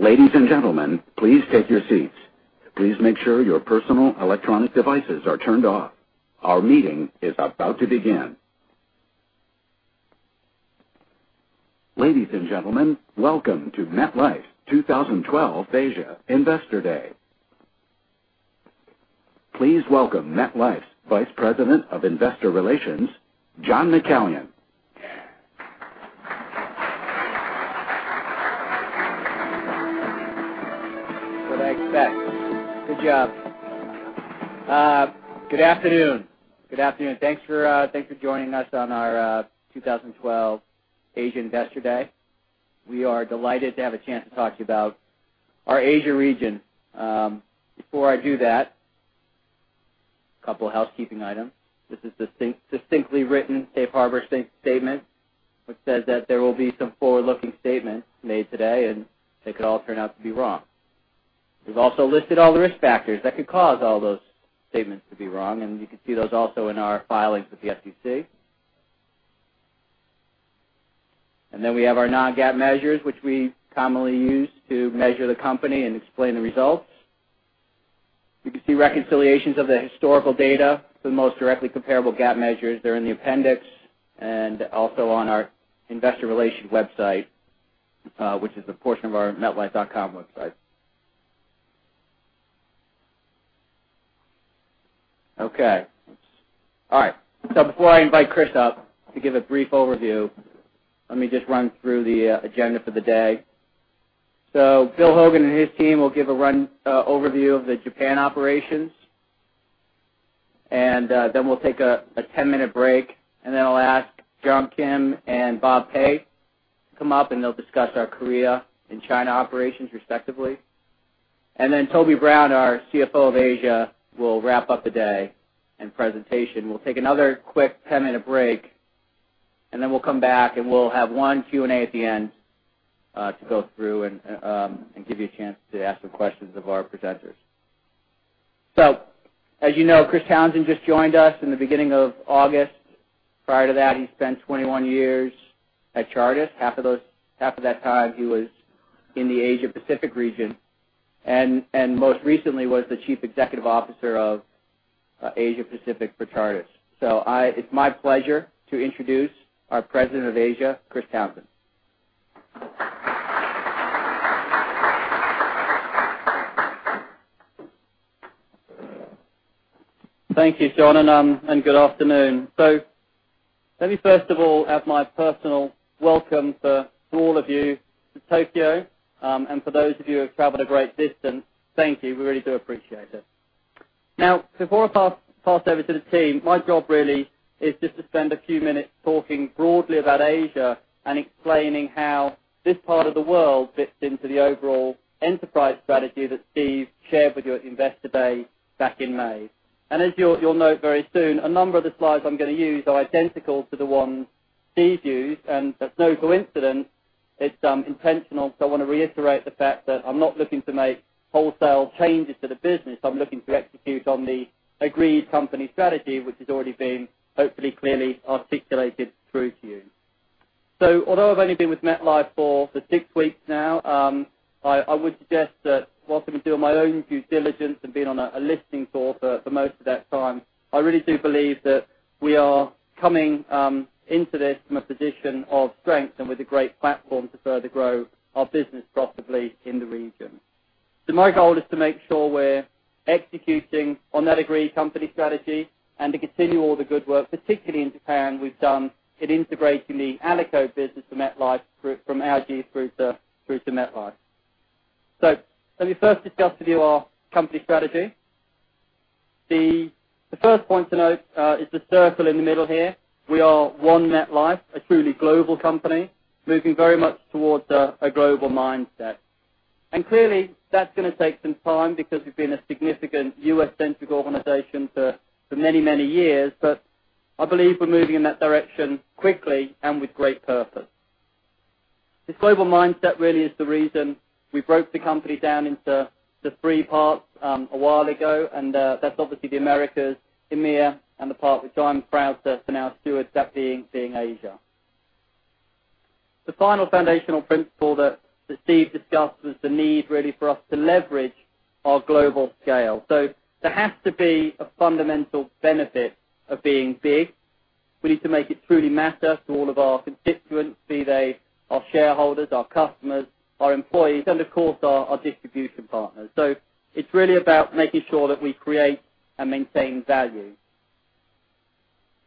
Ladies and gentlemen, please take your seats. Please make sure your personal electronic devices are turned off. Our meeting is about to begin. Ladies and gentlemen, welcome to MetLife 2012 Asia Investor Day. Please welcome MetLife's Vice President of Investor Relations, John McCallion. What I expect. Good job. Good afternoon. Thanks for joining us on our 2012 Asia Investor Day. We are delighted to have a chance to talk to you about our Asia region. Before I do that, a couple housekeeping items. This is a succinctly written safe harbor statement, which says that there will be some forward-looking statements made today, and they could all turn out to be wrong. We've also listed all the risk factors that could cause all those statements to be wrong, and you can see those also in our filings with the SEC. We have our non-GAAP measures, which we commonly use to measure the company and explain the results. You can see reconciliations of the historical data to the most directly comparable GAAP measures. They're in the appendix and also on our investor relation website, which is a portion of our metlife.com website. Okay. All right. Before I invite Chris up to give a brief overview, let me just run through the agenda for the day. Bill Hogan and his team will give a run overview of the Japan operations. We'll take a 10-minute break. I'll ask Jong Kim and Bob Pei to come up. They'll discuss our Korea and China operations, respectively. Toby Brown, our CFO of Asia, will wrap up the day and presentation. We'll take another quick 10-minute break. We'll come back. We'll have one Q&A at the end, to go through and give you a chance to ask some questions of our presenters. As you know, Chris Townsend just joined us in the beginning of August. Prior to that, he spent 21 years at Chartis. Half of that time he was in the Asia Pacific region. Most recently was the Chief Executive Officer of Asia Pacific for Chartis. It's my pleasure to introduce our President of Asia, Chris Townsend. Thank you, John, and good afternoon. Let me first of all add my personal welcome for all of you from Tokyo. For those of you who have traveled a great distance, thank you. We really do appreciate it. Before I pass over to the team, my job really is just to spend a few minutes talking broadly about Asia and explaining how this part of the world fits into the overall enterprise strategy that Steven shared with you at Investor Day back in May. As you will note very soon, a number of the slides I am going to use are identical to the ones Steven used. That is no coincidence. It is intentional, because I want to reiterate the fact that I am not looking to make wholesale changes to the business. I am looking to execute on the agreed company strategy, which has already been hopefully clearly articulated through to you. Although I have only been with MetLife for six weeks now, I would suggest that whilst I have been doing my own due diligence and been on a listening tour for most of that time, I really do believe that we are coming into this from a position of strength and with a great platform to further grow our business profitably in the region. My goal is to make sure we are executing on that agreed company strategy and to continue all the good work, particularly in Japan, we have done in integrating the Alico business to MetLife from AIG through to MetLife. Let me first discuss with you our company strategy. The first point to note is the circle in the middle here. We are one MetLife, a truly global company, moving very much towards a global mindset. Clearly that is going to take some time because we have been a significant U.S.-centric organization for many years. I believe we are moving in that direction quickly and with great purpose. This global mindset really is the reason we broke the company down into the three parts a while ago. That is obviously the Americas, EMEA, and the part which I am proud to now steward, that being Asia. The final foundational principle that Steven discussed was the need really for us to leverage our global scale. There has to be a fundamental benefit of being big. We need to make it truly matter to all of our constituents, be they our shareholders, our customers, our employees, and of course, our distribution partners. It is really about making sure that we create and maintain value.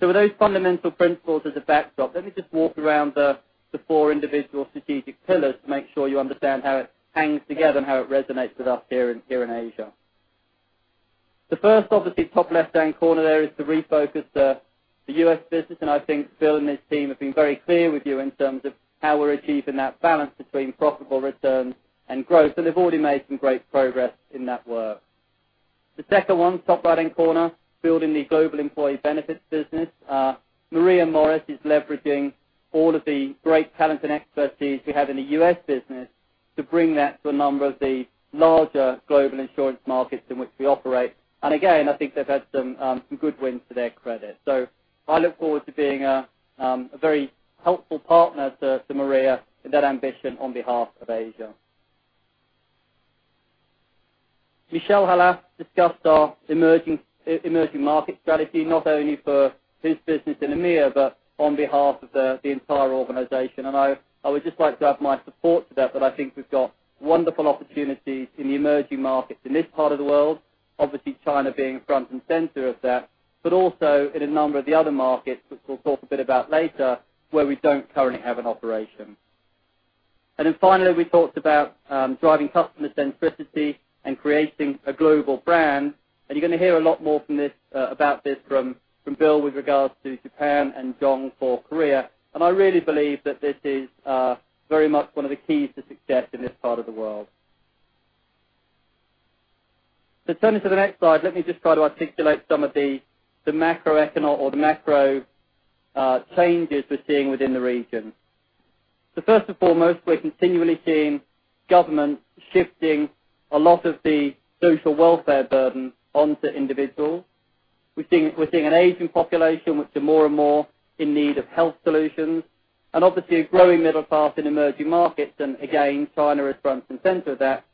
With those fundamental principles as a backdrop, let me just walk around the four individual strategic pillars to make sure you understand how it hangs together and how it resonates with us here in Asia. The first, obviously top left-hand corner there is to refocus the U.S. business. I think Bill and his team have been very clear with you in terms of how we are achieving that balance between profitable returns and growth. They have already made some great progress in that work. The second one, top right-hand corner, building the global employee benefits business. Maria Morris is leveraging all of the great talent and expertise we have in the U.S. business to bring that to a number of the larger global insurance markets in which we operate. I think they've had some good wins to their credit. I look forward to being a very helpful partner to Maria Morris in that ambition on behalf of Asia. Michel Khalaf discussed our emerging market strategy, not only for his business in EMEA, but on behalf of the entire organization. I would just like to add my support to that I think we've got wonderful opportunities in the emerging markets in this part of the world, obviously, China being front and center of that, but also in a number of the other markets, which we'll talk a bit about later, where we don't currently have an operation. Finally, we talked about driving customer centricity and creating a global brand, and you're going to hear a lot more about this from Bill with regards to Japan and Jong for Korea. I really believe that this is very much one of the keys to success in this part of the world. Turning to the next slide, let me just try to articulate some of the macro changes we're seeing within the region. First and foremost, we're continually seeing governments shifting a lot of the social welfare burden onto individuals. We're seeing an aging population, which are more and more in need of health solutions. Obviously, a growing middle class in emerging markets, and again, China is front and center of that,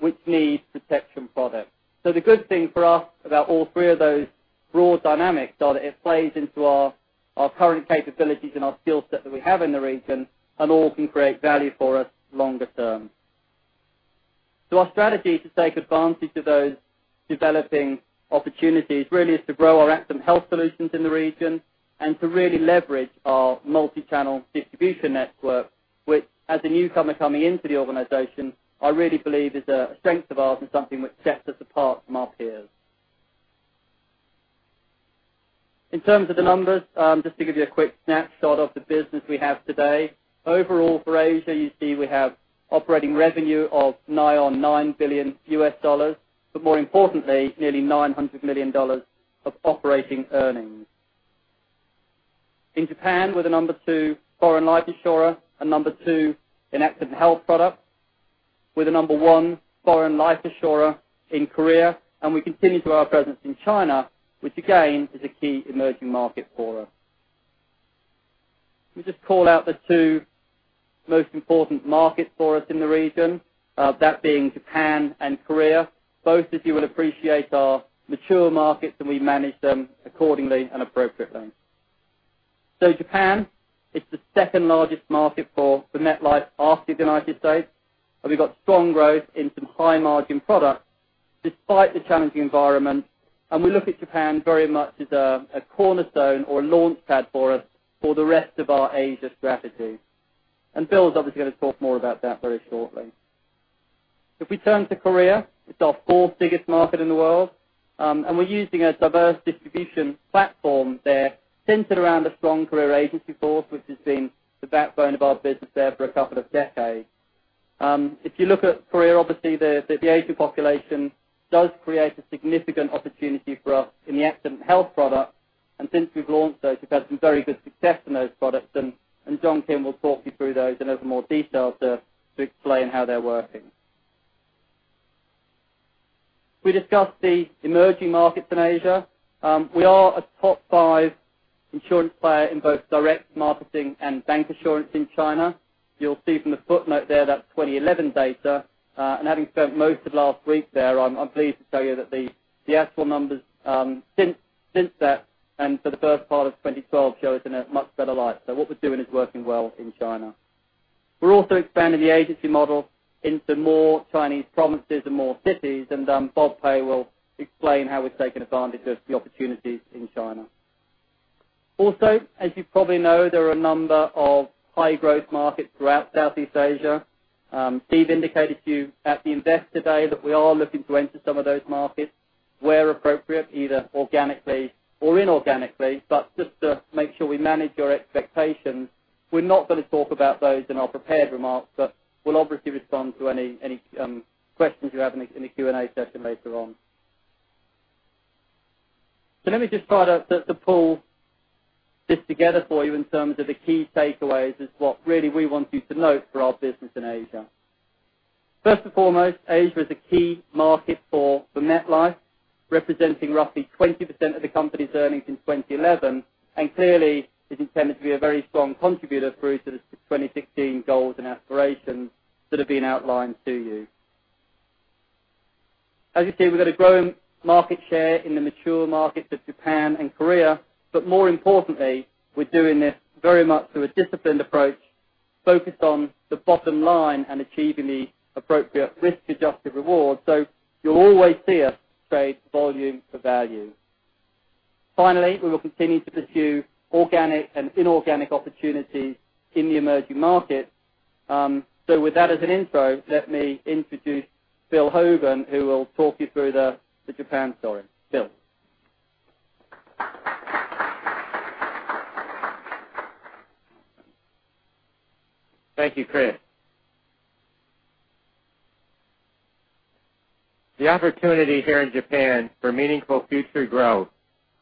which needs protection products. The good thing for us about all three of those broad dynamics are that it plays into our current capabilities and our skill set that we have in the region, and all can create value for us longer term. Our strategy to take advantage of those developing opportunities really is to grow our accident health solutions in the region and to really leverage our multi-channel distribution network, which as a newcomer coming into the organization, I really believe is a strength of ours and something which sets us apart from our peers. In terms of the numbers, just to give you a quick snapshot of the business we have today. Overall for Asia, you see we have operating revenue of nigh on $9 billion, but more importantly, nearly $900 million of operating earnings. In Japan, we're the number 2 foreign life insurer and number 2 in accident health products. We're the number 1 foreign life insurer in Korea, and we continue to have a presence in China, which again, is a key emerging market for us. Let me just call out the two most important markets for us in the region, that being Japan and Korea. Both, as you will appreciate, are mature markets, and we manage them accordingly and appropriately. Japan, it's the second-largest market for MetLife after the U.S., and we've got strong growth in some high-margin products despite the challenging environment, and we look at Japan very much as a cornerstone or a launchpad for us for the rest of our Asia strategy. Bill is obviously going to talk more about that very shortly. If we turn to Korea, it's our fourth biggest market in the world, and we're using a diverse distribution platform there centered around a strong career agency force, which has been the backbone of our business there for a couple of decades. If you look at Korea, obviously, the aging population does create a significant opportunity for us in the Accident & Health product. Since we've launched those, we've had some very good success in those products, and Jong Kim will talk you through those and over more detail to explain how they're working. We discussed the emerging markets in Asia. We are a top five insurance player in both direct marketing and bank insurance in China. You'll see from the footnote there, that's 2011 data. Having spent most of last week there, I'm pleased to tell you that the actual numbers since that and for the first part of 2012 show us in a much better light. What we're doing is working well in China. We're also expanding the agency model into more Chinese provinces and more cities, and Bob Pei will explain how we're taking advantage of the opportunities in China. Also, as you probably know, there are a number of high-growth markets throughout Southeast Asia. Steven Kandarian indicated to you at the Investor Day that we are looking to enter some of those markets where appropriate, either organically or inorganically. Just to make sure we manage your expectations, we're not going to talk about those in our prepared remarks. We'll obviously respond to any questions you have in the Q&A session later on. Let me just try to pull this together for you in terms of the key takeaways is what really we want you to note for our business in Asia. First and foremost, Asia is a key market for MetLife, representing roughly 20% of the company's earnings in 2011. Clearly is intended to be a very strong contributor through to the 2016 goals and aspirations that have been outlined to you. As you see, we've got a growing market share in the mature markets of Japan and Korea. More importantly, we're doing this very much through a disciplined approach focused on the bottom line and achieving the appropriate risk-adjusted reward. You'll always see us trade volume for value. Finally, we will continue to pursue organic and inorganic opportunities in the emerging markets. With that as an intro, let me introduce Bill Hogan, who will talk you through the Japan story. Bill? Thank you, Chris Townsend. The opportunity here in Japan for meaningful future growth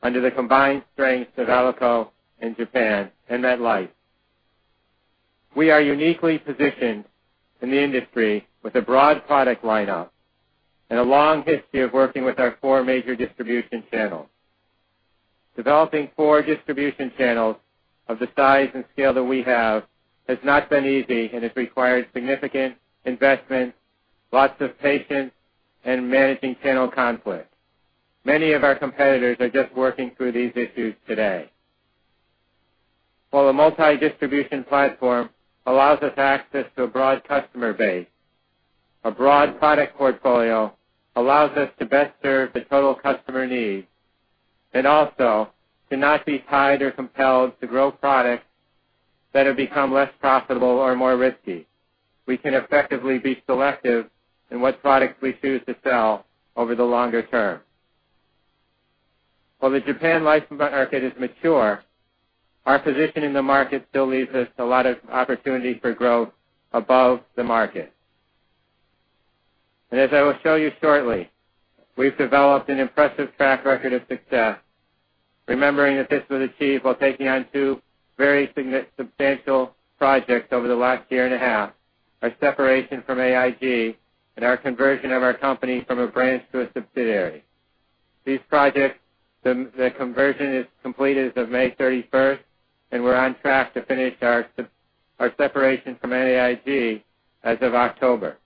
under the combined strengths of Alico in Japan and MetLife. We are uniquely positioned in the industry with a broad product lineup and a long history of working with our four major distribution channels. Developing four distribution channels of the size and scale that we have has not been easy and has required significant investments, lots of patience, and managing channel conflict. Many of our competitors are just working through these issues today. While a multi-distribution platform allows us access to a broad customer base, a broad product portfolio allows us to best serve the total customer needs, and also to not be tied or compelled to grow products that have become less profitable or more risky. We can effectively be selective in what products we choose to sell over the longer term. While the Japan life market is mature, our position in the market still leaves us a lot of opportunity for growth above the market. As I will show you shortly, we've developed an impressive track record of success, remembering that this was achieved while taking on two very substantial projects over the last year and a half, our separation from AIG and our conversion of our company from a branch to a subsidiary. These projects, the conversion is completed as of May 31st, and we're on track to finish our separation from AIG as of October.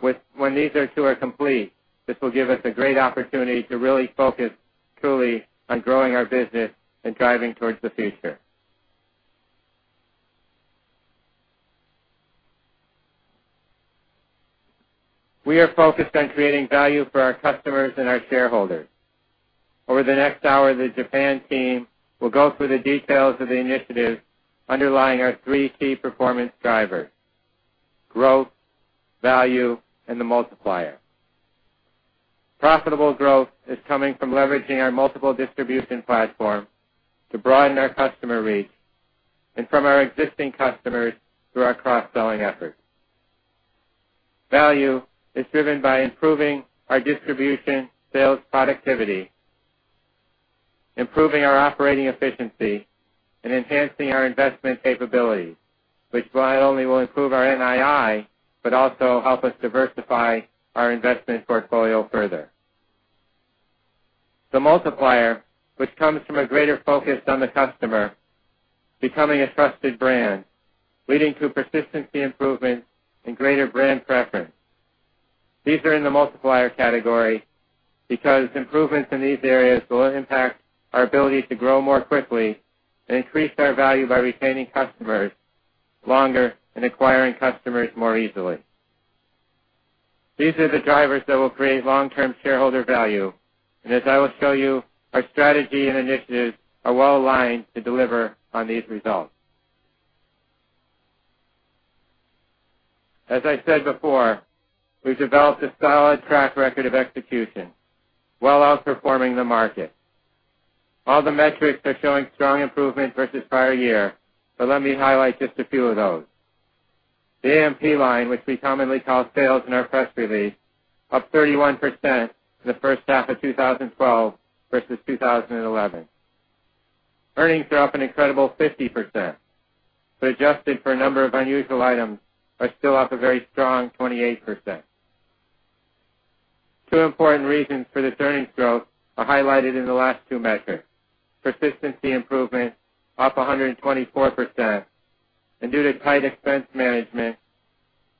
When these two are complete, this will give us a great opportunity to really focus truly on growing our business and driving towards the future. We are focused on creating value for our customers and our shareholders. Over the next hour, the Japan team will go through the details of the initiatives underlying our three key performance drivers, growth, value, and the multiplier. Profitable growth is coming from leveraging our multiple distribution platform to broaden our customer reach and from our existing customers through our cross-selling efforts. Value is driven by improving our distribution sales productivity, improving our operating efficiency, and enhancing our investment capabilities, which not only will improve our NII, but also help us diversify our investment portfolio further. The multiplier, which comes from a greater focus on the customer becoming a trusted brand, leading to persistency improvements and greater brand preference. These are in the multiplier category because improvements in these areas will impact our ability to grow more quickly and increase our value by retaining customers longer and acquiring customers more easily. These are the drivers that will create long-term shareholder value. As I will show you, our strategy and initiatives are well-aligned to deliver on these results. As I said before, we've developed a solid track record of execution while outperforming the market. All the metrics are showing strong improvement versus prior year, but let me highlight just a few of those. The AMP line, which we commonly call sales in our press release, up 31% in the first half of 2012 versus 2011. Earnings are up an incredible 50%, but adjusted for a number of unusual items, are still up a very strong 28%. Two important reasons for this earnings growth are highlighted in the last two measures, persistency improvements up 124%, and due to tight expense management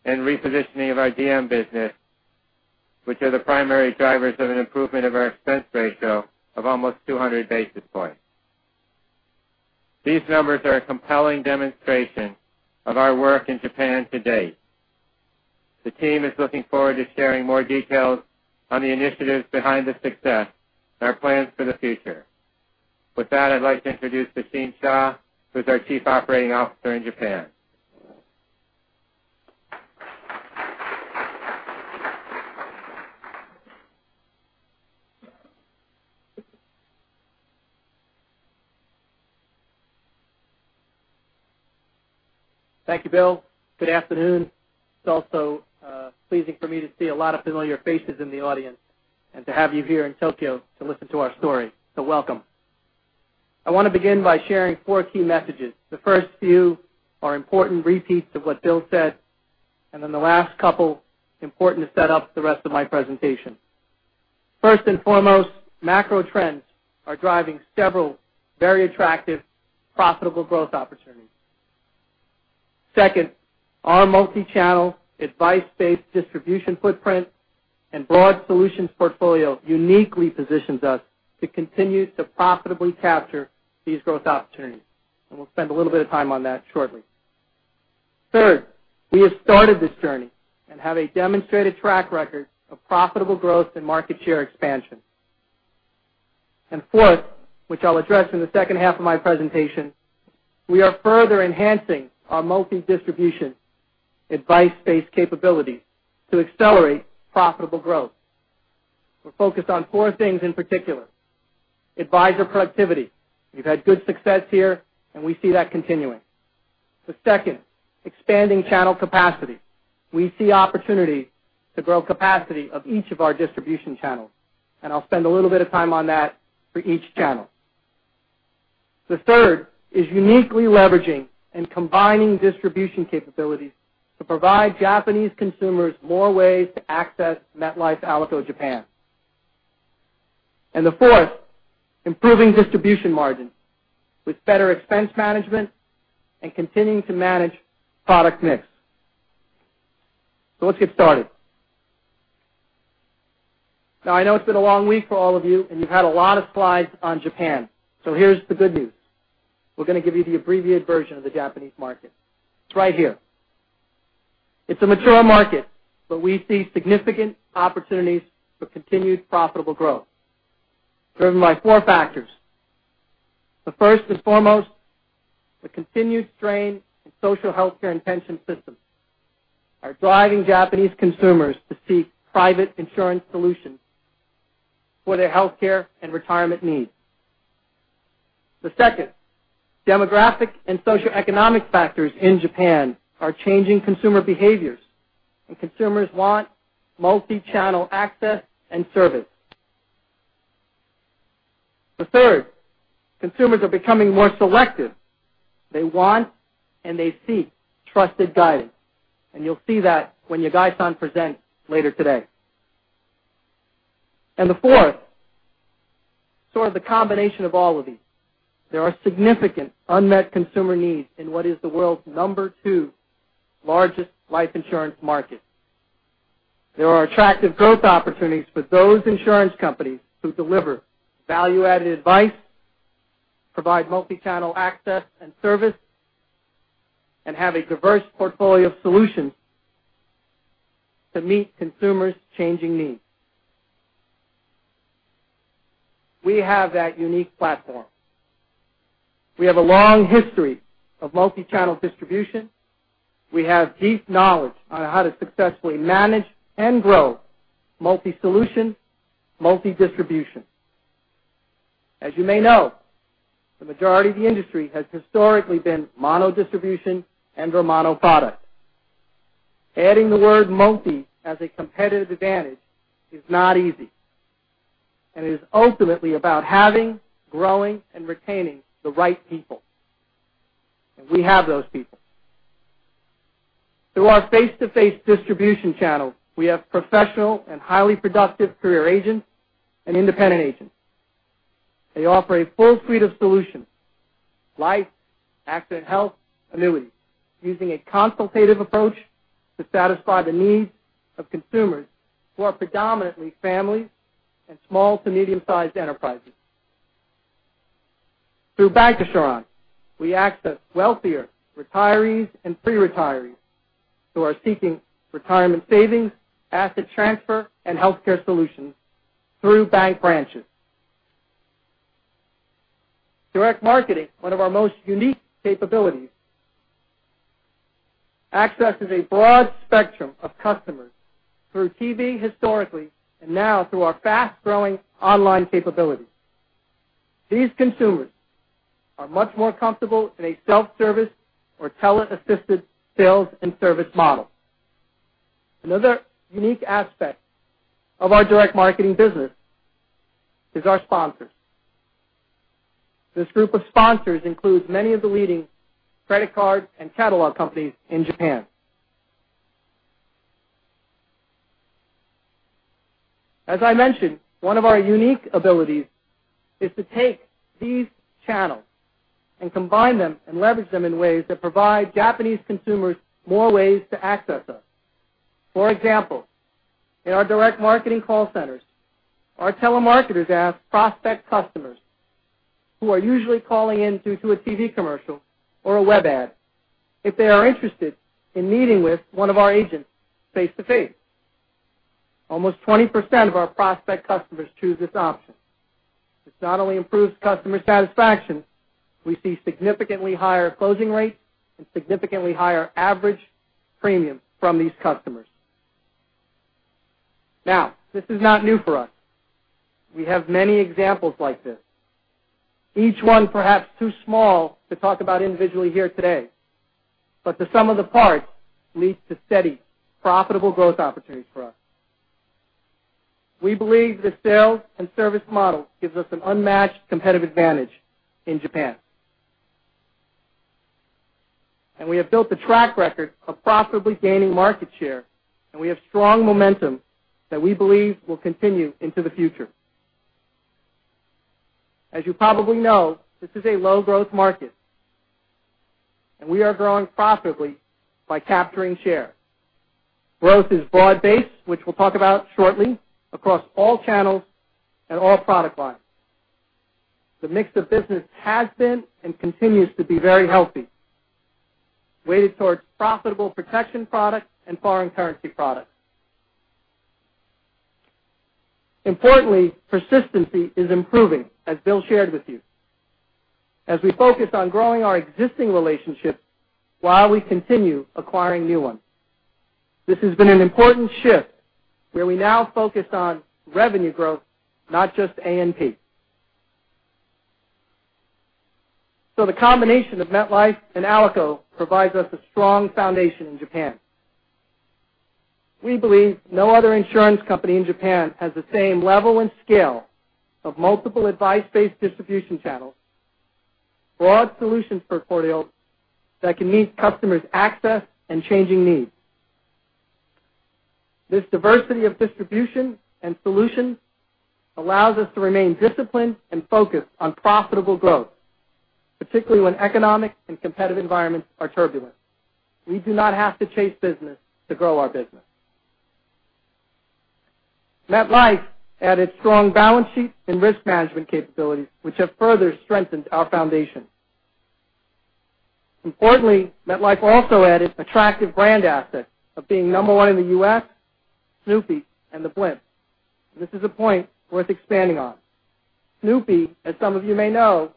and repositioning of our DM business, which are the primary drivers of an improvement of our expense ratio of almost 200 basis points. These numbers are a compelling demonstration of our work in Japan to date. The team is looking forward to sharing more details on the initiatives behind the success and our plans for the future. With that, I'd like to introduce Sachin Shah, who's our Chief Operating Officer in Japan. Thank you, Bill. Good afternoon. It is also pleasing for me to see a lot of familiar faces in the audience and to have you here in Tokyo to listen to our story, so welcome. I want to begin by sharing four key messages. The first few are important repeats of what Bill said, and then the last couple, important to set up the rest of my presentation. First and foremost, macro trends are driving several very attractive, profitable growth opportunities. Second, our multi-channel, advice-based distribution footprint and broad solutions portfolio uniquely positions us to continue to profitably capture these growth opportunities. We will spend a little bit of time on that shortly. Third, we have started this journey and have a demonstrated track record of profitable growth and market share expansion. Fourth, which I will address in the second half of my presentation, we are further enhancing our multi-distribution, advice-based capabilities to accelerate profitable growth. We are focused on four things in particular. Advisor productivity. We have had good success here, and we see that continuing. The second, expanding channel capacity. We see opportunity to grow capacity of each of our distribution channels, and I will spend a little bit of time on that for each channel. The third is uniquely leveraging and combining distribution capabilities to provide Japanese consumers more ways to access MetLife Alico Japan. Fourth, improving distribution margin with better expense management and continuing to manage product mix. Let us get started. Now, I know it has been a long week for all of you, and you have had a lot of slides on Japan. Here is the good news. We are going to give you the abbreviated version of the Japanese market. It is right here. It is a mature market, but we see significant opportunities for continued profitable growth, driven by four factors. The first and foremost, the continued strain in social healthcare and pension systems are driving Japanese consumers to seek private insurance solutions for their healthcare and retirement needs. The second, demographic and socioeconomic factors in Japan are changing consumer behaviors, and consumers want multi-channel access and service. The third, consumers are becoming more selective. They want, and they seek trusted guidance, and you will see that when Yagai-san presents later today. Fourth, sort of the combination of all of these, there are significant unmet consumer needs in what is the world's number two largest life insurance market. There are attractive growth opportunities for those insurance companies who deliver value-added advice, provide multi-channel access and service, and have a diverse portfolio of solutions to meet consumers' changing needs. We have that unique platform. We have a long history of multi-channel distribution. We have deep knowledge on how to successfully manage and grow multi-solution, multi-distribution. As you may know, the majority of the industry has historically been mono-distribution and/or mono-product. Adding the word multi as a competitive advantage is not easy, and it is ultimately about having, growing, and retaining the right people. We have those people. Through our face-to-face distribution channel, we have professional and highly productive career agents and independent agents. They offer a full suite of solutions, life, accident health, annuities, using a consultative approach to satisfy the needs of consumers who are predominantly families and small to medium-sized enterprises. Through Bancassurance, we access wealthier retirees and pre-retirees who are seeking retirement savings, asset transfer, and healthcare solutions through bank branches. Direct marketing, one of our most unique capabilities, accesses a broad spectrum of customers through TV historically, and now through our fast-growing online capabilities. These consumers are much more comfortable in a self-service or tele-assisted sales and service model. Another unique aspect of our direct marketing business is our sponsors. This group of sponsors includes many of the leading credit card and catalog companies in Japan. As I mentioned, one of our unique abilities is to take these channels and combine them and leverage them in ways that provide Japanese consumers more ways to access us. For example, in our direct marketing call centers, our telemarketers ask prospect customers who are usually calling in due to a TV commercial or a web ad if they are interested in meeting with one of our agents face to face. Almost 20% of our prospect customers choose this option. This not only improves customer satisfaction, we see significantly higher closing rates and significantly higher average premiums from these customers. This is not new for us. We have many examples like this, each one perhaps too small to talk about individually here today, but the sum of the parts leads to steady, profitable growth opportunities for us. We believe the sales and service model gives us an unmatched competitive advantage in Japan. We have built a track record of profitably gaining market share, and we have strong momentum that we believe will continue into the future. As you probably know, this is a low growth market, and we are growing profitably by capturing share. Growth is broad-based, which we will talk about shortly, across all channels and all product lines. The mix of business has been and continues to be very healthy, weighted towards profitable protection products and foreign currency products. Importantly, persistency is improving, as Bill shared with you. As we focus on growing our existing relationships while we continue acquiring new ones. This has been an an important shift, where we now focus on revenue growth, not just ANP. The combination of MetLife and Alico provides us a strong foundation in Japan. We believe no other insurance company in Japan has the same level and scale of multiple advice-based distribution channels, broad solutions portfolios that can meet customers' access and changing needs. This diversity of distribution and solutions allows us to remain disciplined and focused on profitable growth, particularly when economic and competitive environments are turbulent. We do not have to chase business to grow our business. MetLife added strong balance sheets and risk management capabilities, which have further strengthened our foundation. Importantly, MetLife also added attractive brand assets of being number one in the U.S., Snoopy, and the blimp. This is a point worth expanding on. Snoopy, as some of you may know,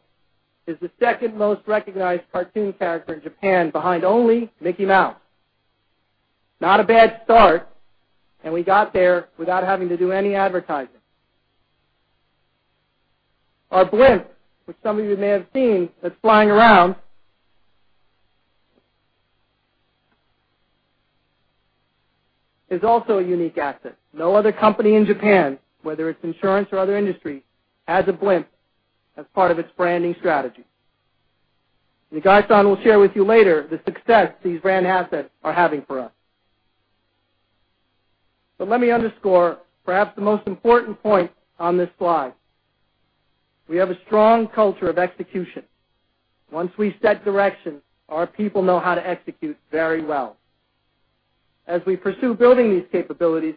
is the second most recognized cartoon character in Japan, behind only Mickey Mouse. Not a bad start, and we got there without having to do any advertising. Our blimp, which some of you may have seen that is flying around, is also a unique asset. No other company in Japan, whether it is insurance or other industries, has a blimp as part of its branding strategy. Yagai-san will share with you later the success these brand assets are having for us. Let me underscore perhaps the most important point on this slide. We have a strong culture of execution. Once we set direction, our people know how to execute very well. As we pursue building these capabilities,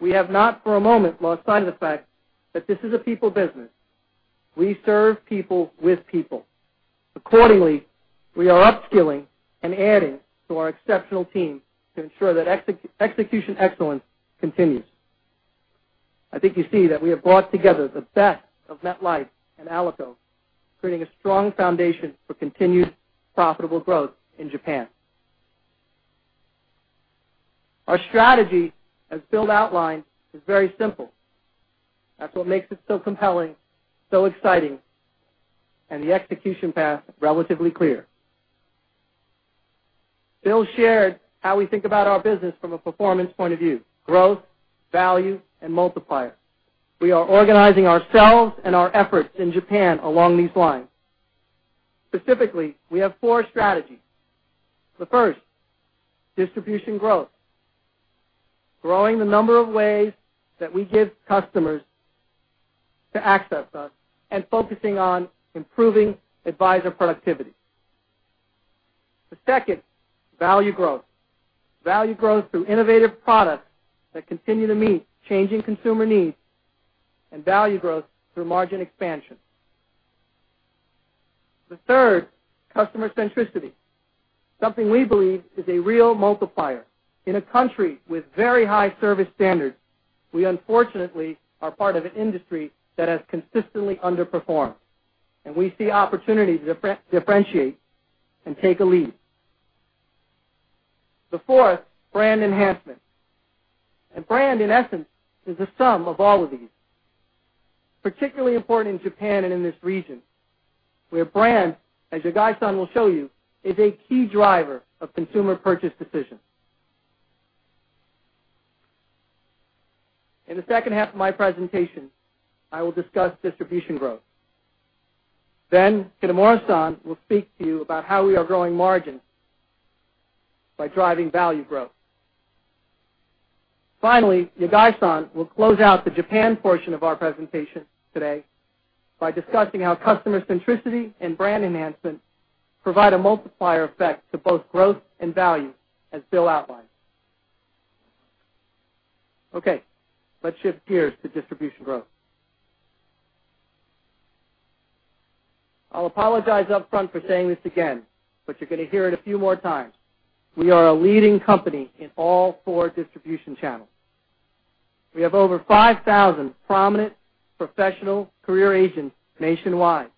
we have not for a moment lost sight of the fact that this is a people business. We serve people with people. Accordingly, we are upskilling and adding to our exceptional team to ensure that execution excellence continues. I think you see that we have brought together the best of MetLife and Alico, creating a strong foundation for continued profitable growth in Japan. Our strategy, as Bill outlined, is very simple. That is what makes it so compelling, so exciting, and the execution path relatively clear. Bill shared how we think about our business from a performance point of view: growth, value, and multiplier. We are organizing ourselves and our efforts in Japan along these lines. Specifically, we have 4 strategies. The first, distribution growth, growing the number of ways that we give customers to access us and focusing on improving advisor productivity. The second, value growth. Value growth through innovative products that continue to meet changing consumer needs, and value growth through margin expansion. The third, customer centricity, something we believe is a real multiplier. In a country with very high service standards, we unfortunately are part of an industry that has consistently underperformed, and we see opportunity to differentiate and take a lead. The fourth, brand enhancement. Brand, in essence, is the sum of all of these. Particularly important in Japan and in this region, where brand, as Yagai-san will show you, is a key driver of consumer purchase decisions. In the second half of my presentation, I will discuss distribution growth. Kitamura-san will speak to you about how we are growing margin by driving value growth. Yagai-san will close out the Japan portion of our presentation today by discussing how customer centricity and brand enhancement provide a multiplier effect to both growth and value as Bill outlined. Let us shift gears to distribution growth. I will apologize up front for saying this again, you are going to hear it a few more times. We are a leading company in all four distribution channels. We have over 5,000 prominent professional career agents nationwide.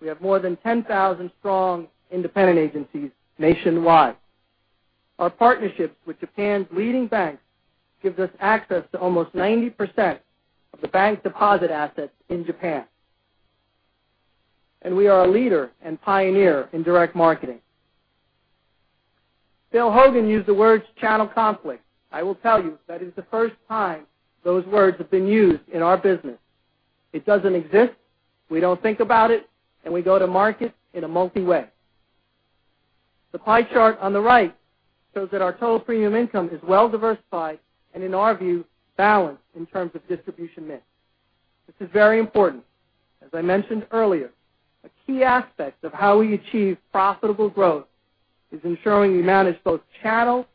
We have more than 10,000 strong independent agencies nationwide. Our partnerships with Japan's leading banks gives us access to almost 90% of the bank deposit assets in Japan. We are a leader and pioneer in direct marketing. Bill Hogan used the words channel conflict. I will tell you, that is the first time those words have been used in our business. It does not exist. We do not think about it, we go to market in a multi way. The pie chart on the right shows that our total premium income is well-diversified and, in our view, balanced in terms of distribution mix. This is very important. As I mentioned earlier, a key aspect of how we achieve profitable growth is ensuring we manage both channel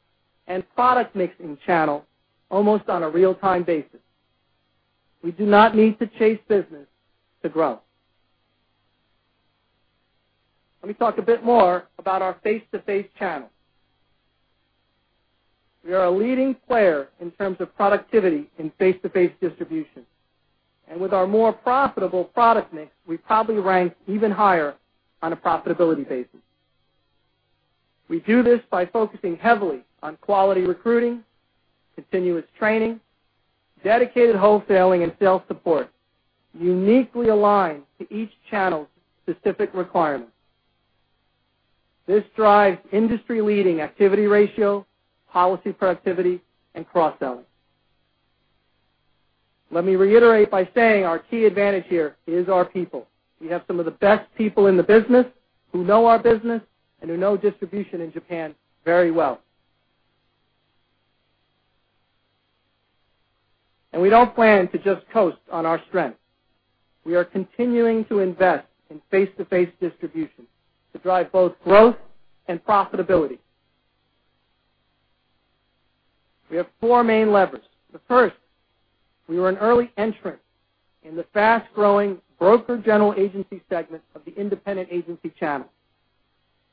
and product mix in channel almost on a real-time basis. We do not need to chase business to grow. Let me talk a bit more about our face-to-face channels. We are a leading player in terms of productivity in face-to-face distribution, and with our more profitable product mix, we probably rank even higher on a profitability basis. We do this by focusing heavily on quality recruiting, continuous training, dedicated wholesaling, and sales support uniquely aligned to each channel's specific requirements. This drives industry-leading activity ratio, policy productivity, and cross-selling. Let me reiterate by saying our key advantage here is our people. We have some of the best people in the business who know our business and who know distribution in Japan very well. We don't plan to just coast on our strengths. We are continuing to invest in face-to-face distribution to drive both growth and profitability. We have four main levers. The first, we were an early entrant in the fast-growing broker general agency segment of the independent agency channel.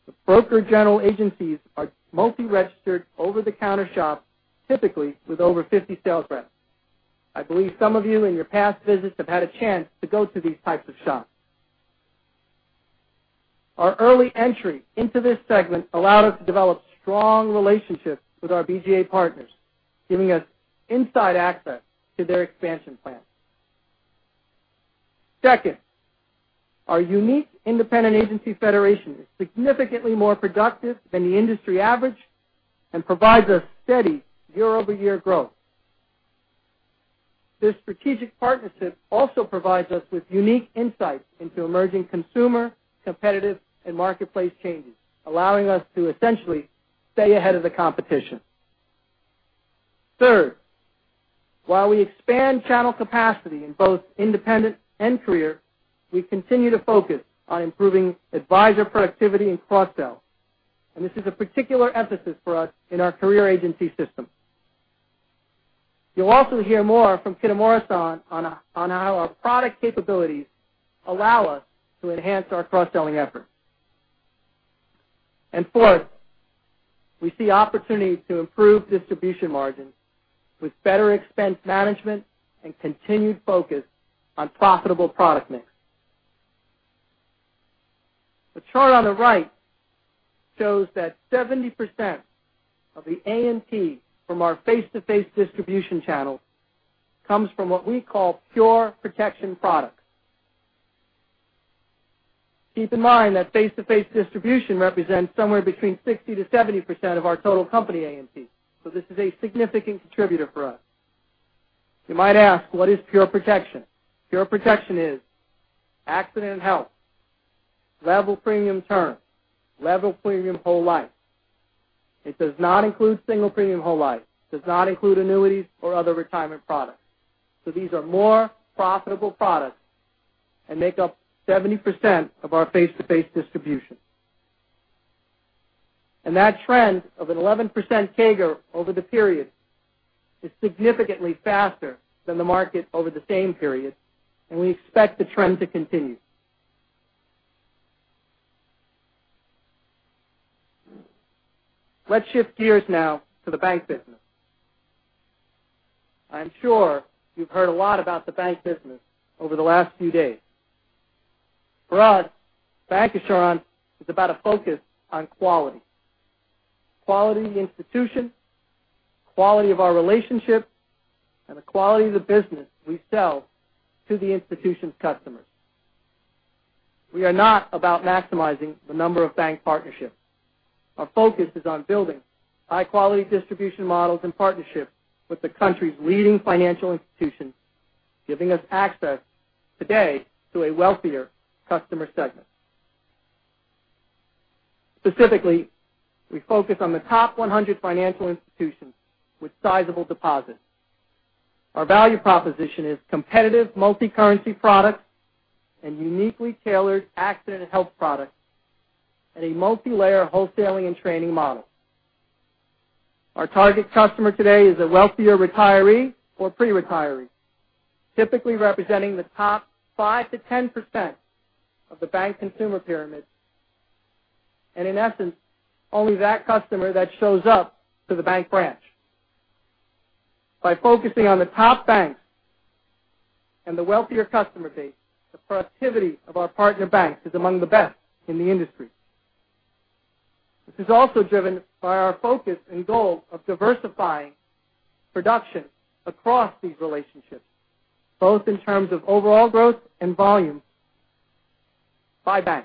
The broker general agencies are mostly registered over-the-counter shops, typically with over 50 sales reps. I believe some of you in your past visits have had a chance to go to these types of shops. Our early entry into this segment allowed us to develop strong relationships with our BGA partners, giving us inside access to their expansion plans. Second, our unique independent agency federation is significantly more productive than the industry average and provides a steady year-over-year growth. This strategic partnership also provides us with unique insights into emerging consumer, competitive, and marketplace changes, allowing us to essentially stay ahead of the competition. Third, while we expand channel capacity in both independent and career, we continue to focus on improving advisor productivity and cross-sell. This is a particular emphasis for us in our career agency system. You'll also hear more from Kitamura-san on how our product capabilities allow us to enhance our cross-selling efforts. Fourth, we see opportunities to improve distribution margins with better expense management and continued focus on profitable product mix. The chart on the right shows that 70% of the ANP from our face-to-face distribution channel comes from what we call pure protection products. Keep in mind that face-to-face distribution represents somewhere between 60%-70% of our total company ANP, so this is a significant contributor for us. You might ask, what is pure protection? Pure protection is Accident & Health, level premium term, level premium whole life. It does not include single premium whole life. It does not include annuities or other retirement products. These are more profitable products and make up 70% of our face-to-face distribution. That trend of an 11% CAGR over the period is significantly faster than the market over the same period, and we expect the trend to continue. Let's shift gears now to the bank business. I am sure you've heard a lot about the bank business over the last few days. For us, bancassurance is about a focus on quality of the institution, quality of our relationships, and the quality of the business we sell to the institution's customers. We are not about maximizing the number of bank partnerships. Our focus is on building high-quality distribution models and partnerships with the country's leading financial institutions, giving us access today to a wealthier customer segment. Specifically, we focus on the top 100 financial institutions with sizable deposits. Our value proposition is competitive multi-currency products and uniquely tailored Accident & Health products and a multilayer wholesaling and training model. Our target customer today is a wealthier retiree or pre-retiree, typically representing the top 5%-10% of the bank consumer pyramid. In essence, only that customer that shows up to the bank branch. By focusing on the top banks and the wealthier customer base, the productivity of our partner banks is among the best in the industry. This is also driven by our focus and goal of diversifying production across these relationships, both in terms of overall growth and volume by bank.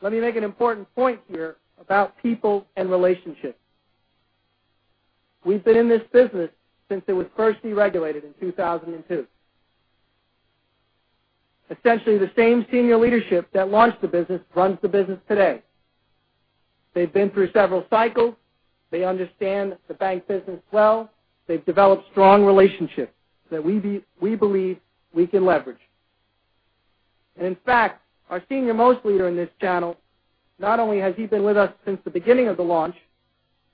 Let me make an important point here about people and relationships. We've been in this business since it was first deregulated in 2002. Essentially, the same senior leadership that launched the business runs the business today. They've been through several cycles. They understand the bank business well. They've developed strong relationships that we believe we can leverage. In fact, our senior most leader in this channel, not only has he been with us since the beginning of the launch,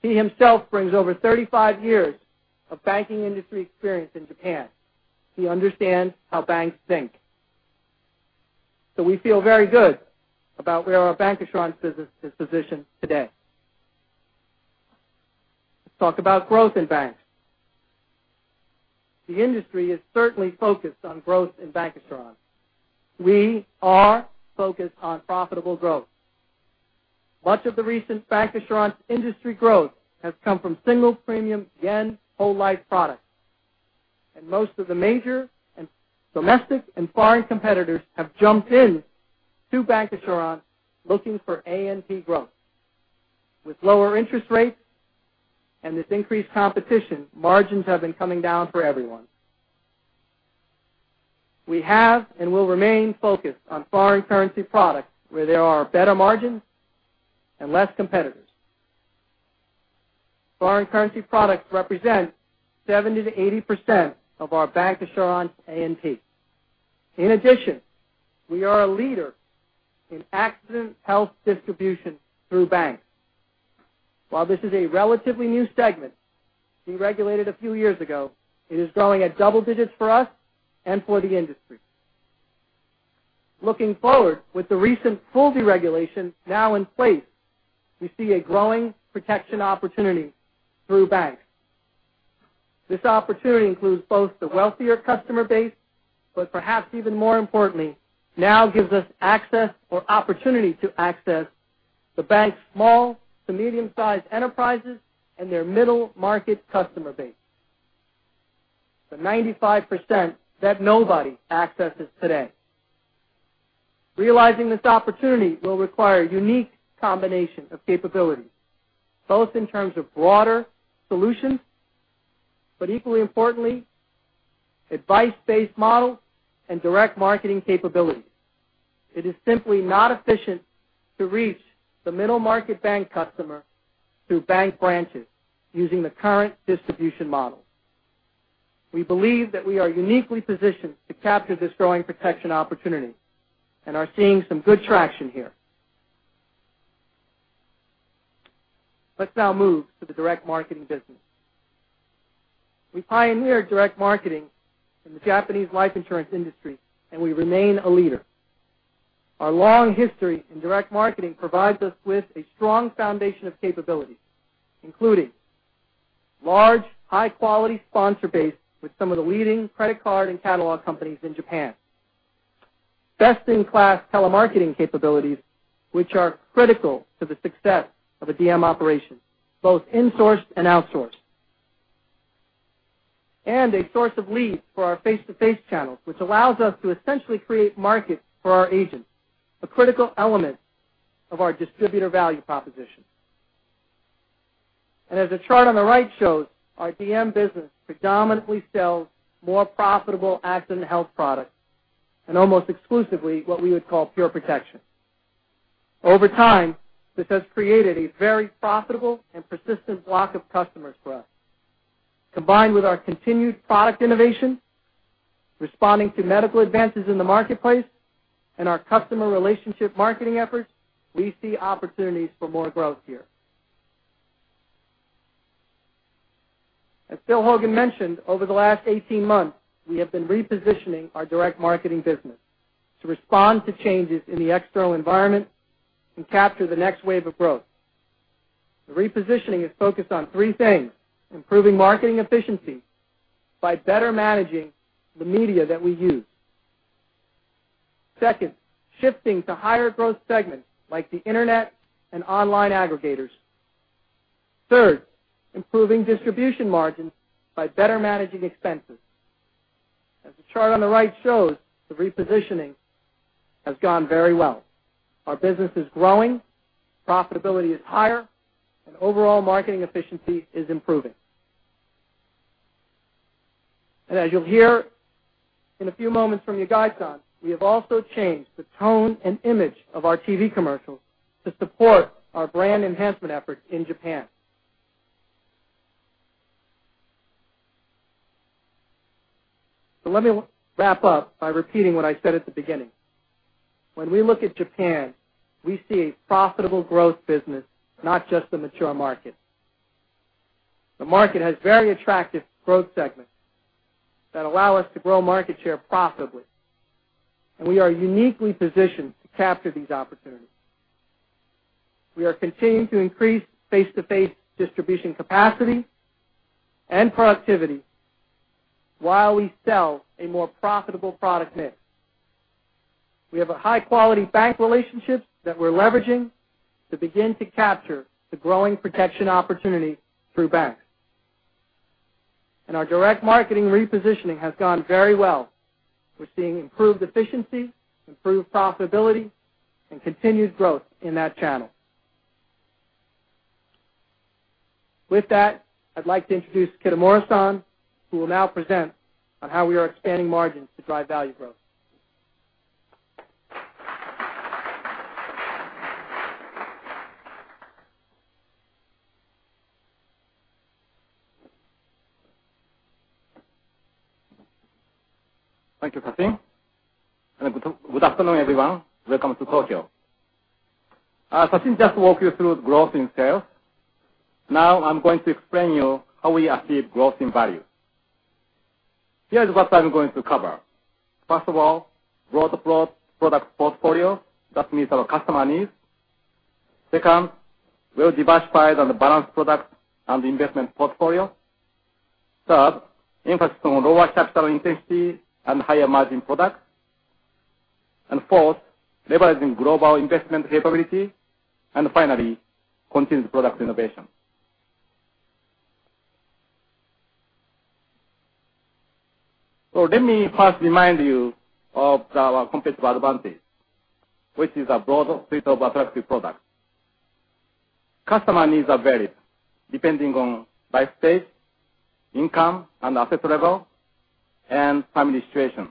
he himself brings over 35 years of banking industry experience in Japan. He understands how banks think. We feel very good about where our bancassurance business is positioned today. Let's talk about growth in banks. The industry is certainly focused on growth in bancassurance. We are focused on profitable growth. Much of the recent bancassurance industry growth has come from single premium JPY whole life products, and most of the major domestic and foreign competitors have jumped in to bancassurance looking for ANP growth. With lower interest rates and this increased competition, margins have been coming down for everyone. We have and will remain focused on foreign currency products where there are better margins and less competitors. Foreign currency products represent 70%-80% of our bancassurance ANP. In addition, we are a leader in Accident & Health distribution through banks. While this is a relatively new segment, deregulated a few years ago, it is growing at double digits for us and for the industry. Looking forward, with the recent full deregulation now in place, we see a growing protection opportunity through banks. This opportunity includes both the wealthier customer base, but perhaps even more importantly, now gives us access or opportunity to access the bank's small to medium-sized enterprises and their middle-market customer base. The 95% that nobody accesses today. Realizing this opportunity will require a unique combination of capabilities, both in terms of broader solutions, but equally importantly, advice-based models and direct marketing capabilities. It is simply not efficient to reach the middle-market bank customer through bank branches using the current distribution model. We believe that we are uniquely positioned to capture this growing protection opportunity and are seeing some good traction here. Let's now move to the direct marketing business. We pioneered direct marketing in the Japanese life insurance industry. We remain a leader. Our long history in direct marketing provides us with a strong foundation of capabilities, including large, high-quality sponsor base with some of the leading credit card and catalog companies in Japan, best-in-class telemarketing capabilities, which are critical to the success of a DM operation, both insourced and outsourced. A source of leads for our face-to-face channels, which allows us to essentially create markets for our agents, a critical element of our distributor value proposition. As the chart on the right shows, our DM business predominantly sells more profitable Accident & Health products and almost exclusively what we would call pure protection. Over time, this has created a very profitable and persistent block of customers for us. Combined with our continued product innovation, responding to medical advances in the marketplace, and our customer relationship marketing efforts, we see opportunities for more growth here. As Bill Hogan mentioned, over the last 18 months, we have been repositioning our direct marketing business to respond to changes in the external environment and capture the next wave of growth. The repositioning is focused on three things: improving marketing efficiency by better managing the media that we use. Second, shifting to higher growth segments like the internet and online aggregators. Third, improving distribution margins by better managing expenses. As the chart on the right shows, the repositioning has gone very well. Our business is growing, profitability is higher, and overall marketing efficiency is improving. As you'll hear in a few moments from Yagai-san, we have also changed the tone and image of our TV commercials to support our brand enhancement efforts in Japan. Let me wrap up by repeating what I said at the beginning. When we look at Japan, we see a profitable growth business, not just a mature market. The market has very attractive growth segments that allow us to grow market share profitably, and we are uniquely positioned to capture these opportunities. We are continuing to increase face-to-face distribution capacity and productivity while we sell a more profitable product mix. We have high-quality bank relationships that we're leveraging to begin to capture the growing protection opportunity through banks. Our direct marketing repositioning has gone very well. We're seeing improved efficiency, improved profitability, and continued growth in that channel. With that, I'd like to introduce Kitamura-san, who will now present on how we are expanding margins to drive value growth. Thank you, Sachin, and good afternoon, everyone. Welcome to Tokyo. As Sachin just walked you through growth in sales, now I'm going to explain you how we achieve growth in value. Here is what I'm going to cover. First of all, broad product portfolio that meets our customer needs. Second, well-diversified and balanced product and investment portfolio. Third, emphasis on lower capital intensity and higher margin products. Fourth, leveraging global investment capability. Finally, continued product innovation. Let me first remind you of our competitive advantage, which is a broad suite of attractive products. Customer needs are varied depending on life stage, income, and asset level, and family situation.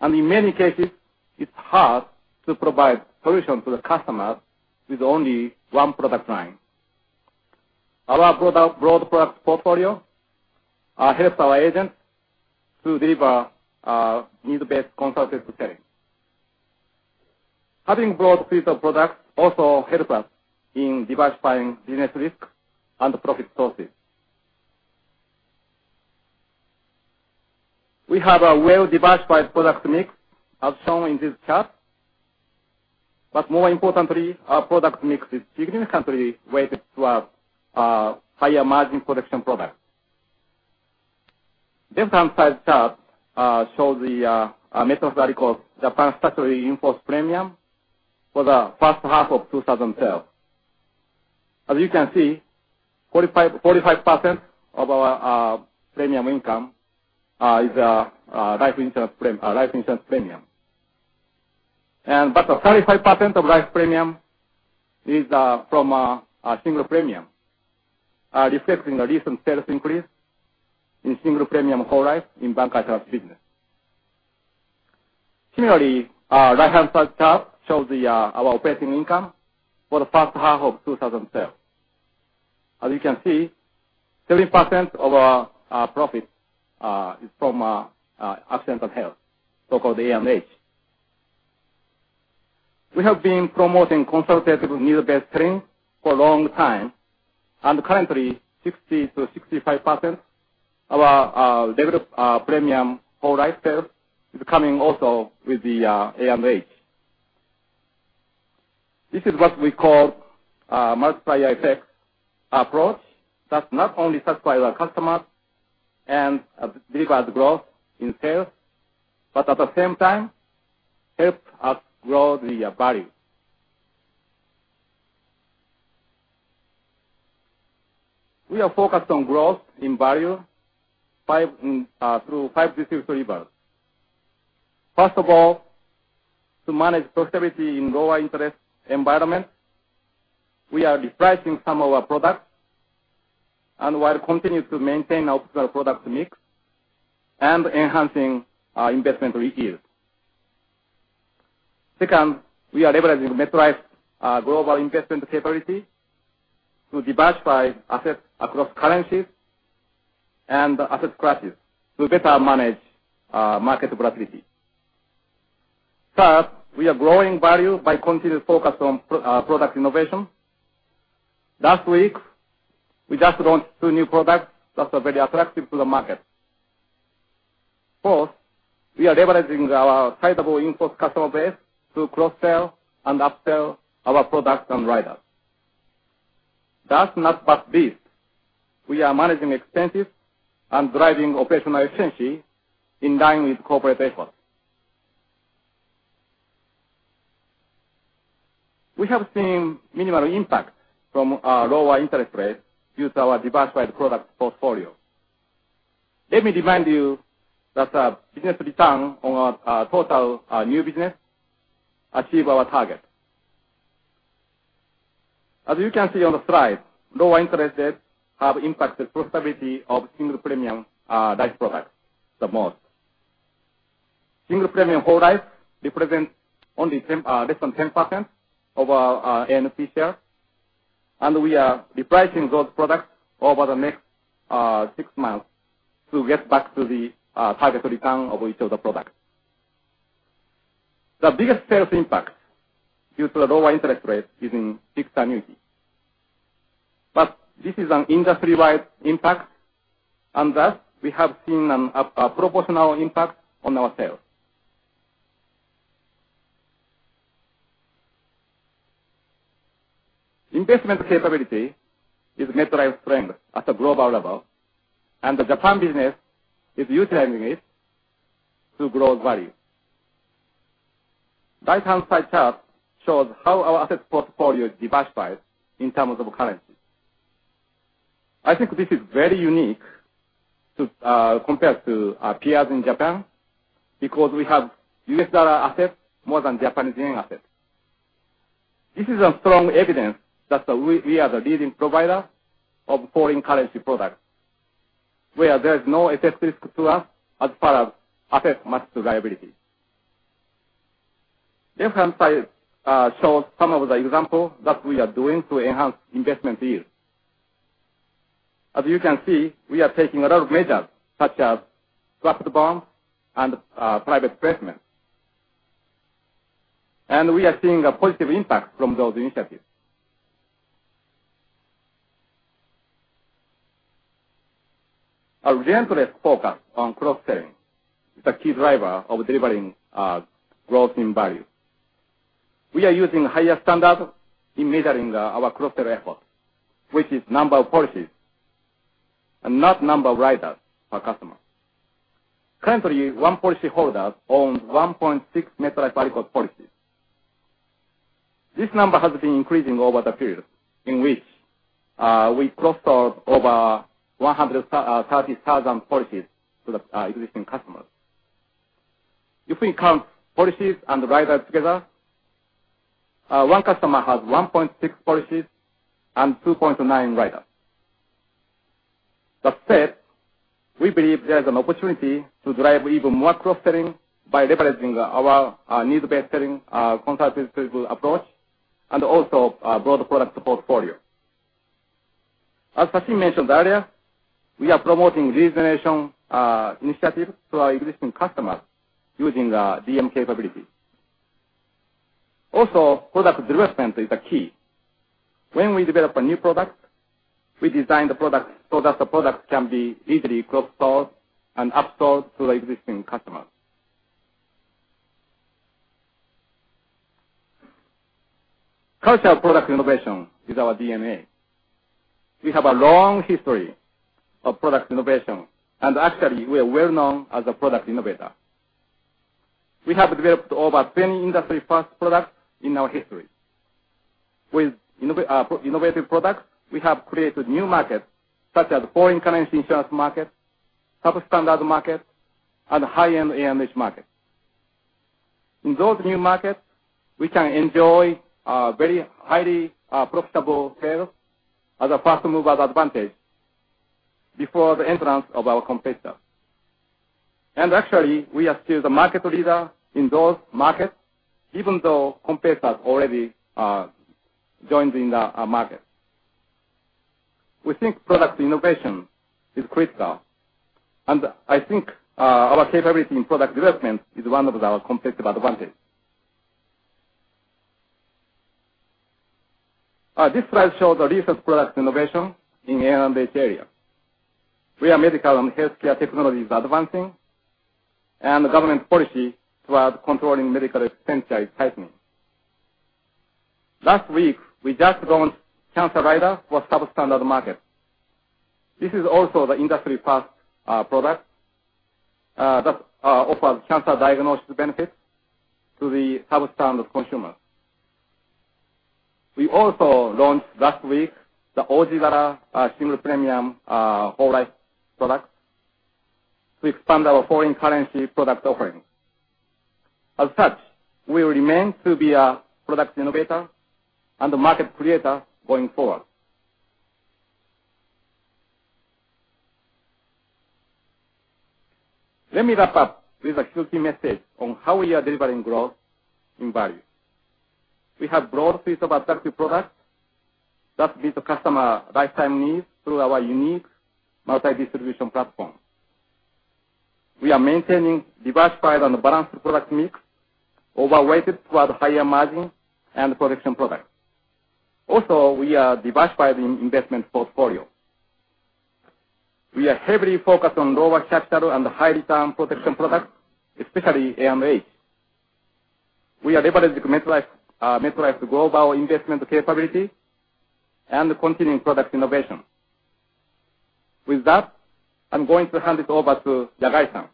In many cases, it's hard to provide solutions to the customer with only one product line. Our broad product portfolio helps our agents to deliver needs-based consultative selling. Having broad suite of products also helps us in diversifying business risk and profit sources. We have a well-diversified product mix as shown in this chart. More importantly, our product mix is significantly weighted to our higher margin protection products. Left-hand side chart shows the MetLife Japan statutory in-force premium for the first half of 2012. As you can see, 45% of our premium income is life insurance premium. 35% of life premium is from single premium, reflecting a recent sales increase in single premium whole life in bank insurance business. Similarly, right-hand side chart shows our operating income for the first half of 2012. As you can see, 30% of our profit is from Accident & Health, so-called A&H. We have been promoting consultative needs-based selling for a long time, currently 60%-65% of our developed premium whole life sales is coming also with the A&H. This is what we call a multiplier effect approach that not only satisfies our customers and delivers growth in sales, but at the same time helps us grow the value. We are focused on growth in value through five distinct levers. First of all, to manage profitability in lower interest environment, we are repricing some of our products, while continuing to maintain optimal product mix and enhancing our investment yield. Second, we are leveraging MetLife's global investment capability to diversify assets across currencies and asset classes to better manage market volatility. Third, we are growing value by continued focus on product innovation. Last week, we just launched two new products that are very attractive to the market. Fourth, we are leveraging our sizable in-force customer base to cross-sell and upsell our products and riders. Last but not least, we are managing expenses and driving operational efficiency in line with corporate efforts. We have seen minimal impact from lower interest rates due to our diversified product portfolio. Let me remind you that business return on our total new business achieve our target. As you can see on the slide, lower interest rates have impacted profitability of single premium life products the most. Single premium whole life represents only less than 10% of our AEP sales, we are repricing those products over the next six months to get back to the targeted return of each of the products. The biggest sales impact due to the lower interest rates is in fixed annuity. This is an industry-wide impact thus we have seen a proportional impact on our sales. Investment capability is MetLife's strength at a global level, the Japan business is utilizing it to grow value. Right-hand side chart shows how our asset portfolio is diversified in terms of currencies. I think this is very unique compared to our peers in Japan because we have U.S. dollar assets more than Japanese yen assets. This is a strong evidence that we are the leading provider of foreign currency products where there is no asset risk to us as far as asset match to liability. Left-hand side shows some of the examples that we are doing to enhance investment yield. As you can see, we are taking a lot of measures such as swap bonds and private placements. We are seeing a positive impact from those initiatives. Our relentless focus on cross-selling is a key driver of delivering growth in value. We are using higher standards in measuring our cross-sell effort, which is number of policies and not number of riders per customer. Currently, one policyholder owns 1.6 MetLife policies. This number has been increasing over the period in which we cross-sold over 130,000 policies to the existing customers. If we count policies and the riders together, one customer has 1.6 policies and 2.9 riders. That said, we believe there's an opportunity to drive even more cross-selling by leveraging our needs-based selling, our consultative sales approach, and also our broad product portfolio. As Sachin mentioned earlier, we are promoting regeneration initiatives to our existing customers using the DM capabilities. Also, product development is key. When we develop a new product, we design the product so that the product can be easily cross-sold and up-sold to the existing customers. Cultural product innovation is our DNA. We have a long history of product innovation, actually, we are well-known as a product innovator. We have developed over 20 industry-first products in our history. With innovative products, we have created new markets such as foreign currency insurance markets, sub-standard markets, and high-end A&H markets. In those new markets, we can enjoy very highly profitable sales as a first-mover advantage before the entrance of our competitors. Actually, we are still the market leader in those markets, even though competitors already joined in the market. We think product innovation is critical, and I think our capability in product development is one of our competitive advantages. This slide shows our recent product innovation in A&H area, where medical and healthcare technology is advancing and the government policy towards controlling medical expense is tightening. Last week, we just launched cancer rider for sub-standard market. This is also the industry-first product that offers cancer diagnosis benefits to the sub-standard consumer. We also launched last week the original single premium whole life product. We expand our foreign currency product offering. As such, we will remain to be a product innovator and a market creator going forward. Let me wrap up with a few key messages on how we are delivering growth in value. We have broad base of attractive products that meet the customer lifetime needs through our unique multi-distribution platform. We are maintaining diversified and balanced product mix, overweight towards higher margin and protection product. Also, we are diversifying investment portfolio. We are heavily focused on lower capital and high return protection product, especially A&H. We are leveraging MetLife global investment capability and continuing product innovation. With that, I'm going to hand it over to Yagai-san.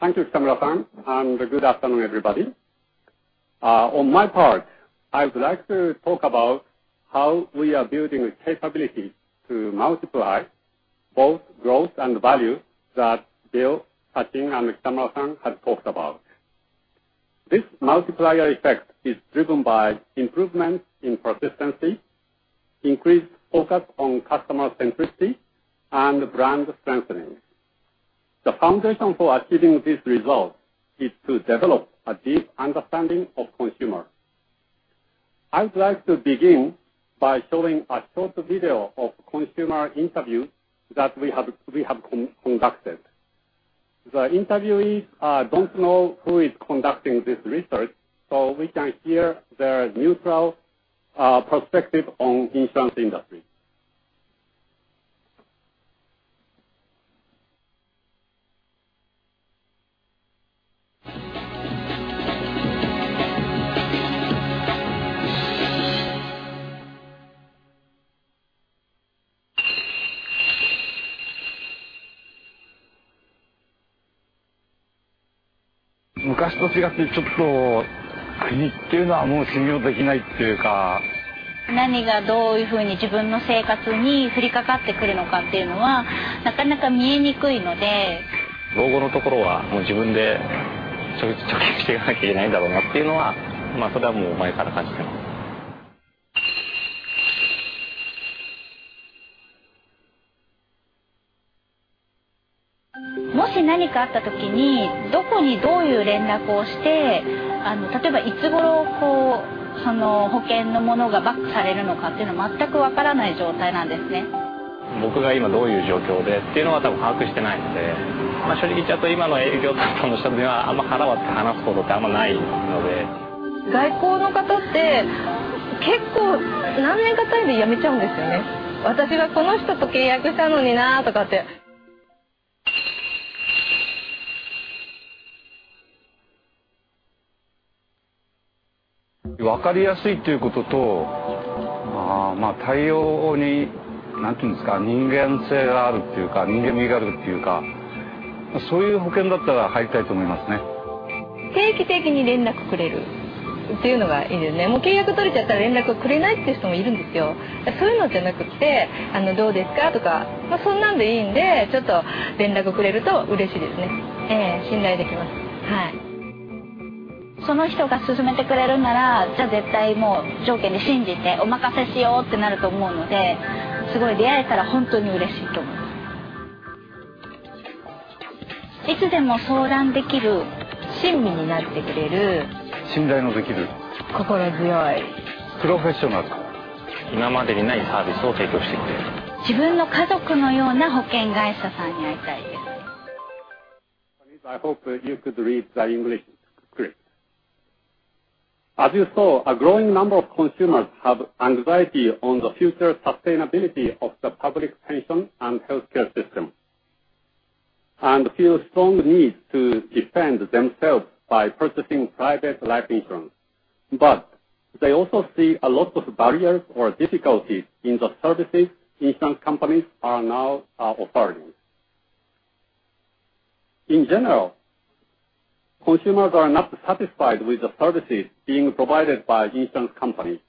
Thank you, Kitamura-san. Good afternoon, everybody. On my part, I would like to talk about how we are building capabilities to multiply both growth and value that Bill, Sachin, and Kitamura-san have talked about. This multiplier effect is driven by improvements in persistency, increased focus on customer centricity, and brand strengthening. The foundation for achieving this result is to develop a deep understanding of consumer. I would like to begin by showing a short video of consumer interview that we have conducted. The interviewees don't know who is conducting this research, we can hear their neutral perspective on insurance industry. いつでも相談できる、親身になってくれる。信頼のできる。心強い。プロフェッショナル。今までにないサービスを提供してくれる。自分の家族のような保険会社さんに会いたいです。I hope you could read the English script. As you saw, a growing number of consumers have anxiety on the future sustainability of the public pension and healthcare system, feel strong need to defend themselves by purchasing private life insurance. They also see a lot of barriers or difficulties in the services insurance companies are now offering. In general, consumers are not satisfied with the services being provided by insurance companies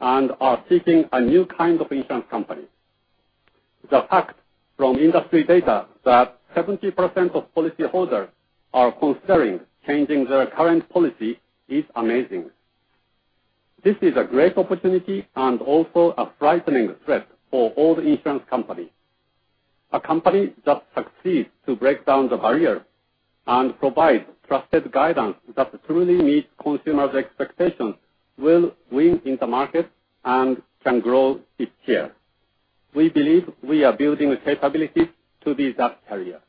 and are seeking a new kind of insurance company. The fact from industry data that 70% of policyholders are considering changing their current policy is amazing. This is a great opportunity, also a frightening threat for all the insurance companies. A company that succeeds to break down the barrier and provide trusted guidance that truly meets consumers' expectations will win in the market and can grow its share. We believe we are building the capabilities to be that carrier.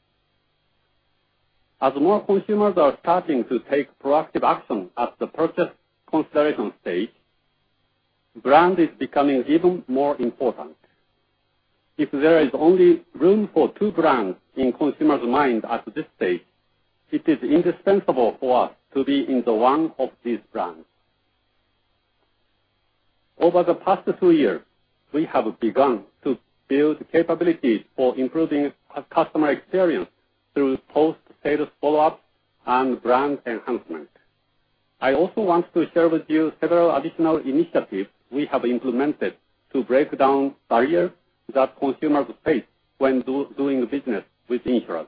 As more consumers are starting to take proactive action at the purchase consideration stage, brand is becoming even more important. If there is only room for two brands in consumers' mind at this stage, it is indispensable for us to be in the one of these brands. Over the past two years, we have begun to build capabilities for improving customer experience through post-sales follow-up and brand enhancement. I also want to share with you several additional initiatives we have implemented to break down barriers that consumers face when doing business with insurers.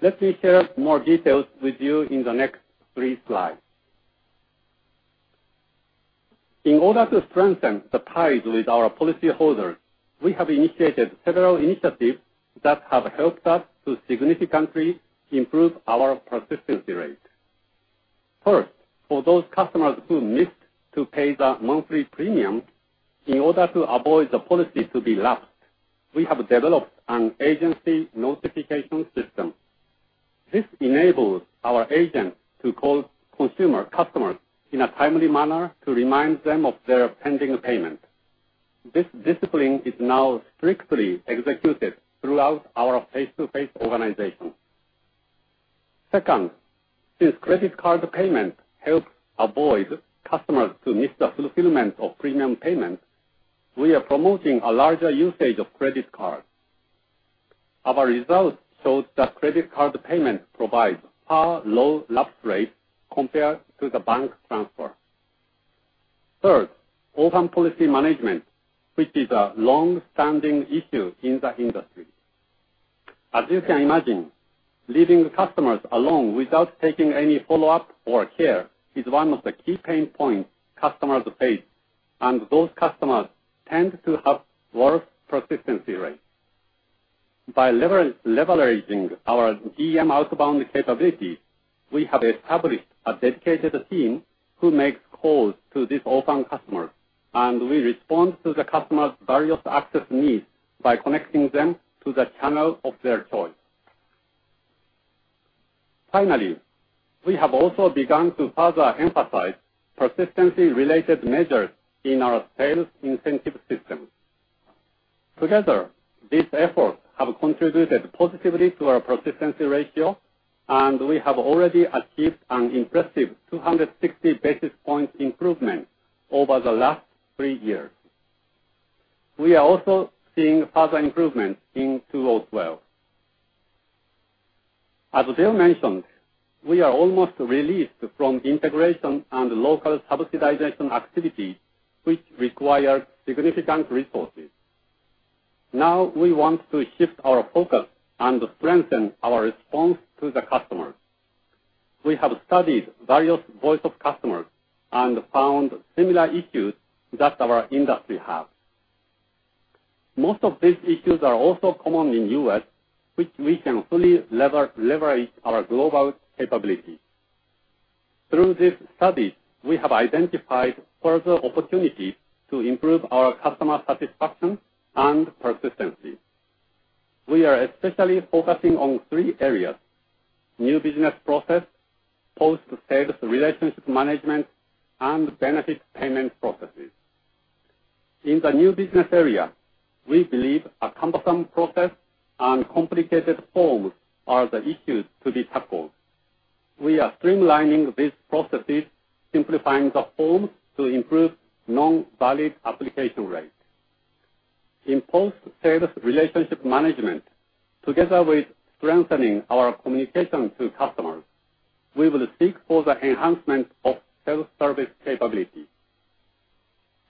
Let me share more details with you in the next three slides. In order to strengthen the ties with our policyholders, we have initiated several initiatives that have helped us to significantly improve our persistency rate. First, for those customers who missed to pay the monthly premium, in order to avoid the policy to be lapsed, we have developed an agency notification system. This enables our agents to call consumer customers in a timely manner to remind them of their pending payment. This discipline is now strictly executed throughout our face-to-face organization. Second, since credit card payment helps avoid customers to miss the fulfillment of premium payments, we are promoting a larger usage of credit card. Our results show that credit card payment provides far low lapse rate compared to the bank transfer. Third, orphan policy management, which is a long-standing issue in the industry. As you can imagine, leaving customers alone without taking any follow-up or care is one of the key pain points customers face, those customers tend to have worse persistency rates. By leveraging our DM outbound capability, we have established a dedicated team who makes calls to these orphan customers, and we respond to the customers' various access needs by connecting them to the channel of their choice. Finally, we have also begun to further emphasize persistency-related measures in our sales incentive system. Together, these efforts have contributed positively to our persistency ratio, and we have already achieved an impressive 260 basis point improvement over the last three years. We are also seeing further improvements in 2012. As Bill mentioned, we are almost released from integration and local subsidization activities, which require significant resources. Now we want to shift our focus and strengthen our response to the customers. We have studied various voice of customers and found similar issues that our industry have. Most of these issues are also common in U.S., which we can fully leverage our global capability. Through this study, we have identified further opportunities to improve our customer satisfaction and persistency. We are especially focusing on three areas: new business process, post-sales relationship management, and benefit payment processes. In the new business area, we believe a cumbersome process and complicated forms are the issues to be tackled. We are streamlining these processes, simplifying the forms to improve non-valid application rate. In post-sales relationship management, together with strengthening our communication to customers, we will seek for the enhancement of self-service capability.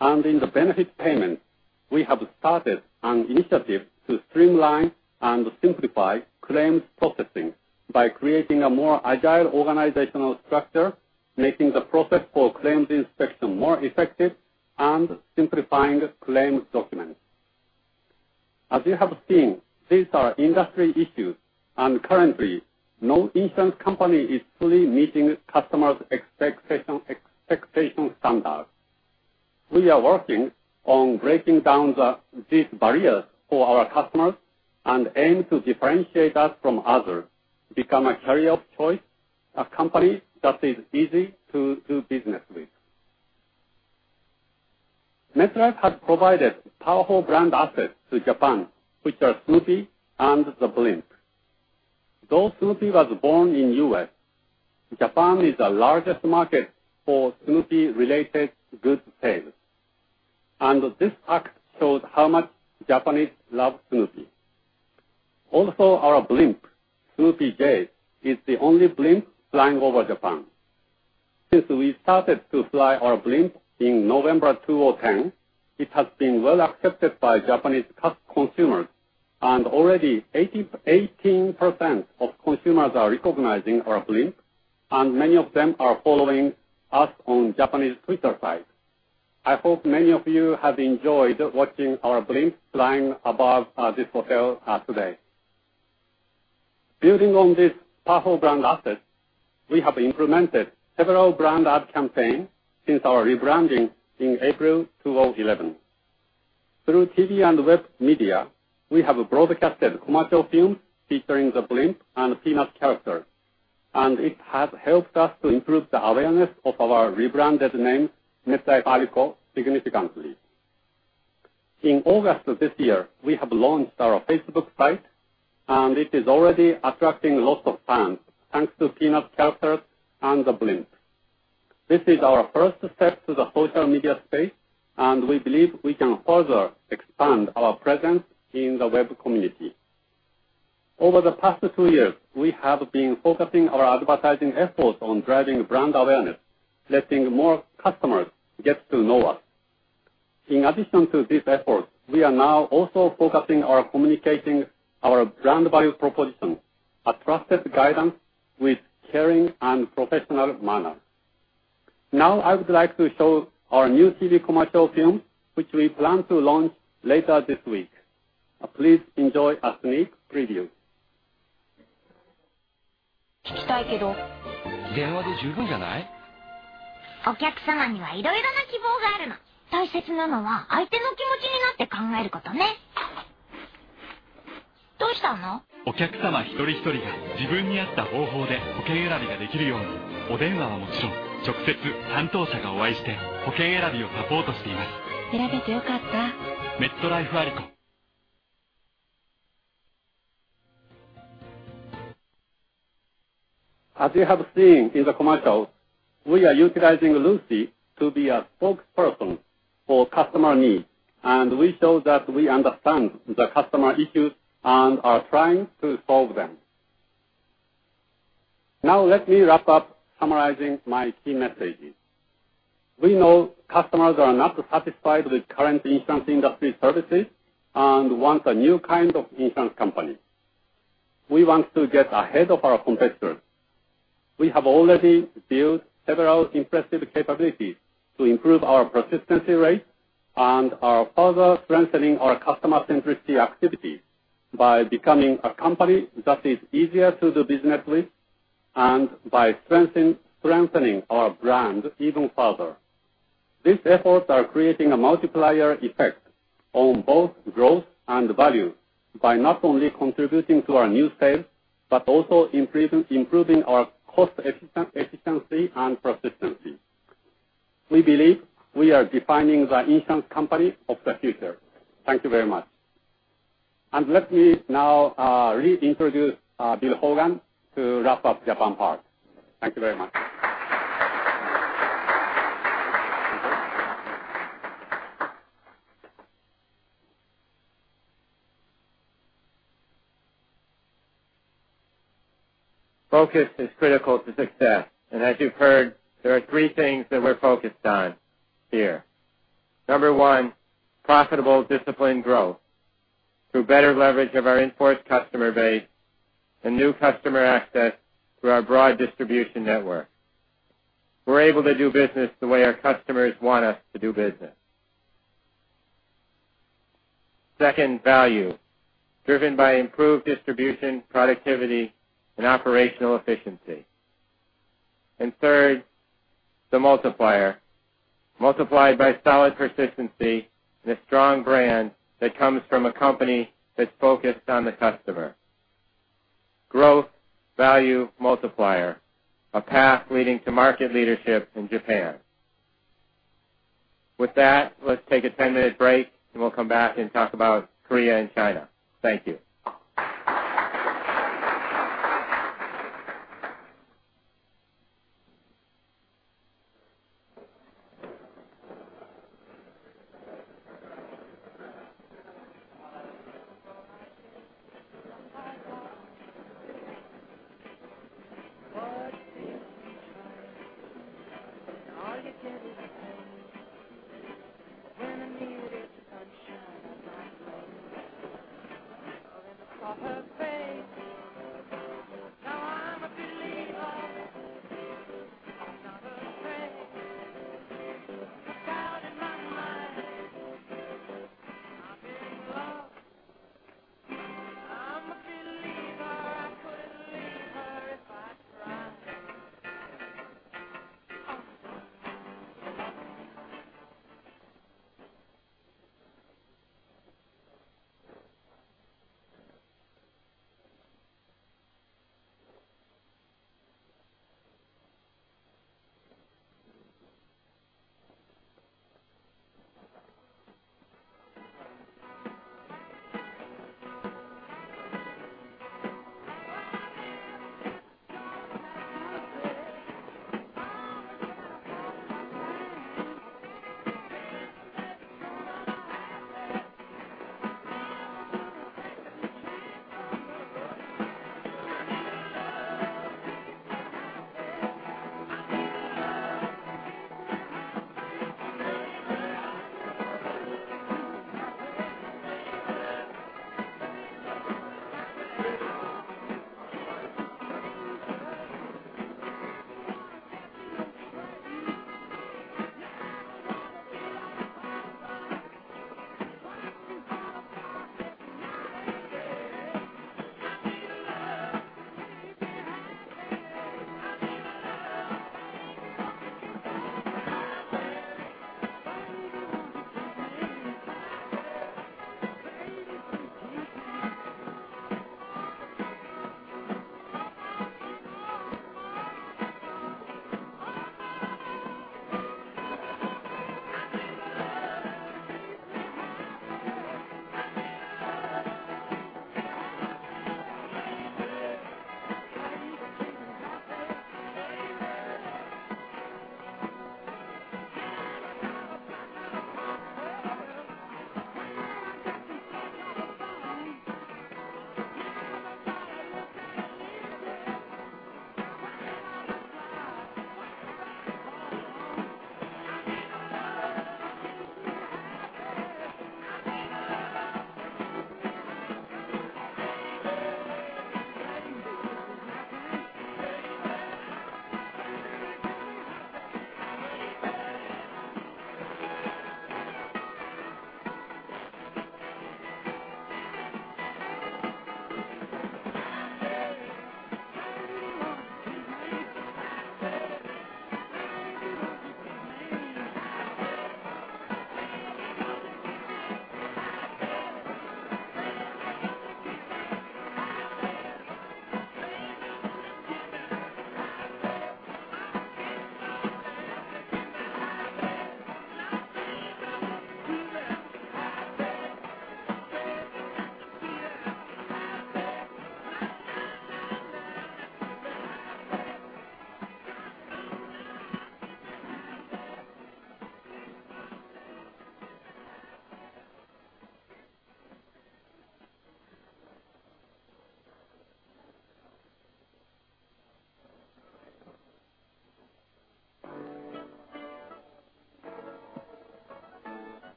In the benefit payment, we have started an initiative to streamline and simplify claims processing by creating a more agile organizational structure, making the process for claims inspection more effective, and simplifying claims documents. As you have seen, these are industry issues, and currently, no insurance company is fully meeting customers' expectation standards. We are working on breaking down these barriers for our customers and aim to differentiate us from others to become a carrier of choice, a company that is easy to do business with. MetLife has provided powerful brand assets to Japan, which are Snoopy and the blimp. Though Snoopy was born in U.S., Japan is the largest market for Snoopy-related goods sales. This fact shows how much Japanese love Snoopy. Also, our blimp, Snoopy J, is the only blimp flying over Japan. Since we started to fly our blimp in November 2010, it has been well accepted by Japanese consumers. Already 18% of consumers are recognizing our blimp, and many of them are following us on Japanese Twitter site. I hope many of you have enjoyed watching our blimp flying above this hotel today. Building on these powerful brand assets, we have implemented several brand ad campaign since our rebranding in April 2011. Through TV and web media, we have broadcasted commercial films featuring the blimp and Peanuts characters, and it has helped us to improve the awareness of our rebranded name, MetLife Alico, significantly. In August of this year, we have launched our Facebook site, and it is already attracting lots of fans, thanks to Peanuts characters and the blimp. This is our first step to the social media space, and we believe we can further expand our presence in the web community. Over the past two years, we have been focusing our advertising efforts on driving brand awareness, letting more customers get to know us. In addition to this effort, we are now also focusing on communicating our brand value proposition, a trusted guidance with caring and professional manner. Now I would like to show our new TV commercial film, which we plan to launch later this week. Please enjoy a sneak preview. As you have seen in the commercial, we are utilizing Lucy to be a spokesperson for customer needs, and we show that we understand the customer issues and are trying to solve them. Now let me wrap up summarizing my key messages. We know customers are not satisfied with current insurance industry services and want a new kind of insurance company. We want to get ahead of our competitors. We have already built several impressive capabilities to improve our persistency rate and are further strengthening our customer-centricity activities by becoming a company that is easier to do business with and by strengthening our brand even further. These efforts are creating a multiplier effect on both growth and value by not only contributing to our new sales, but also improving our cost efficiency and persistency. We believe we are defining the insurance company of the future. Thank you very much. Let me now re-introduce Bill Hogan to wrap up Japan part. Thank you very much. Focus is critical to success. As you've heard, there are three things that we're focused on here. Number one, profitable, disciplined growth through better leverage of our in-force customer base and new customer access through our broad distribution network. We're able to do business the way our customers want us to do business. Second, value, driven by improved distribution, productivity, and operational efficiency. Third, the multiplier, multiplied by solid persistency and a strong brand that comes from a company that's focused on the customer. Growth, value, multiplier, a path leading to market leadership in Japan. With that, let's take a 10-minute break, we'll come back and talk about Korea and China. Thank you.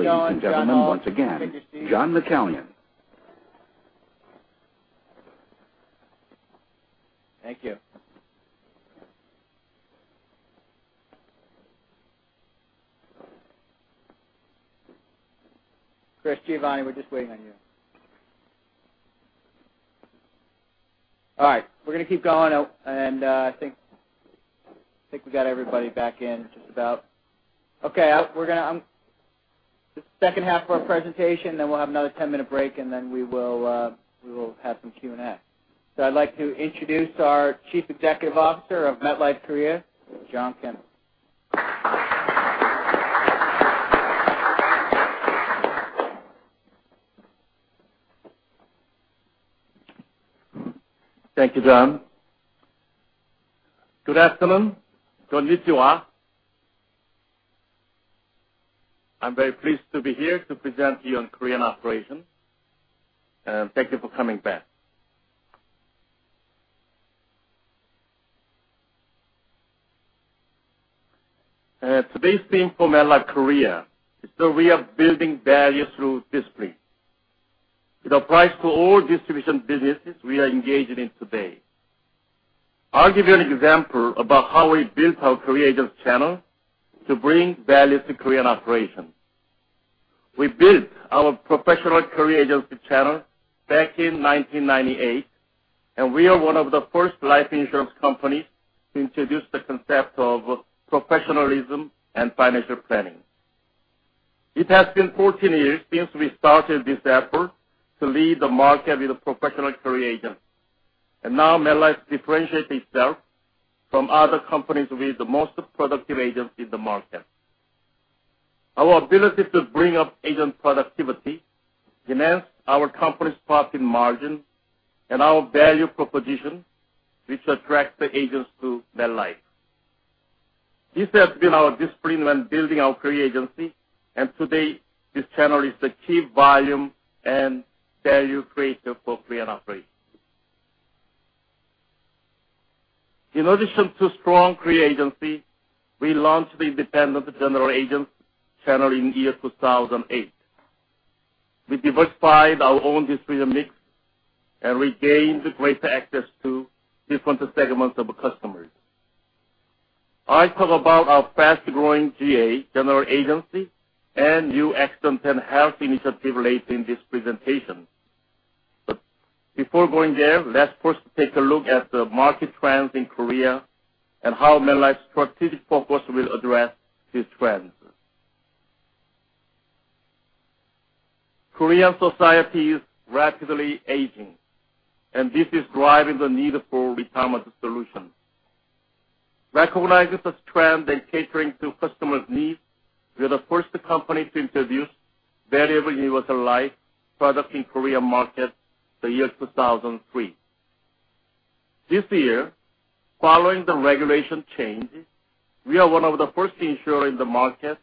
Ladies and gentlemen, once again, John McCallion Thank you. Christopher Giovanni, we're just waiting on you. All right, I think we got everybody back in just about. Okay, the second half of our presentation, then we'll have another 10-minute break, and then we will have some Q&A. I'd like to introduce our Chief Executive Officer of MetLife Korea, Jong Kim. Thank you, John. Good afternoon. Konnichiwa. I am very pleased to be here to present to you on Korean operations, and thank you for coming back. Today's theme for MetLife Korea is that we are building value through discipline. It applies to all distribution businesses we are engaged in today. I will give you an example about how we built our career agency channel to bring value to Korean operations. We built our professional career agency channel back in 1998. We are one of the first life insurance companies to introduce the concept of professionalism and financial planning. It has been 14 years since we started this effort to lead the market with a professional career agent. Now MetLife differentiates itself from other companies with the most productive agents in the market. Our ability to bring up agent productivity enhances our company's profit margin and our value proposition, which attracts the agents to MetLife. This has been our discipline when building our career agency. Today this channel is the key volume and value creator for Korean operations. In addition to strong career agency, we launched the independent general agent channel in year 2008. We diversified our own distribution mix and regained greater access to different segments of customers. I talk about our fast-growing GA, General Agency, and new Accident & Health initiative later in this presentation. Before going there, let's first take a look at the market trends in Korea and how MetLife's strategic focus will address these trends. Korean society is rapidly aging. This is driving the need for retirement solutions. Recognizing this trend and catering to customers' needs, we are the first company to introduce variable universal life product in Korean market the year 2003. This year, following the regulation changes, we are one of the first insurer in the market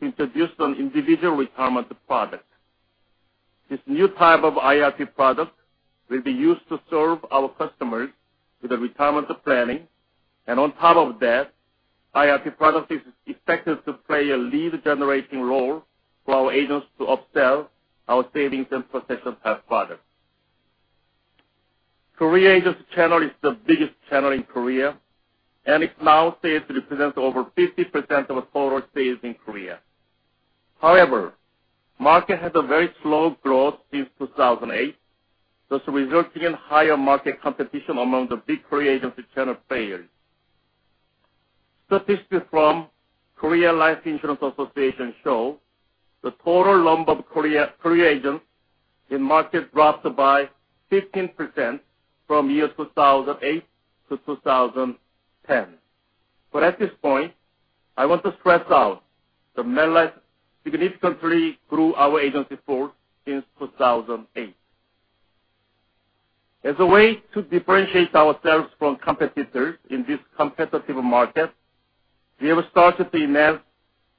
to introduce an individual retirement product. This new type of IRP product will be used to serve our customers with retirement planning. On top of that, IRP product is expected to play a lead-generating role for our agents to upsell our savings and protection health products. Career agency channel is the biggest channel in Korea. It now stands to represent over 50% of total sales in Korea. Market had a very slow growth since 2008, thus resulting in higher market competition among the big career agency channel players. Statistics from Korea Life Insurance Association show the total number of career agents in market dropped by 15% from year 2008 to 2010. At this point, I want to stress out that MetLife significantly grew our agency force since 2008. As a way to differentiate ourselves from competitors in this competitive market, we have started to invest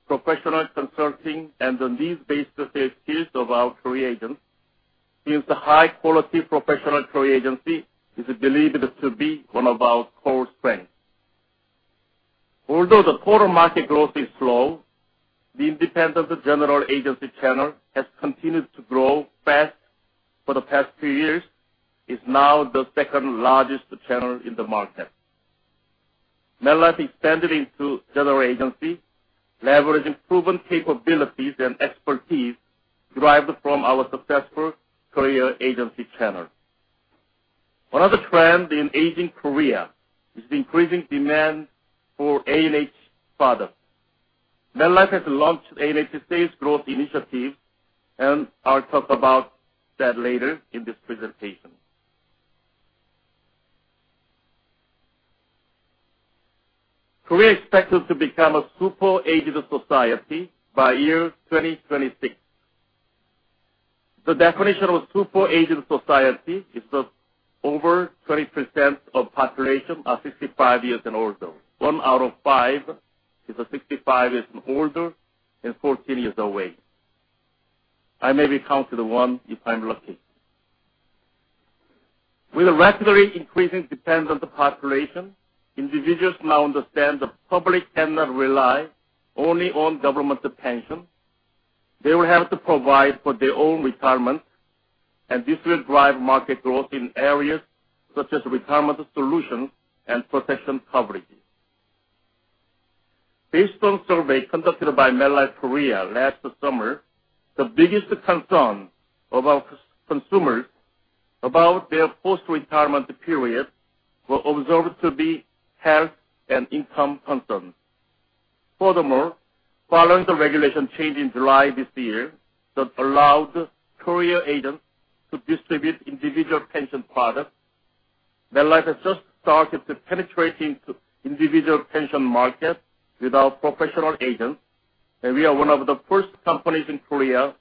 professional consulting and the needs-based sales skills of our career agents since the high-quality professional career agency is believed to be one of our core strengths. The total market growth is slow, the independent general agency channel has continued to grow fast for the past two years. It's now the second-largest channel in the market. MetLife expanded into general agency, leveraging proven capabilities and expertise derived from our successful career agency channel. One of the trends in aging Korea is the increasing demand for A&H products. MetLife has launched A&H Sales Growth Initiative, and I'll talk about that later in this presentation. Korea is expected to become a super-aged society by year 2026. The definition of super-aged society is that over 20% of population are 65 years and older. One out of five is 65 years and older in 14 years away. I may be counted one, if I'm lucky. With a rapidly increasing dependent population, individuals now understand the public cannot rely only on government pension. They will have to provide for their own retirement, and this will drive market growth in areas such as retirement solution and protection coverage. Based on survey conducted by MetLife Korea last summer, the biggest concern about consumers about their post-retirement period were observed to be health and income concerns. Following the regulation change in July this year that allowed career agents to distribute individual pension products, MetLife has just started to penetrate into individual pension markets with our professional agents, and we are one of the first companies in Korea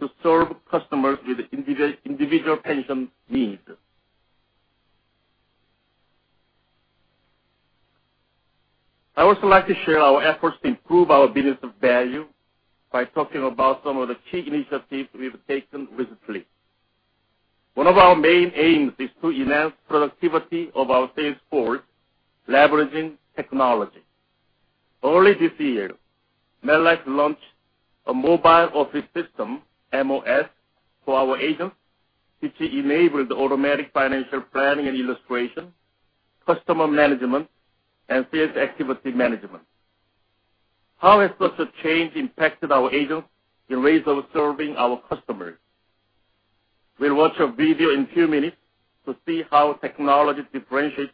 to serve customers with individual pension needs. I would also like to share our efforts to improve our business value by talking about some of the key initiatives we've taken recently. One of our main aims is to enhance productivity of our sales force, leveraging technology. Early this year, MetLife launched a mobile office system, MOS, for our agents, which enabled automatic financial planning and illustration, customer management, and sales activity management. How has such a change impacted our agents in ways of serving our customers? We'll watch a video in two minutes to see how technology differentiates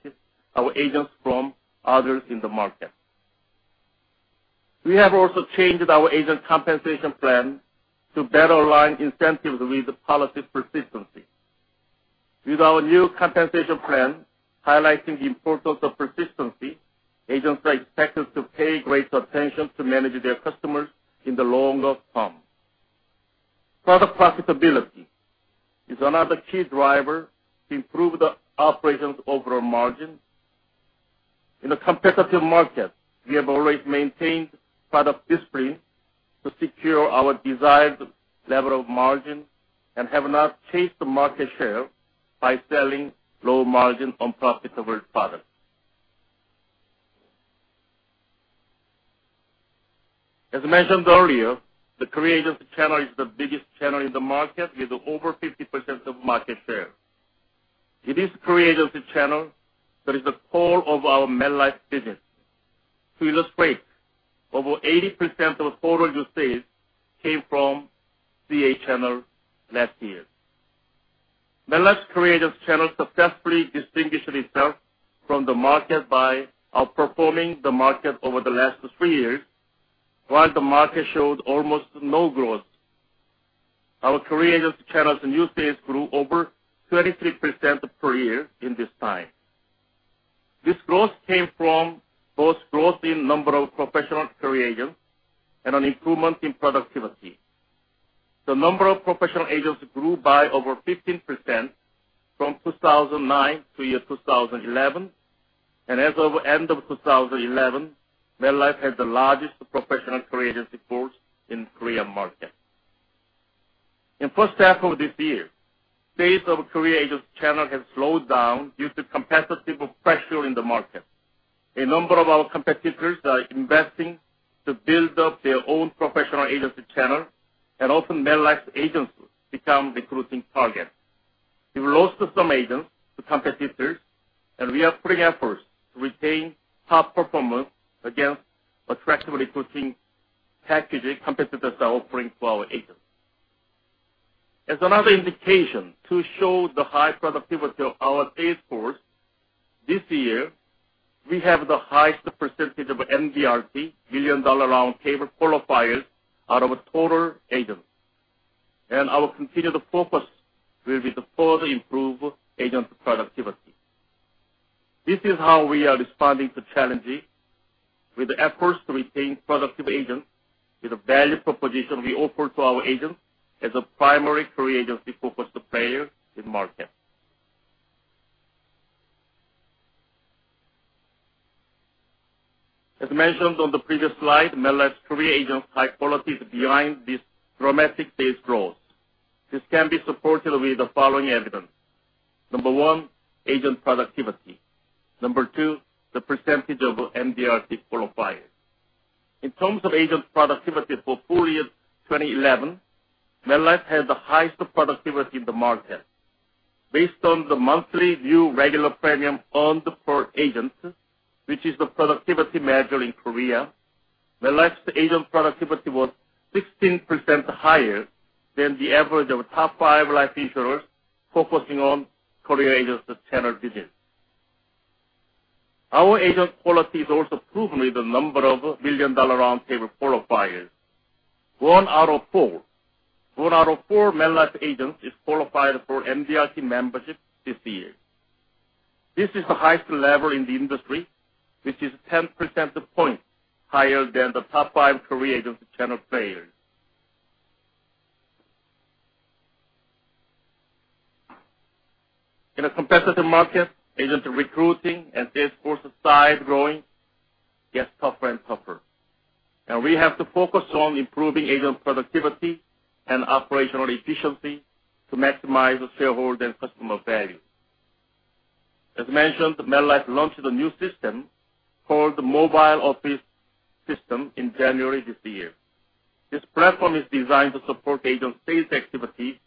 our agents from others in the market. We have also changed our agent compensation plan to better align incentives with policy persistency. With our new compensation plan highlighting the importance of persistency, agents are expected to pay greater attention to manage their customers in the longer term. Product profitability is another key driver to improve the operations overall margin. In a competitive market, we have always maintained product discipline to secure our desired level of margin and have not chased the market share by selling low margin, unprofitable products. As mentioned earlier, the CA channel is the biggest channel in the market with over 50% of market share. It is CA channel that is the core of our MetLife business. To illustrate, over 80% of total new sales came from CA channel last year. MetLife's CA channel successfully distinguished itself from the market by outperforming the market over the last three years. While the market showed almost no growth, our CA channel's new sales grew over 23% per year in this time. This growth came from both growth in number of professional career agents and an improvement in productivity. The number of professional agents grew by over 15% from 2009 to year 2011. As of end of 2011, MetLife had the largest professional CA force in Korean market. In first half of this year, sales of CA channel has slowed down due to competitive pressure in the market. A number of our competitors are investing to build up their own professional agency channel and often MetLife's agents become recruiting targets. We've lost some agents to competitors, and we are putting efforts to retain top performers against attractive recruiting packages competitors are offering to our agents. As another indication to show the high productivity of our sales force, this year, we have the highest percentage of MDRT, Million Dollar Round Table qualifiers out of total agents. Our continued focus will be to further improve agent productivity. This is how we are responding to challenges with efforts to retain productive agents with the value proposition we offer to our agents as a primary core agency-focused player in market. As mentioned on the previous slide, MetLife's core agents' high quality is behind this dramatic sales growth. This can be supported with the following evidence. Number one, agent productivity. Number two, the percentage of MDRT qualifiers. In terms of agent productivity for full year 2011, MetLife had the highest productivity in the market. Based on the monthly new regular premium earned per agent, which is the productivity measure in Korea, MetLife's agent productivity was 16% higher than the average of top five life insurers focusing on core agency channel business. Our agent quality is also proven with the number of Million Dollar Round Table qualifiers. One out of four MetLife agents is qualified for MDRT membership this year. This is the highest level in the industry, which is 10% points higher than the top five core agency channel players. In a competitive market, agent recruiting and sales force size growing gets tougher and tougher, we have to focus on improving agent productivity and operational efficiency to maximize shareholder and customer value. As mentioned, MetLife launched a new system called the Mobile Office System in January this year. This platform is designed to support agent sales activity,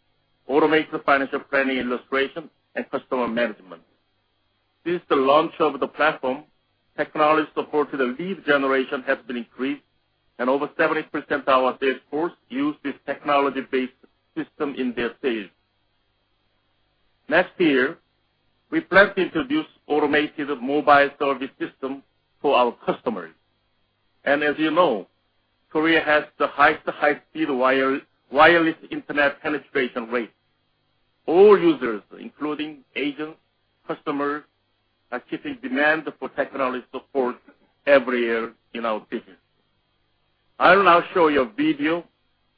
automate the financial planning illustration, and customer management. Since the launch of the platform, technology support to the lead generation has been increased, and over 70% of our sales force use this technology-based system in their sales. Next year, we plan to introduce automated mobile service system for our customers. As you know, Korea has the highest high-speed wireless internet penetration rate. All users, including agents, customers, are keeping demand for technology support every year in our business. I will now show you a video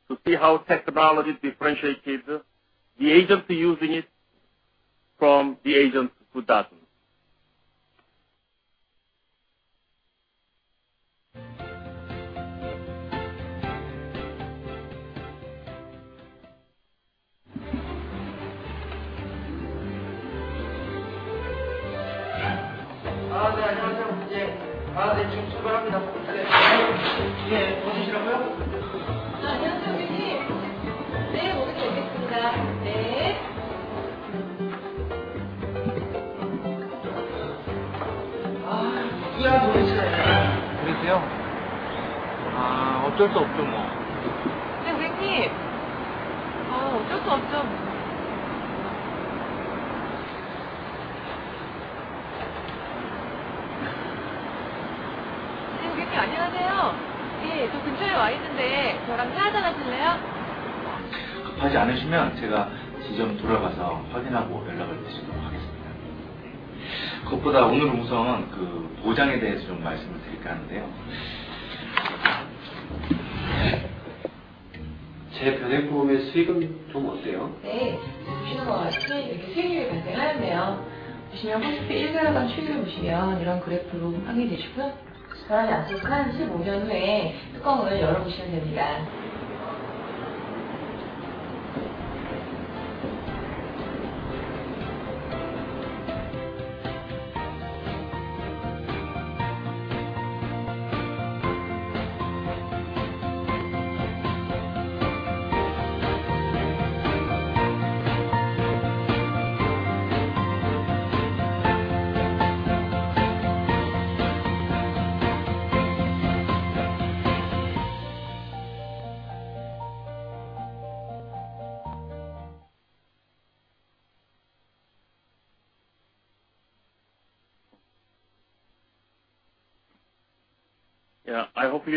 to see how technology differentiates the agents using it from the agents who doesn't. Yeah, I hope you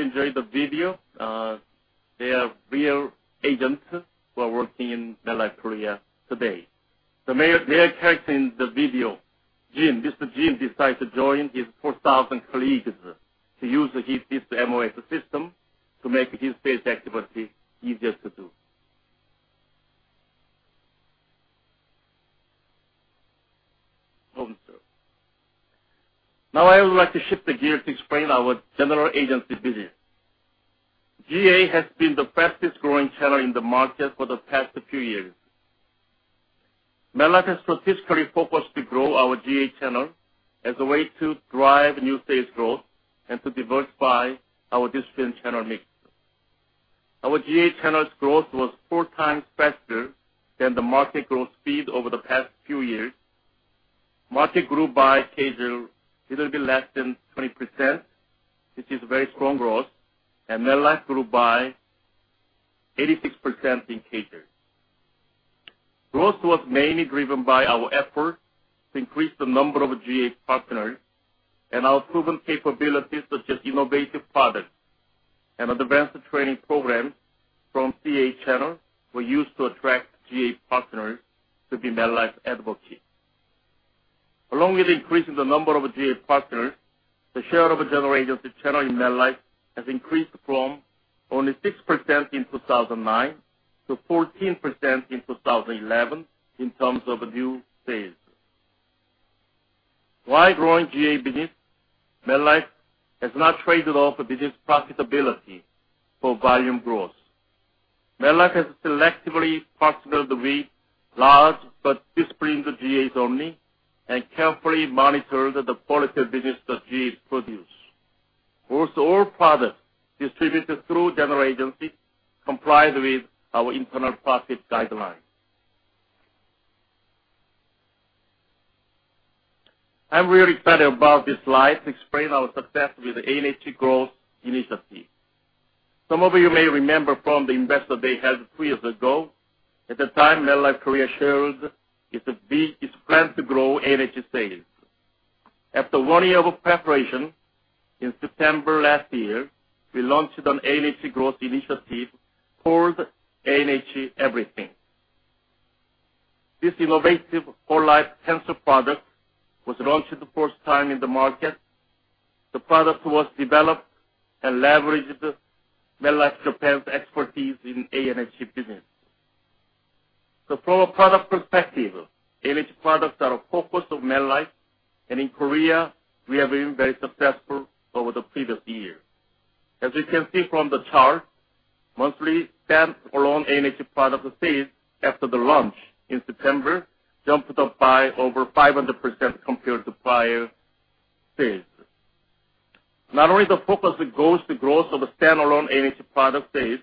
enjoyed the video. They are real agents who are working in MetLife Korea today. The male character in the video, Jim. Mr. Jim decided to join his 4,000 colleagues to use this MOS system to make his sales activity easier to do. I would like to shift the gear to explain our general agency business. GA has been the fastest growing channel in the market for the past few years. MetLife has strategically focused to grow our GA channel as a way to drive new sales growth and to diversify our discipline channel mix. Our GA channel's growth was four times faster than the market growth speed over the past few years. Market grew by CAGR little bit less than 20%, which is very strong growth, MetLife grew by 86% in CAGR. Growth was mainly driven by our effort to increase the number of GA partners and our proven capabilities, such as innovative products and advanced training programs from CA channel were used to attract GA partners to be MetLife advocates. Along with increasing the number of GA partners, the share of general agency channel in MetLife has increased from only 6% in 2009 to 14% in 2011 in terms of new sales. While growing GA business, MetLife has not traded off the business profitability for volume growth. MetLife has selectively partnered with large but disciplined GAs only, and carefully monitored the quality of business that GAs produce. Also, all products distributed through general agencies complied with our internal process guidelines. I am really excited about this slide to explain our success with the A&H Growth Initiative. Some of you may remember from the Investor Day held three years ago. At the time, MetLife Korea shared its plan to grow A&H sales. After one year of preparation, in September last year, we launched an A&H Growth Initiative called A&H Everything. This innovative whole life cancer product was launched the first time in the market. The product was developed and leveraged MetLife Japan's expertise in A&H business. From a product perspective, A&H products are a focus of MetLife, and in Korea, we have been very successful over the previous year. As you can see from the chart, monthly stand-alone A&H product sales after the launch in September jumped up by over 500% compared to prior sales. Not only the focus goes to growth of standalone A&H product sales,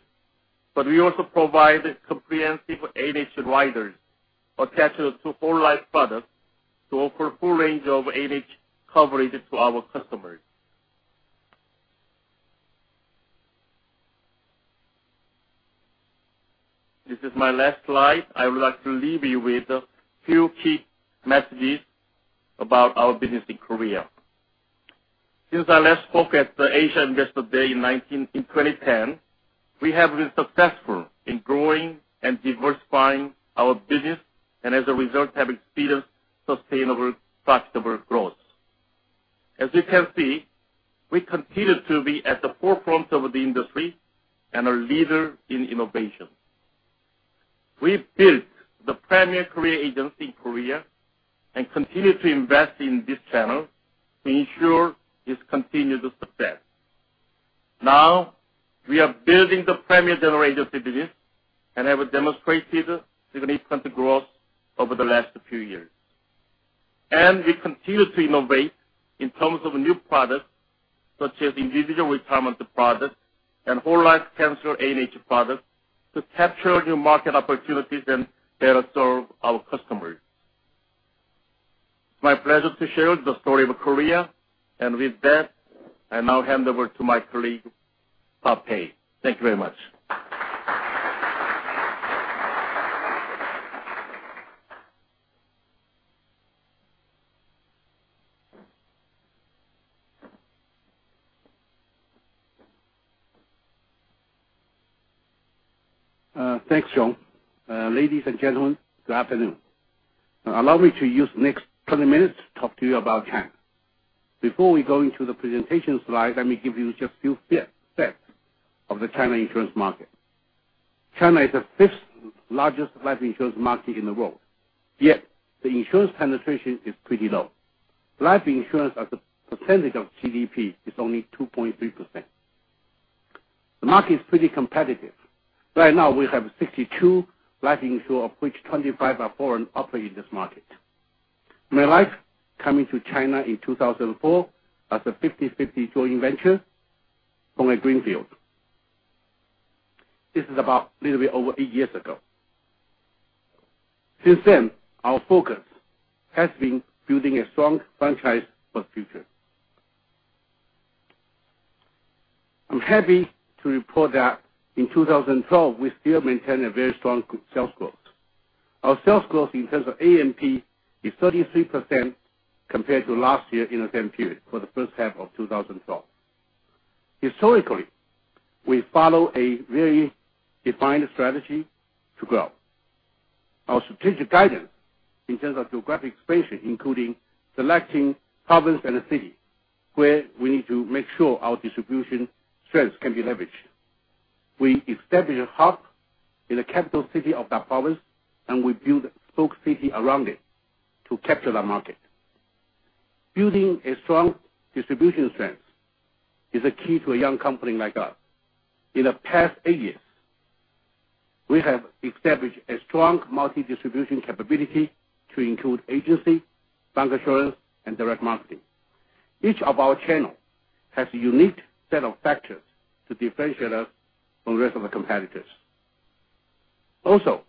but we also provide comprehensive A&H riders attached to whole life products to offer a full range of A&H coverage to our customers. This is my last slide. I would like to leave you with a few key messages about our business in Korea. Since I last spoke at the Asia Investor Day in 2010, we have been successful in growing and diversifying our business, and as a result, have experienced sustainable, profitable growth. As you can see, we continue to be at the forefront of the industry and are leader in innovation. We built the premier career agency in Korea and continue to invest in this channel to ensure its continued success. Now, we are building the premier general agency business and have demonstrated significant growth over the last few years. We continue to innovate in terms of new products such as individual retirement products and whole life cancer A&H products to capture new market opportunities and better serve our customers. My pleasure to share the story of Korea, and with that, I now hand over to my colleague, Bob Pei. Thank you very much. Thanks, Jong. Ladies and gentlemen, good afternoon. Allow me to use the next 20 minutes to talk to you about China. Before we go into the presentation slide, let me give you just a few facts of the China insurance market. China is the fifth largest life insurance market in the world, yet the insurance penetration is pretty low. Life insurance as a percentage of GDP is only 2.3%. The market is pretty competitive. Right now, we have 62 life insurers, of which 25 are foreign, operating in this market. MetLife, coming to China in 2004 as a 50/50 joint venture from a greenfield. This is about a little bit over eight years ago. Since then, our focus has been building a strong franchise for the future. I am happy to report that in 2012, we still maintain a very strong sales growth. Our sales growth in terms of AEP is 33% compared to last year in the same period for the first half of 2012. Historically, we follow a very defined strategy to grow. Our strategic guidance in terms of geographic expansion, including selecting province and a city where we need to make sure our distribution strengths can be leveraged. We establish a hub in the capital city of that province, we build spoke city around it to capture that market. Building a strong distribution strength is a key to a young company like us. In the past eight years, we have established a strong multi-distribution capability to include agency, bank insurance, and direct marketing. Each of our channels has a unique set of factors to differentiate us from the rest of the competitors. Also,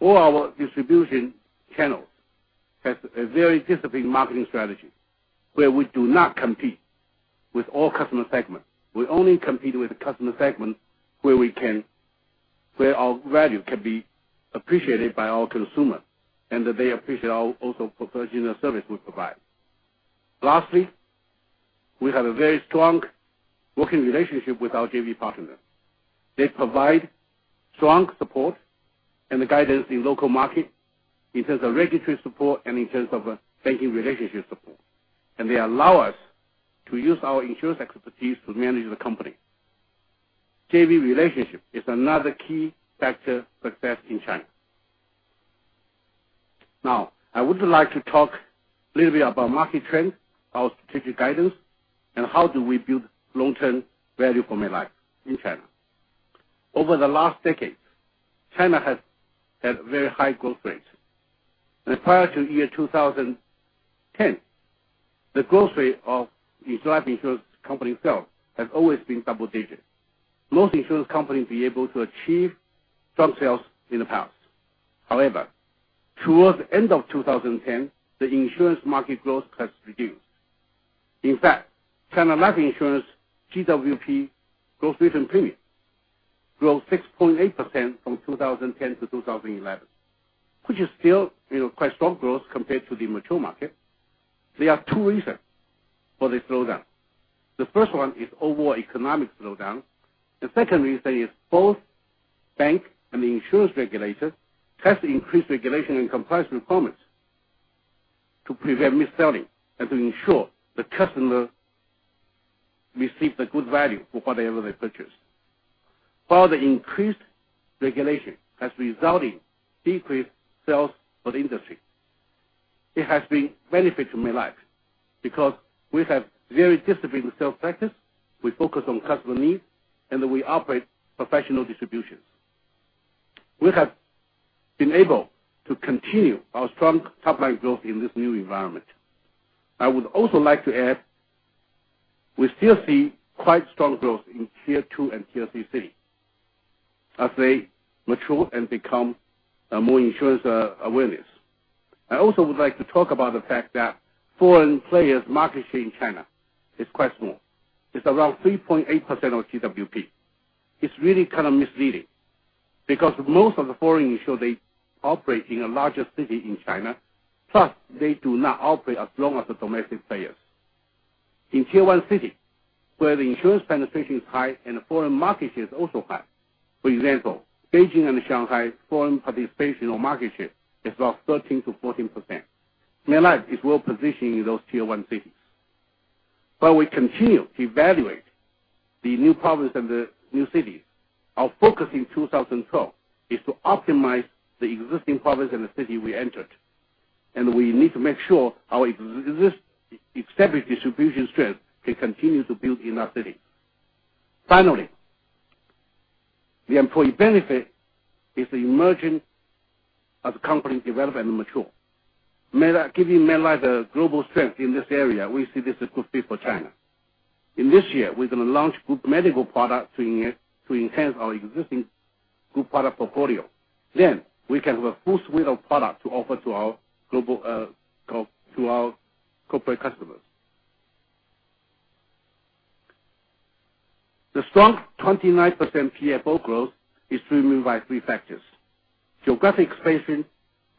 all our distribution channels have a very disciplined marketing strategy where we do not compete with all customer segments. We only compete with the customer segments where our value can be appreciated by our consumer, and that they appreciate also professional service we provide. Lastly, we have a very strong working relationship with our JV partners. They provide strong support and the guidance in local market in terms of regulatory support and in terms of banking relationship support. They allow us to use our insurance expertise to manage the company. JV relationship is another key factor success in China. Now, I would like to talk a little bit about market trends, our strategic guidance, and how do we build long-term value for MetLife in China. Over the last decade, China has had very high growth rates. Prior to year 2010, the growth rate of life insurance company itself has always been double digits. Most insurance companies be able to achieve strong sales in the past. However, towards the end of 2010, the insurance market growth has reduced. In fact, China life insurance GWP, gross written premium, grew 6.8% from 2010 to 2011, which is still quite strong growth compared to the mature market. There are two reasons for this slowdown. The first one is overall economic slowdown. The second reason is both bank and insurance regulators has increased regulation and compliance requirements to prevent mis-selling and to ensure the customer receives the good value for whatever they purchase. Further increased regulation has resulted decreased sales for the industry It has been benefit to MetLife because we have very disciplined sales practice. We focus on customer needs, we operate professional distributions. We have been able to continue our strong top-line growth in this new environment. I would also like to add, we still see quite strong growth in Tier 2 and Tier 3 cities as they mature and become more insurance awareness. I also would like to talk about the fact that foreign players' market share in China is quite small. It's around 3.8% of GWP. It's really kind of misleading because most of the foreign insurers, they operate in a larger city in China, plus they do not operate as long as the domestic players. In Tier 1 cities, where the insurance penetration is high and the foreign market share is also high. For example, Beijing and Shanghai foreign participation or market share is about 13%-14%. MetLife is well positioned in those Tier 1 cities. We continue to evaluate the new province and the new cities. Our focus in 2012 is to optimize the existing province and the city we entered. We need to make sure our established distribution strength can continue to build in that city. Finally, the employee benefit is emerging as the company develop and mature. Giving MetLife a global strength in this area, we see this a good fit for China. In this year, we're going to launch group medical product to enhance our existing group product portfolio. We can have a full suite of products to offer to our corporate customers. The strong 29% PFO growth is driven by three factors. Geographic expansion.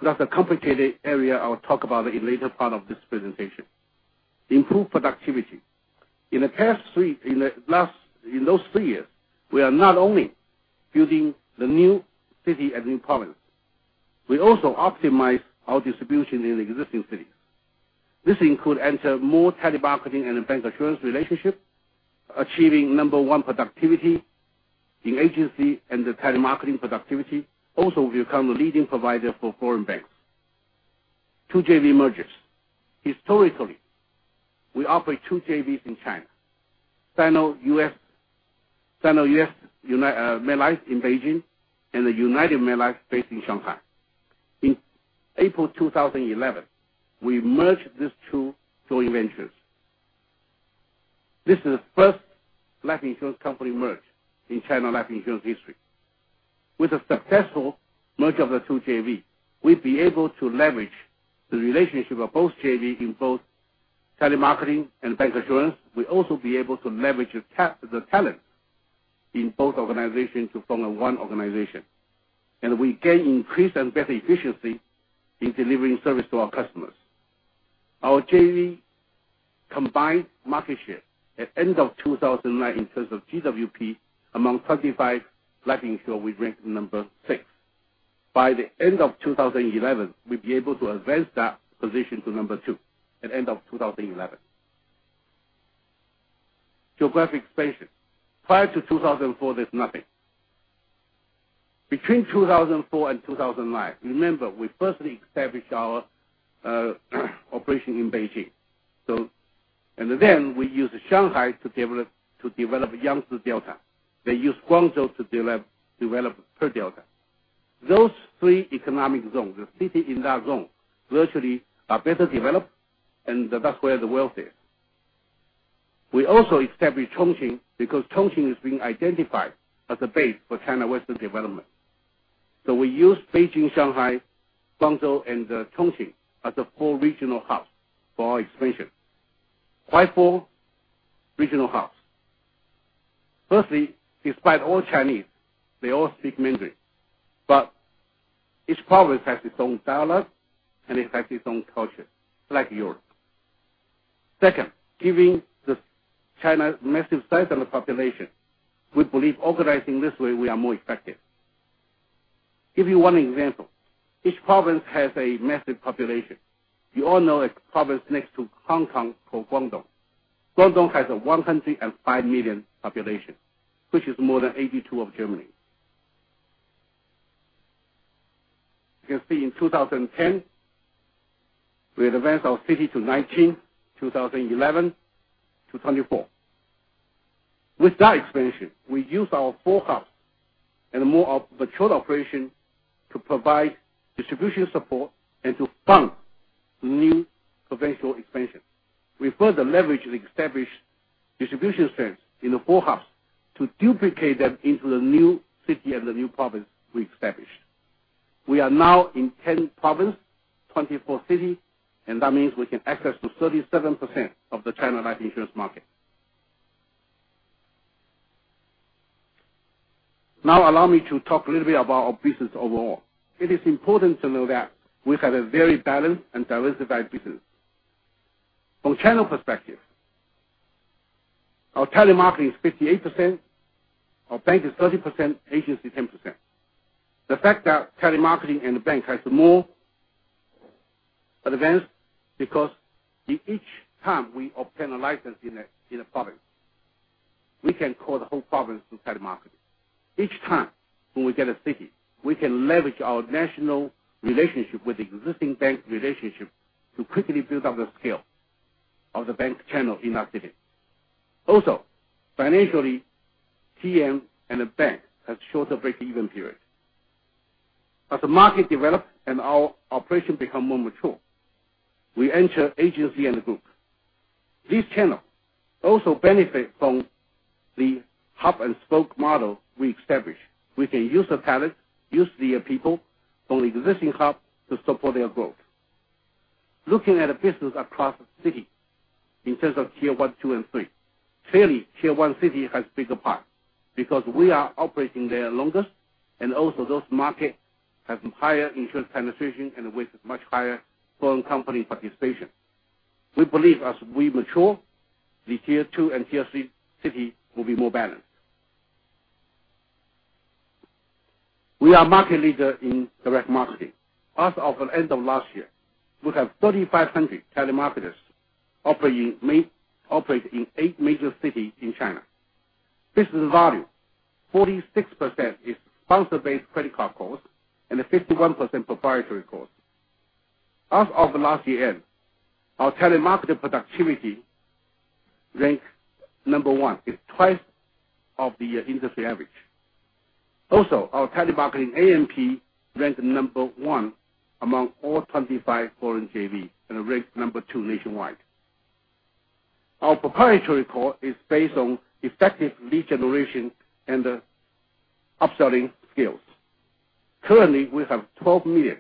That's a complicated area I will talk about in later part of this presentation. Improved productivity. In those three years, we are not only building the new city and new province. We also optimize our distribution in existing cities. This include enter more telemarketing and bank insurance relationship, achieving number one productivity in agency and the telemarketing productivity. Also, we become the leading provider for foreign banks. Two JV mergers. Historically, we operate two JVs in China. Sino-US MetLife in Beijing and the United MetLife based in Shanghai. In April 2011, we merged these two joint ventures. This is first life insurance company merge in China life insurance history. With the successful merge of the two JV, we'd be able to leverage the relationship of both JV in both telemarketing and bank insurance. We also be able to leverage the talent in both organizations to form a one organization. We gain increase and better efficiency in delivering service to our customers. Our JV combined market share at end of 2009, in terms of GWP, among 35 life insurer, we rank number six. By the end of 2011, we'd be able to advance that position to number two at end of 2011. Geographic expansion. Prior to 2004, there's nothing. Between 2004 and 2009, remember, we firstly established our operation in Beijing. We use Shanghai to develop Yangtze Delta. They use Guangzhou to develop Pearl Delta. Those three economic zones, the city in that zone virtually are better developed, and that's where the wealth is. We also established Chongqing because Chongqing is being identified as a base for China Western development. We use Beijing, Shanghai, Guangzhou, and Chongqing as a four regional hubs for our expansion. Why four regional hubs? Firstly, despite all Chinese, they all speak Mandarin. Each province has its own dialect and it has its own culture, like Europe. Second, given the China massive size and the population, we believe organizing this way, we are more effective. Give you one example. Each province has a massive population. You all know a province next to Hong Kong called Guangdong. Guangdong has a 105 million population, which is more than 82 of Germany. You can see in 2010, we advanced our city to 19, 2011, to 24. With that expansion, we use our four hubs and more of matured operation to provide distribution support and to fund new provincial expansion. We further leverage the established distribution centers in the four hubs to duplicate them into the new city and the new province we established. We are now in 10 province, 24 city, and that means we can access to 37% of the China life insurance market. Allow me to talk a little bit about our business overall. It is important to know that we have a very balanced and diversified business. From channel perspective, our telemarketing is 58%, our bank is 30%, agency 10%. The fact that telemarketing and the bank has more advanced because in each time we obtain a license in a province. We can call the whole province through telemarketing. Each time when we get a city, we can leverage our national relationship with existing bank relationship to quickly build up the scale of the bank channel in that city. Also, financially, TM and the bank has shorter break-even period. As the market develops and our operation becomes more mature, we enter agency and the group. This channel also benefits from the hub and spoke model we established. We can use the talent, use their people from the existing hub to support their growth. Looking at a business across the city in terms of Tier 1, 2, and 3. Clearly, Tier 1 city has bigger part because we are operating there longest, and also those markets have higher insurance penetration and with much higher foreign company participation. We believe as we mature, the Tier 2 and Tier 3 city will be more balanced. We are market leader in direct marketing. As of the end of last year, we have 3,500 telemarketers operating in eight major cities in China. Business value, 46% is sponsor-based credit card calls and 51% proprietary calls. As of last year end, our telemarketing productivity ranks number one. It's twice of the industry average. Also, our telemarketing AMP ranked number one among all 25 foreign JVs and it ranks number two nationwide. Our proprietary call is based on effective lead generation and the upselling skills. Currently, we have 12 million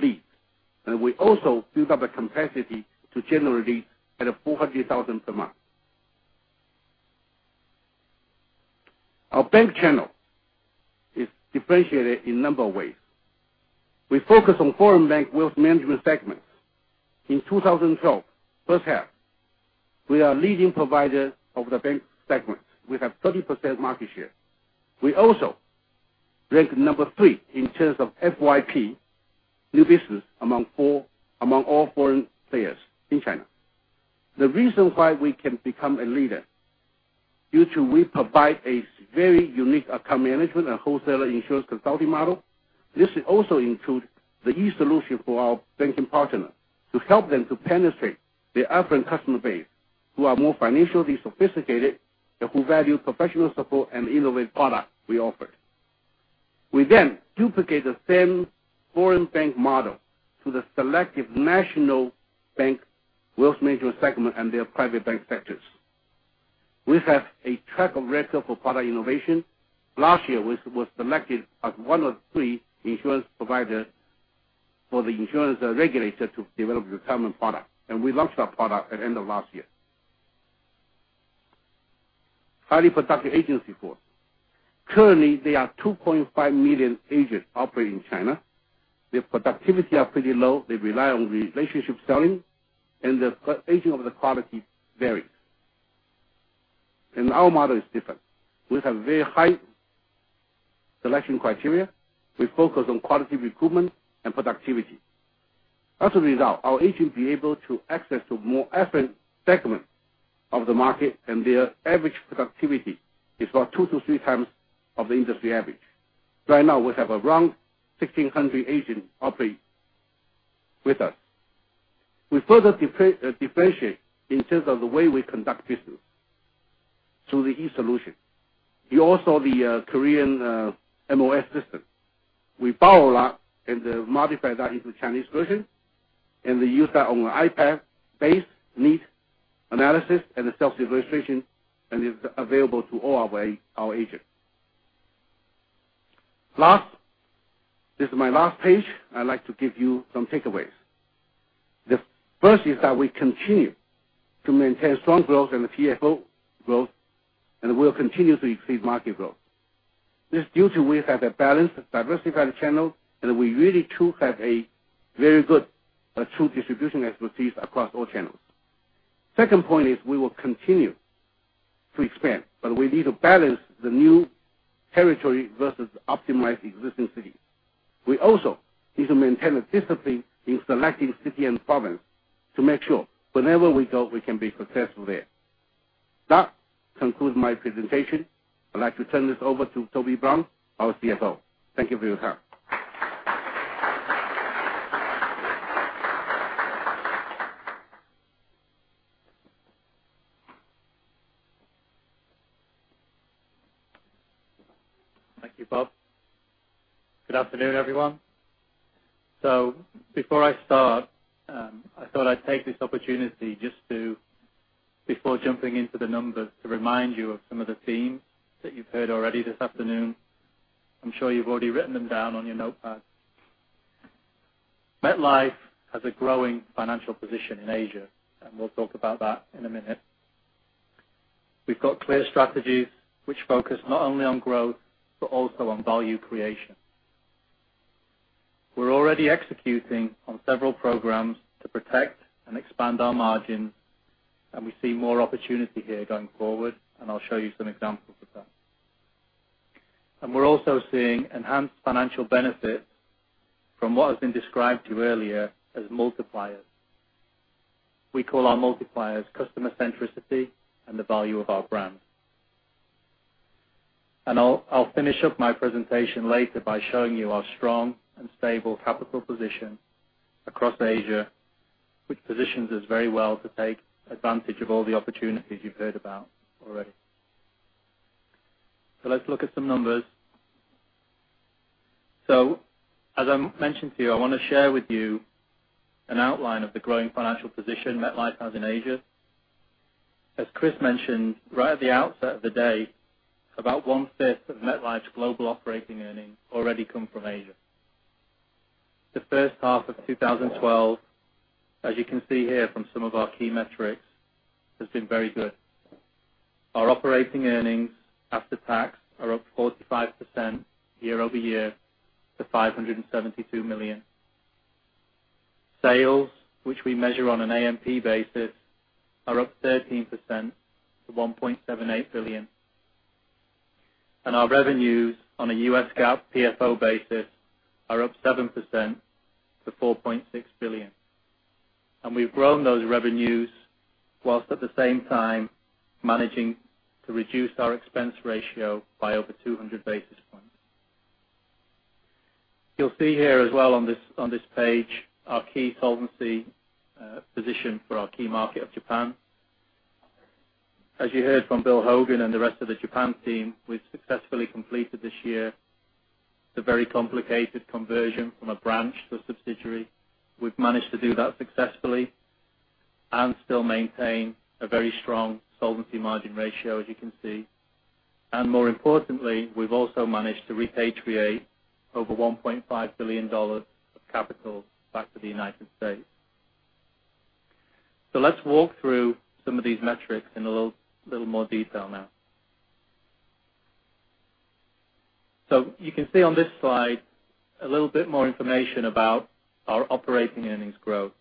leads, and we also build up a capacity to generate leads at 400,000 per month. Our bank channel is differentiated in a number of ways. We focus on foreign bank wealth management segments. In 2012 first half, we are leading provider of the bank segment. We have 30% market share. We also ranked number three in terms of FYP new business among all foreign players in China. The reason why we can become a leader due to we provide a very unique account management and wholesaler insurance consulting model. This also includes the e-solution for our banking partner to help them to penetrate the affluent customer base, who are more financially sophisticated and who value professional support and innovate product we offered. We duplicate the same foreign bank model to the selective national bank wealth management segment and their private bank sectors. We have a track record for product innovation. Last year, we were selected as one of three insurance providers for the insurance regulator to develop retirement products, and we launched our products at the end of last year. Highly productive agency force. Currently, there are 2.5 million agents operating in China. Their productivity is pretty low. They rely on relationship selling, and the agent of the quality varies. Our model is different. We have very high selection criteria. We focus on quality recruitment and productivity. As a result, our agents are able to access to more affluent segment of the market, and their average productivity is about two to three times of the industry average. Right now, we have around 1,600 agents operating with us. We further differentiate in terms of the way we conduct business through the e-solution. You all saw the Korean MOS system. Then modify that into Chinese version. They use that on an iPad-based needs analysis and self-registration, and is available to all our agents. Last, this is my last page. I'd like to give you some takeaways. The first is that we continue to maintain strong growth and CFO growth and will continue to exceed market growth. This is due to we have a balanced, diversified channel, and we really do have a very good true distribution expertise across all channels. Second point is we will continue to expand, but we need to balance the new territory versus optimizing existing cities. We also need to maintain discipline in selecting cities and provinces to make sure whenever we go, we can be successful there. That concludes my presentation. I'd like to turn this over to Toby Brown, our CFO. Thank you for your time. Thank you, Bob. Good afternoon, everyone. Before I start, I thought I'd take this opportunity just to, before jumping into the numbers, remind you of some of the themes that you've heard already this afternoon. I'm sure you've already written them down on your notepad. MetLife has a growing financial position in Asia, and we'll talk about that in a minute. We've got clear strategies which focus not only on growth but also on value creation. We're already executing on several programs to protect and expand our margins, and we see more opportunity here going forward, and I'll show you some examples of that. We're also seeing enhanced financial benefits from what has been described to you earlier as multipliers. We call our multipliers customer centricity and the value of our brand. I'll finish up my presentation later by showing you our strong and stable capital position across Asia, which positions us very well to take advantage of all the opportunities you've heard about already. Let's look at some numbers. As I mentioned to you, I want to share with you an outline of the growing financial position MetLife has in Asia. As Chris mentioned right at the outset of the day, about one-fifth of MetLife's global operating earnings already come from Asia. The first half of 2012, as you can see here from some of our key metrics, has been very good. Our operating earnings after tax are up 45% year-over-year to $572 million. Sales, which we measure on an AMP basis, are up 13% to $1.78 billion. Our revenues on a U.S. GAAP PFO basis are up 7% to $4.6 billion. We've grown those revenues whilst at the same time managing to reduce our expense ratio by over 200 basis points. You'll see here as well on this page, our key solvency position for our key market of Japan. As you heard from Bill Hogan and the rest of the Japan team, we've successfully completed this year the very complicated conversion from a branch to a subsidiary. We've managed to do that successfully and still maintain a very strong solvency margin ratio, as you can see. More importantly, we've also managed to repatriate over $1.5 billion of capital back to the United States. Let's walk through some of these metrics in a little more detail now. You can see on this slide a little bit more information about our operating earnings growth.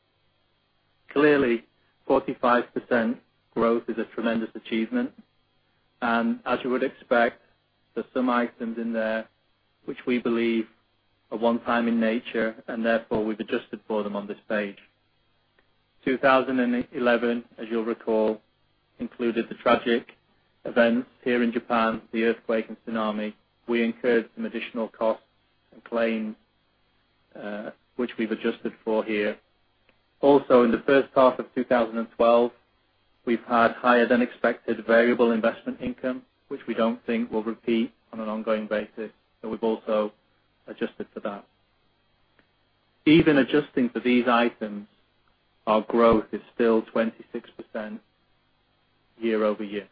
Clearly, 45% growth is a tremendous achievement. As you would expect, there's some items in there which we believe are one time in nature, and therefore we've adjusted for them on this page. 2011, as you'll recall, included the tragic events here in Japan, the earthquake and tsunami. We incurred some additional costs and claims, which we've adjusted for here. Also, in the first half of 2012, we've had higher than expected variable investment income, which we don't think will repeat on an ongoing basis, we've also adjusted for that. Even adjusting for these items, our growth is still 26% year-over-year.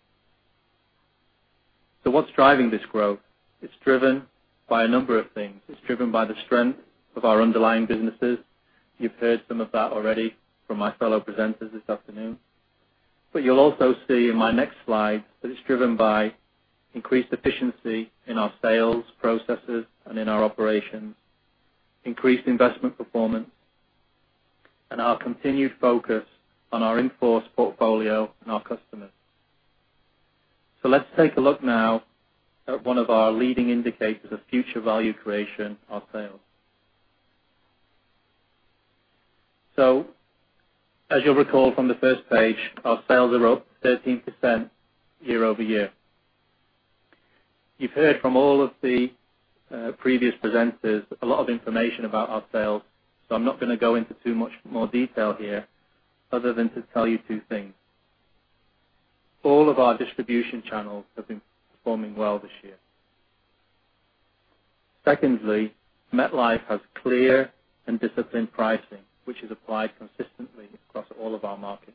What's driving this growth? It's driven by a number of things. It's driven by the strength of our underlying businesses. You've heard some of that already from my fellow presenters this afternoon. You'll also see in my next slide that it's driven by increased efficiency in our sales processes and in our operations, increased investment performance, and our continued focus on our in-force portfolio and our customers. Let's take a look now at one of our leading indicators of future value creation, our sales. As you'll recall from the first page, our sales are up 13% year-over-year. You've heard from all of the previous presenters, a lot of information about our sales, I'm not going to go into too much more detail here other than to tell you two things. All of our distribution channels have been performing well this year. Secondly, MetLife has clear and disciplined pricing, which is applied consistently across all of our markets.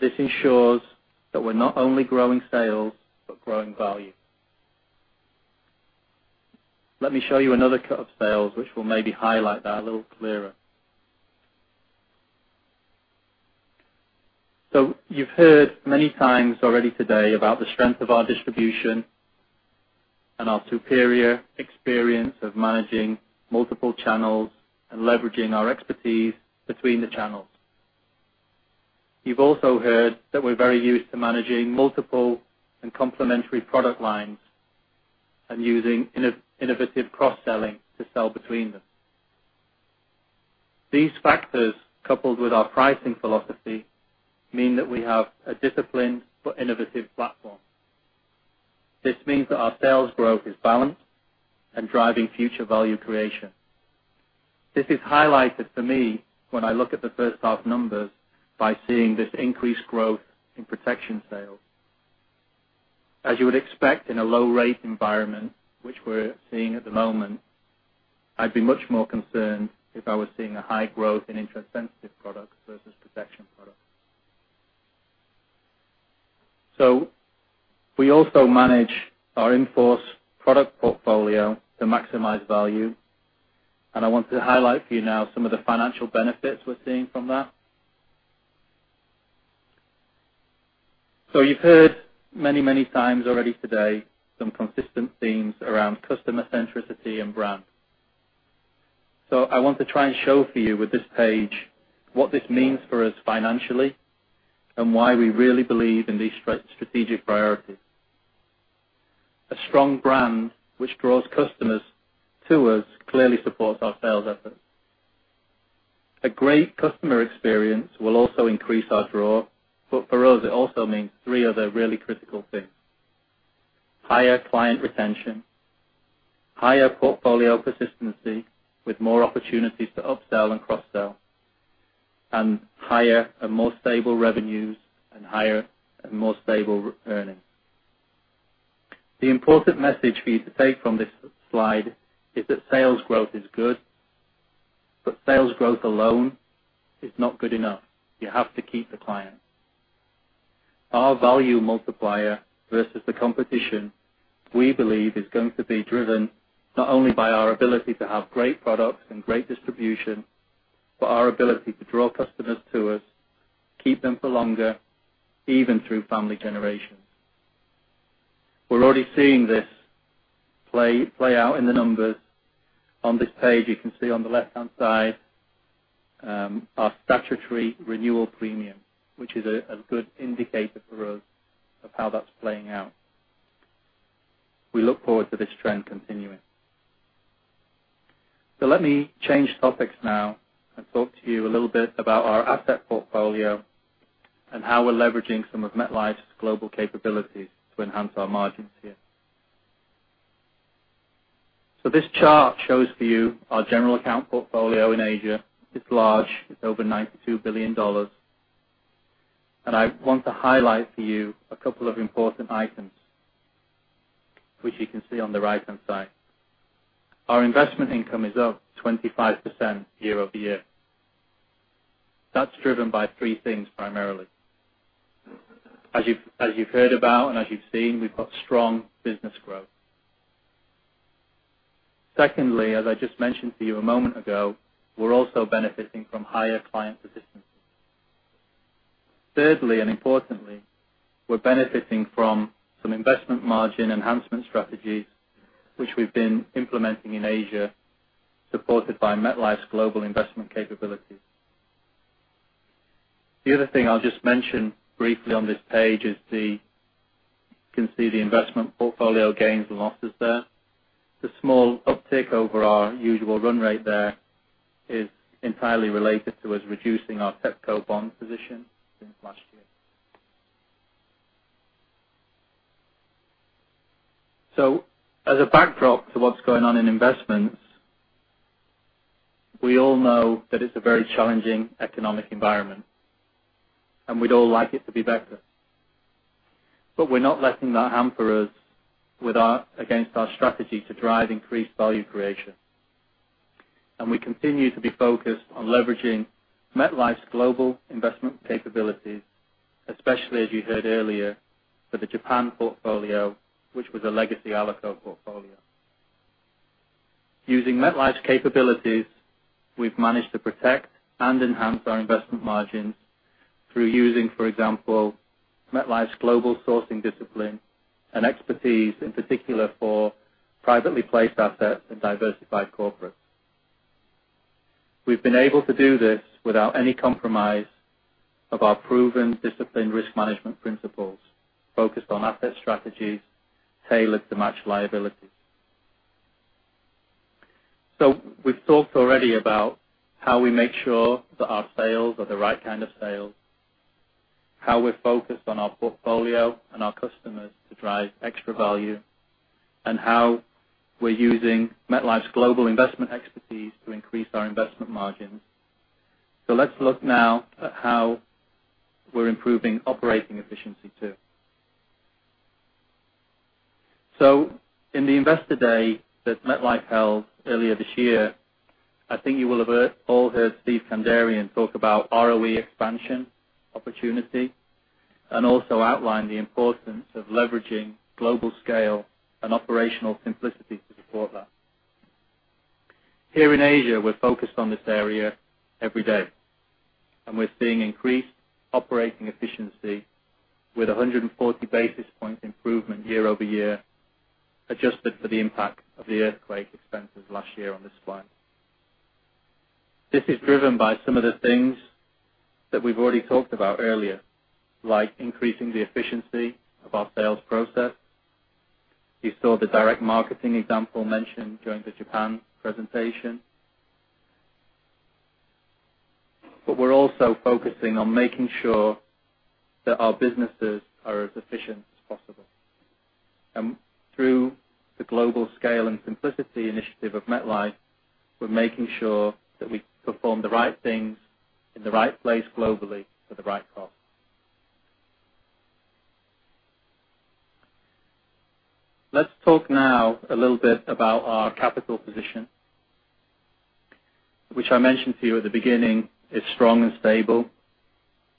This ensures that we're not only growing sales, but growing value. Let me show you another cut of sales, which will maybe highlight that a little clearer. You've heard many times already today about the strength of our distribution and our superior experience of managing multiple channels and leveraging our expertise between the channels. You've also heard that we're very used to managing multiple and complementary product lines and using innovative cross-selling to sell between them. These factors, coupled with our pricing philosophy, mean that we have a disciplined but innovative platform. This means that our sales growth is balanced and driving future value creation. This is highlighted for me when I look at the first half numbers by seeing this increased growth in protection sales. As you would expect in a low rate environment, which we're seeing at the moment, I'd be much more concerned if I was seeing a high growth in interest-sensitive products versus protection products. We also manage our in-force product portfolio to maximize value, and I want to highlight for you now some of the financial benefits we're seeing from that. You've heard many times already today some consistent themes around customer centricity and brand. I want to try and show for you with this page what this means for us financially and why we really believe in these strategic priorities. A strong brand which draws customers to us clearly supports our sales efforts. A great customer experience will also increase our draw, but for us, it also means three other really critical things. Higher client retention, higher portfolio persistency with more opportunities to upsell and cross-sell, and higher and more stable revenues, and higher and more stable earnings. The important message for you to take from this slide is that sales growth is good, but sales growth alone is not good enough. You have to keep the client. Our value multiplier versus the competition, we believe, is going to be driven not only by our ability to have great products and great distribution, but our ability to draw customers to us, keep them for longer, even through family generations. We're already seeing this play out in the numbers on this page. You can see on the left-hand side, our statutory renewal premium, which is a good indicator for us of how that's playing out. We look forward to this trend continuing. Let me change topics now and talk to you a little bit about our asset portfolio and how we're leveraging some of MetLife's global capabilities to enhance our margins here. This chart shows for you our general account portfolio in Asia. It's large. It's over $92 billion. I want to highlight for you a couple of important items, which you can see on the right-hand side. Our investment income is up 25% year-over-year. That's driven by three things primarily. As you've heard about and as you've seen, we've got strong business growth. Secondly, as I just mentioned to you a moment ago, we're also benefiting from higher client persistency. Thirdly, and importantly, we're benefiting from some investment margin enhancement strategies, which we've been implementing in Asia, supported by MetLife's global investment capabilities. Other thing I'll just mention briefly on this page is, you can see the investment portfolio gains and losses there. Small uptick over our usual run rate there is entirely related to us reducing our TEPCO bond position since last year. As a backdrop to what's going on in investments, we all know that it's a very challenging economic environment, and we'd all like it to be better. We're not letting that hamper us against our strategy to drive increased value creation. We continue to be focused on leveraging MetLife's global investment capabilities, especially as you heard earlier for the Japan portfolio, which was a legacy Alico portfolio. Using MetLife's capabilities, we've managed to protect and enhance our investment margins through using, for example, MetLife's global sourcing discipline and expertise, in particular for privately placed assets and diversified corporates. We've been able to do this without any compromise of our proven discipline risk management principles, focused on asset strategies tailored to match liabilities. We've talked already about how we make sure that our sales are the right kind of sales, how we're focused on our portfolio and our customers to drive extra value, and how we're using MetLife's global investment expertise to increase our investment margins. Let's look now at how we're improving operating efficiency too. In the Investor Day that MetLife held earlier this year, I think you will have all heard Steven Kandarian talk about ROE expansion opportunity and also outline the importance of leveraging Global Scale and Operational Simplicity to support that. Here in Asia, we're focused on this area every day, and we're seeing increased operating efficiency with 140 basis points improvement year-over-year, adjusted for the impact of the earthquake expenses last year on this slide. This is driven by some of the things that we've already talked about earlier, like increasing the efficiency of our sales process. You saw the direct marketing example mentioned during the Japan presentation. We're also focusing on making sure that our businesses are as efficient as possible. Through the Global Scale and Simplicity Initiative of MetLife, we're making sure that we perform the right things in the right place globally for the right cost. Let's talk now a little bit about our capital position, which I mentioned to you at the beginning, is strong and stable,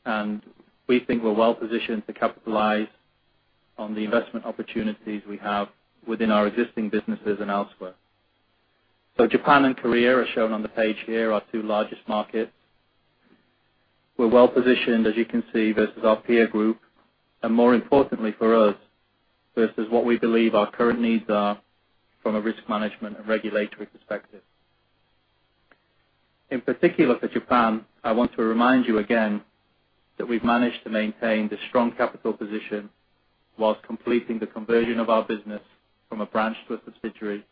and we think we're well positioned to capitalize on the investment opportunities we have within our existing businesses and elsewhere. Japan and Korea are shown on the page here, our two largest markets. We're well positioned, as you can see, versus our peer group, and more importantly for us, versus what we believe our current needs are from a risk management and regulatory perspective. In particular for Japan, I want to remind you again that we've managed to maintain this strong capital position whilst completing the conversion of our business from a branch to a subsidiary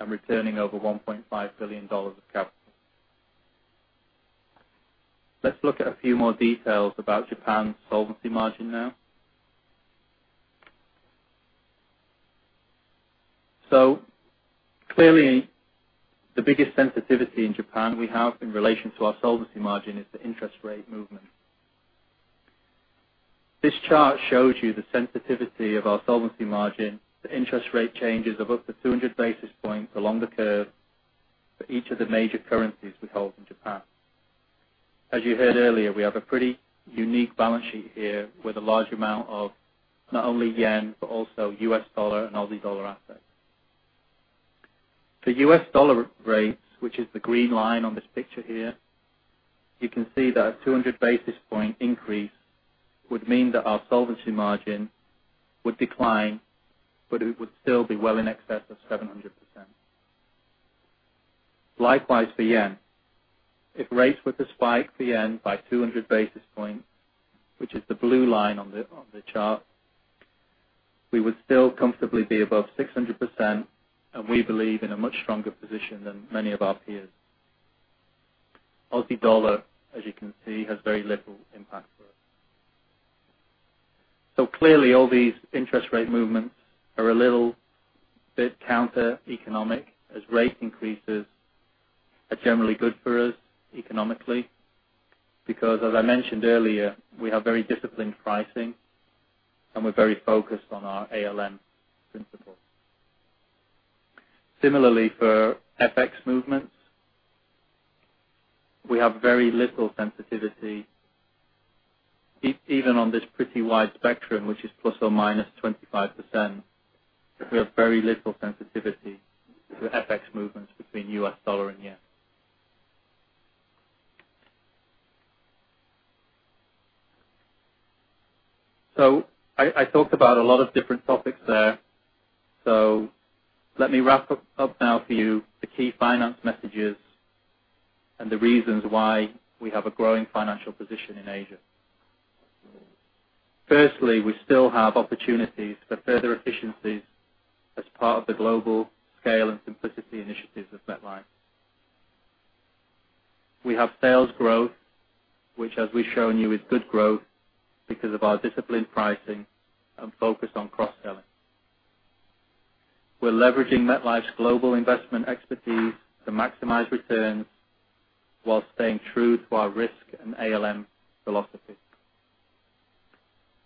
and returning over $1.5 billion of capital. Let's look at a few more details about Japan's solvency margin now. Clearly, the biggest sensitivity in Japan we have in relation to our solvency margin is the interest rate movement. This chart shows you the sensitivity of our solvency margin to interest rate changes of up to 200 basis points along the curve for each of the major currencies we hold in Japan. As you heard earlier, we have a pretty unique balance sheet here with a large amount of not only JPY, but also U.S. dollar and AUD assets. For U.S. dollar rates, which is the green line on this picture here, you can see that a 200 basis point increase would mean that our solvency margin would decline, but it would still be well in excess of 700%. Likewise for JPY. If rates were to spike the JPY by 200 basis points, which is the blue line on the chart, we would still comfortably be above 600%, and we believe in a much stronger position than many of our peers. AUD, as you can see, has very little impact for us. Clearly, all these interest rate movements are a little bit counter-economic, as rate increases are generally good for us economically because, as I mentioned earlier, we have very disciplined pricing, and we're very focused on our ALM principles. Similarly, for FX movements, we have very little sensitivity. Even on this pretty wide spectrum, which is ±25%, we have very little sensitivity to FX movements between U.S. dollar and JPY. I talked about a lot of different topics there. Let me wrap up now for you the key finance messages and the reasons why we have a growing financial position in Asia. Firstly, we still have opportunities for further efficiencies as part of the global scale and simplicity initiatives of MetLife. We have sales growth, which, as we've shown you, is good growth because of our disciplined pricing and focus on cross-selling. We're leveraging MetLife's global investment expertise to maximize returns while staying true to our risk and ALM philosophy.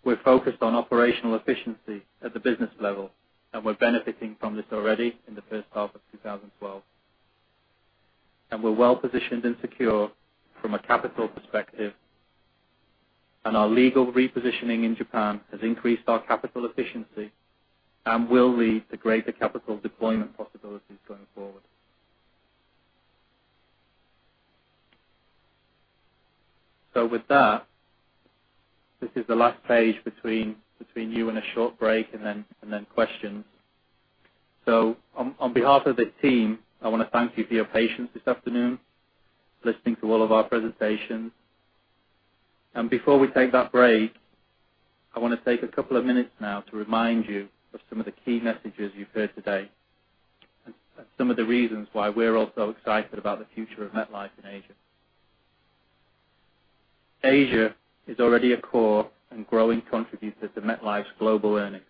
We're focused on operational efficiency at the business level, and we're benefiting from this already in the first half of 2012. We're well positioned and secure from a capital perspective, and our legal repositioning in Japan has increased our capital efficiency and will lead to greater capital deployment possibilities going forward. With that, this is the last page between you and a short break and then questions. On behalf of the team, I want to thank you for your patience this afternoon, listening to all of our presentations. Before we take that break, I want to take a couple of minutes now to remind you of some of the key messages you've heard today and some of the reasons why we're all so excited about the future of MetLife in Asia. Asia is already a core and growing contributor to MetLife's global earnings.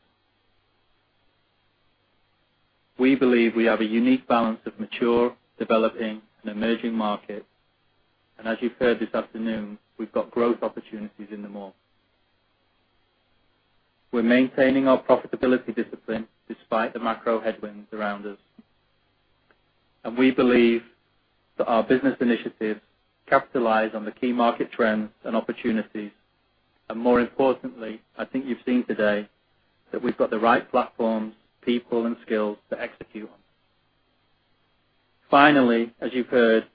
We believe we have a unique balance of mature, developing and emerging markets, and as you've heard this afternoon, we've got growth opportunities in them all. We're maintaining our profitability discipline despite the macro headwinds around us. We believe that our business initiatives capitalize on the key market trends and opportunities, and more importantly, I think you've seen today that we've got the right platforms, people, and skills to execute on. Finally, as you've heard,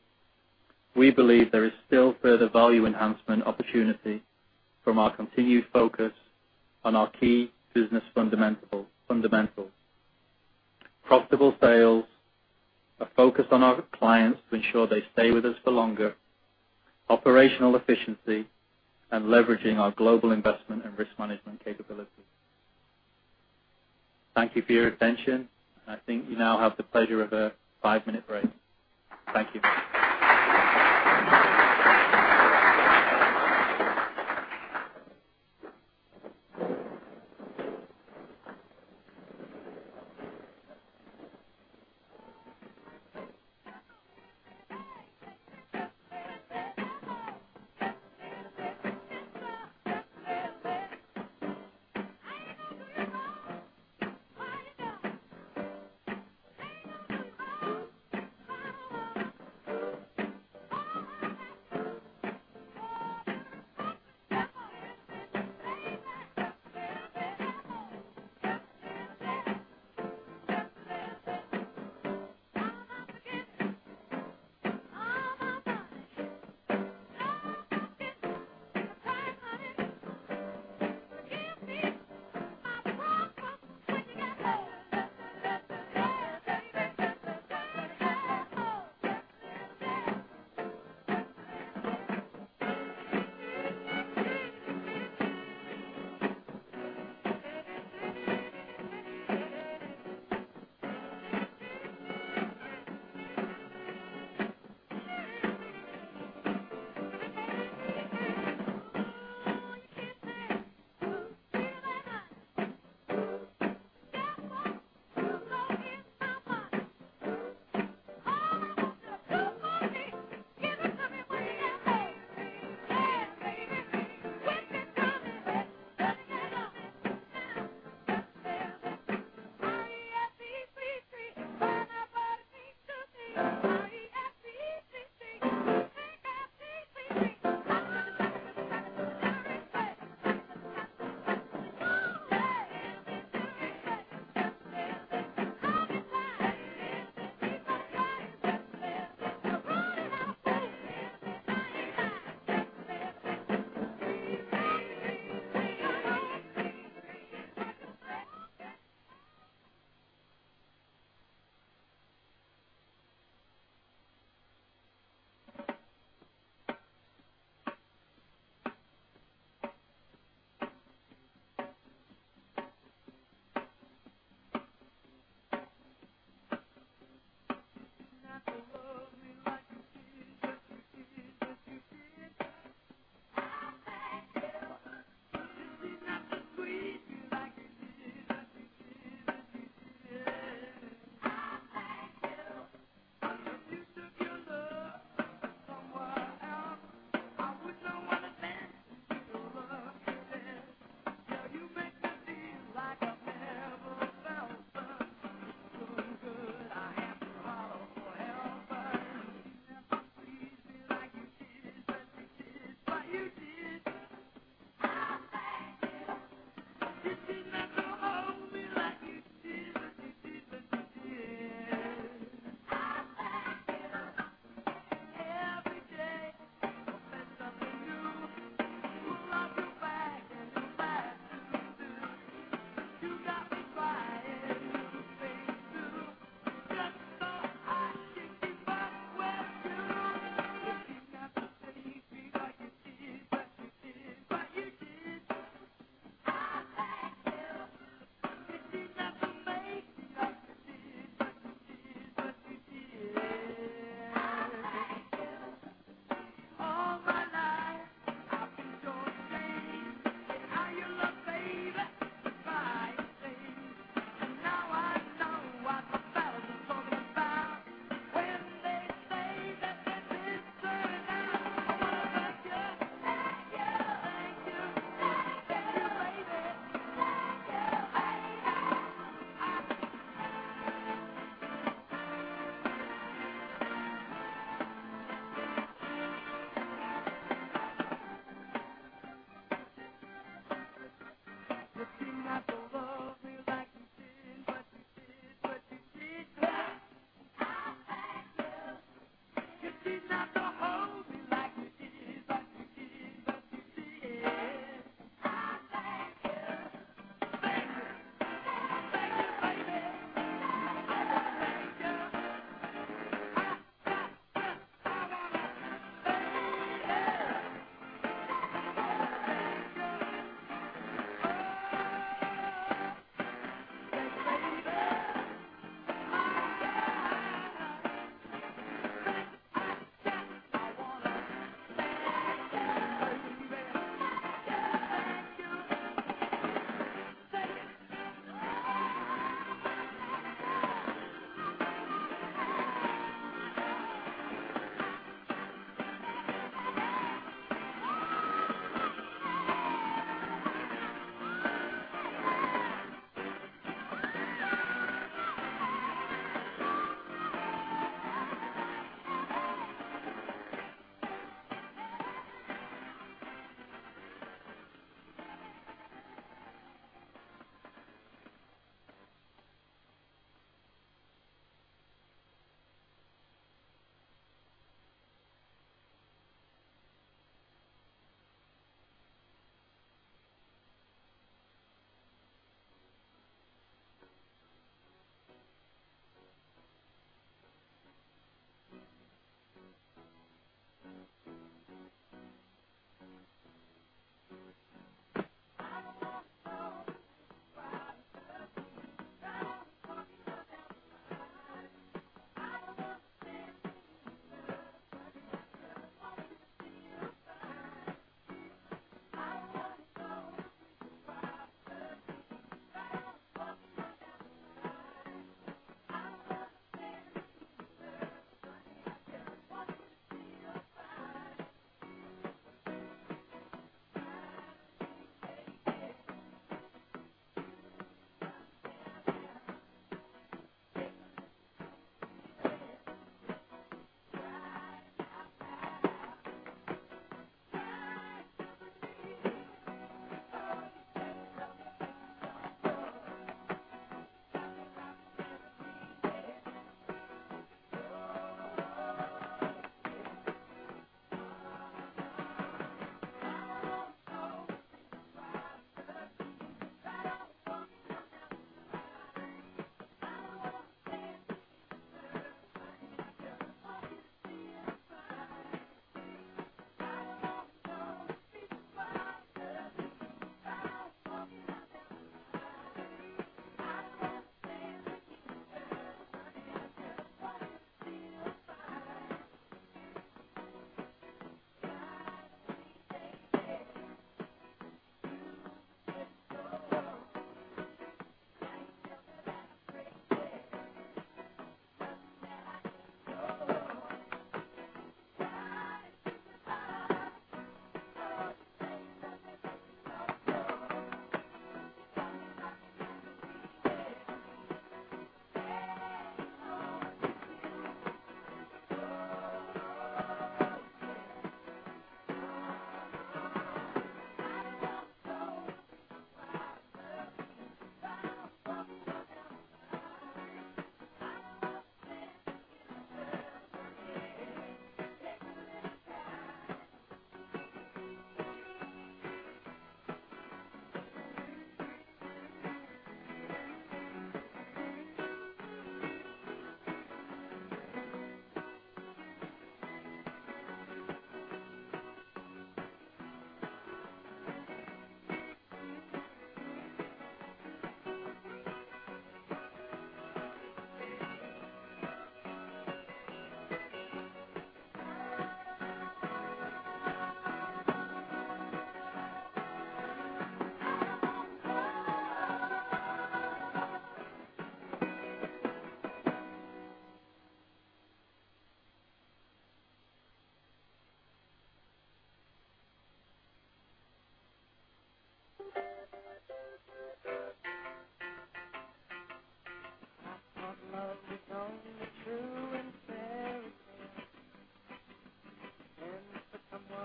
Thank you. Thank you. Thank you. Thank you, baby. Thank you, baby. If you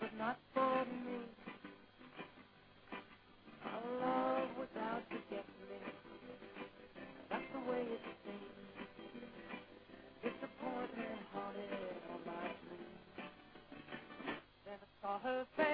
did not go hold me like you did, like you did, like you did. I thank you. If you did not go hold me like you did, like you did, like you did. I thank you. Thank you. Thank you, Bob Pei. Thank you. I said thank you. I wanna thank you. Thank you. I wanna thank you. Oh, thank you, baby. Oh, yeah. I wanna thank you, baby. Thank you. Thank you. Take it. I don't want to go with the crowd, love me. When you're out walking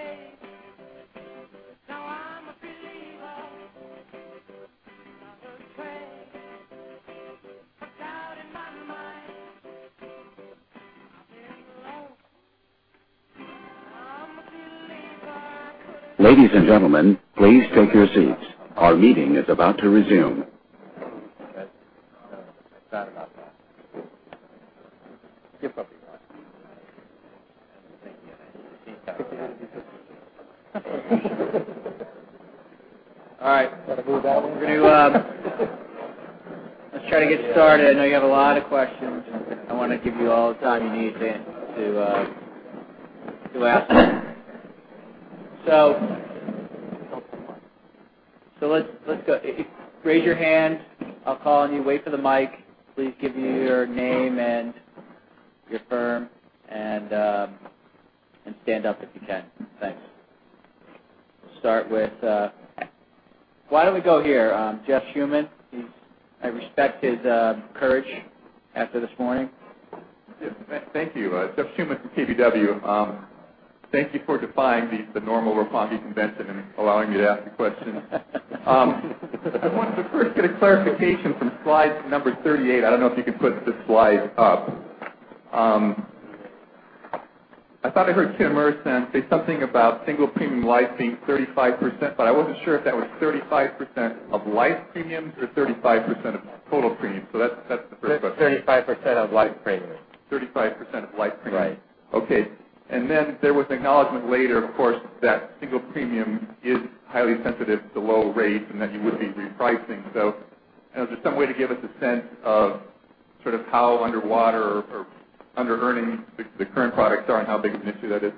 on down the line. I don't want to dance with another, honey. I just want you to be mine. I don't want to go with the crowd, love me. When you're out walking on down the line. I don't want to dance with another, honey. I just want you to be mine. Mine, baby. Just a little bit. Just a little bit. Ladies and gentlemen, please take your seats. Our meeting is about to resume. All right. Want to go with that one? We're going to try to get started. I know you have a lot of questions, and I want to give you all the time you need to ask them. Let's go. Raise your hand. I'll call on you. Wait for the mic. Please give me your name and your firm, and stand up if you can. Thanks. We'll start with Why don't we go here? Jeff Schuman. I respect his courage after this morning. Yes. Thank you. Jeff Schuman from KBW. Thank you for defying the normal Milwaukee convention and allowing me to ask a question. I wanted to first get a clarification from slide number 38. I don't know if you could put the slide up. I thought I heard Kitamura-san say something about single premium life being 35%, but I wasn't sure if that was 35% of life premiums or 35% of total premiums. That's the first question. 35% of life premiums. 35% of life premiums. Right. Okay. There was acknowledgment later, of course, that single premium is highly sensitive to low rates and that you would be repricing. Is there some way to give us a sense of how underwater or under-earning the current products are and how big of an issue that is?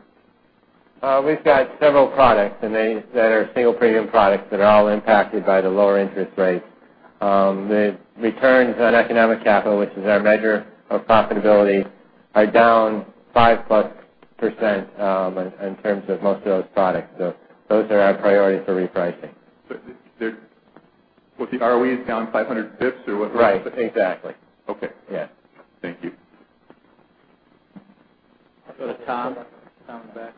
We've got several products that are single premium products that are all impacted by the lower interest rates. The returns on economic capital, which is our measure of profitability, are down 5%+ in terms of most of those products. Those are our priorities for repricing. Was the ROE down 500 basis points or what was it? Right, exactly. Okay. Yeah. Thank you. Go to Tom. Tom in the back.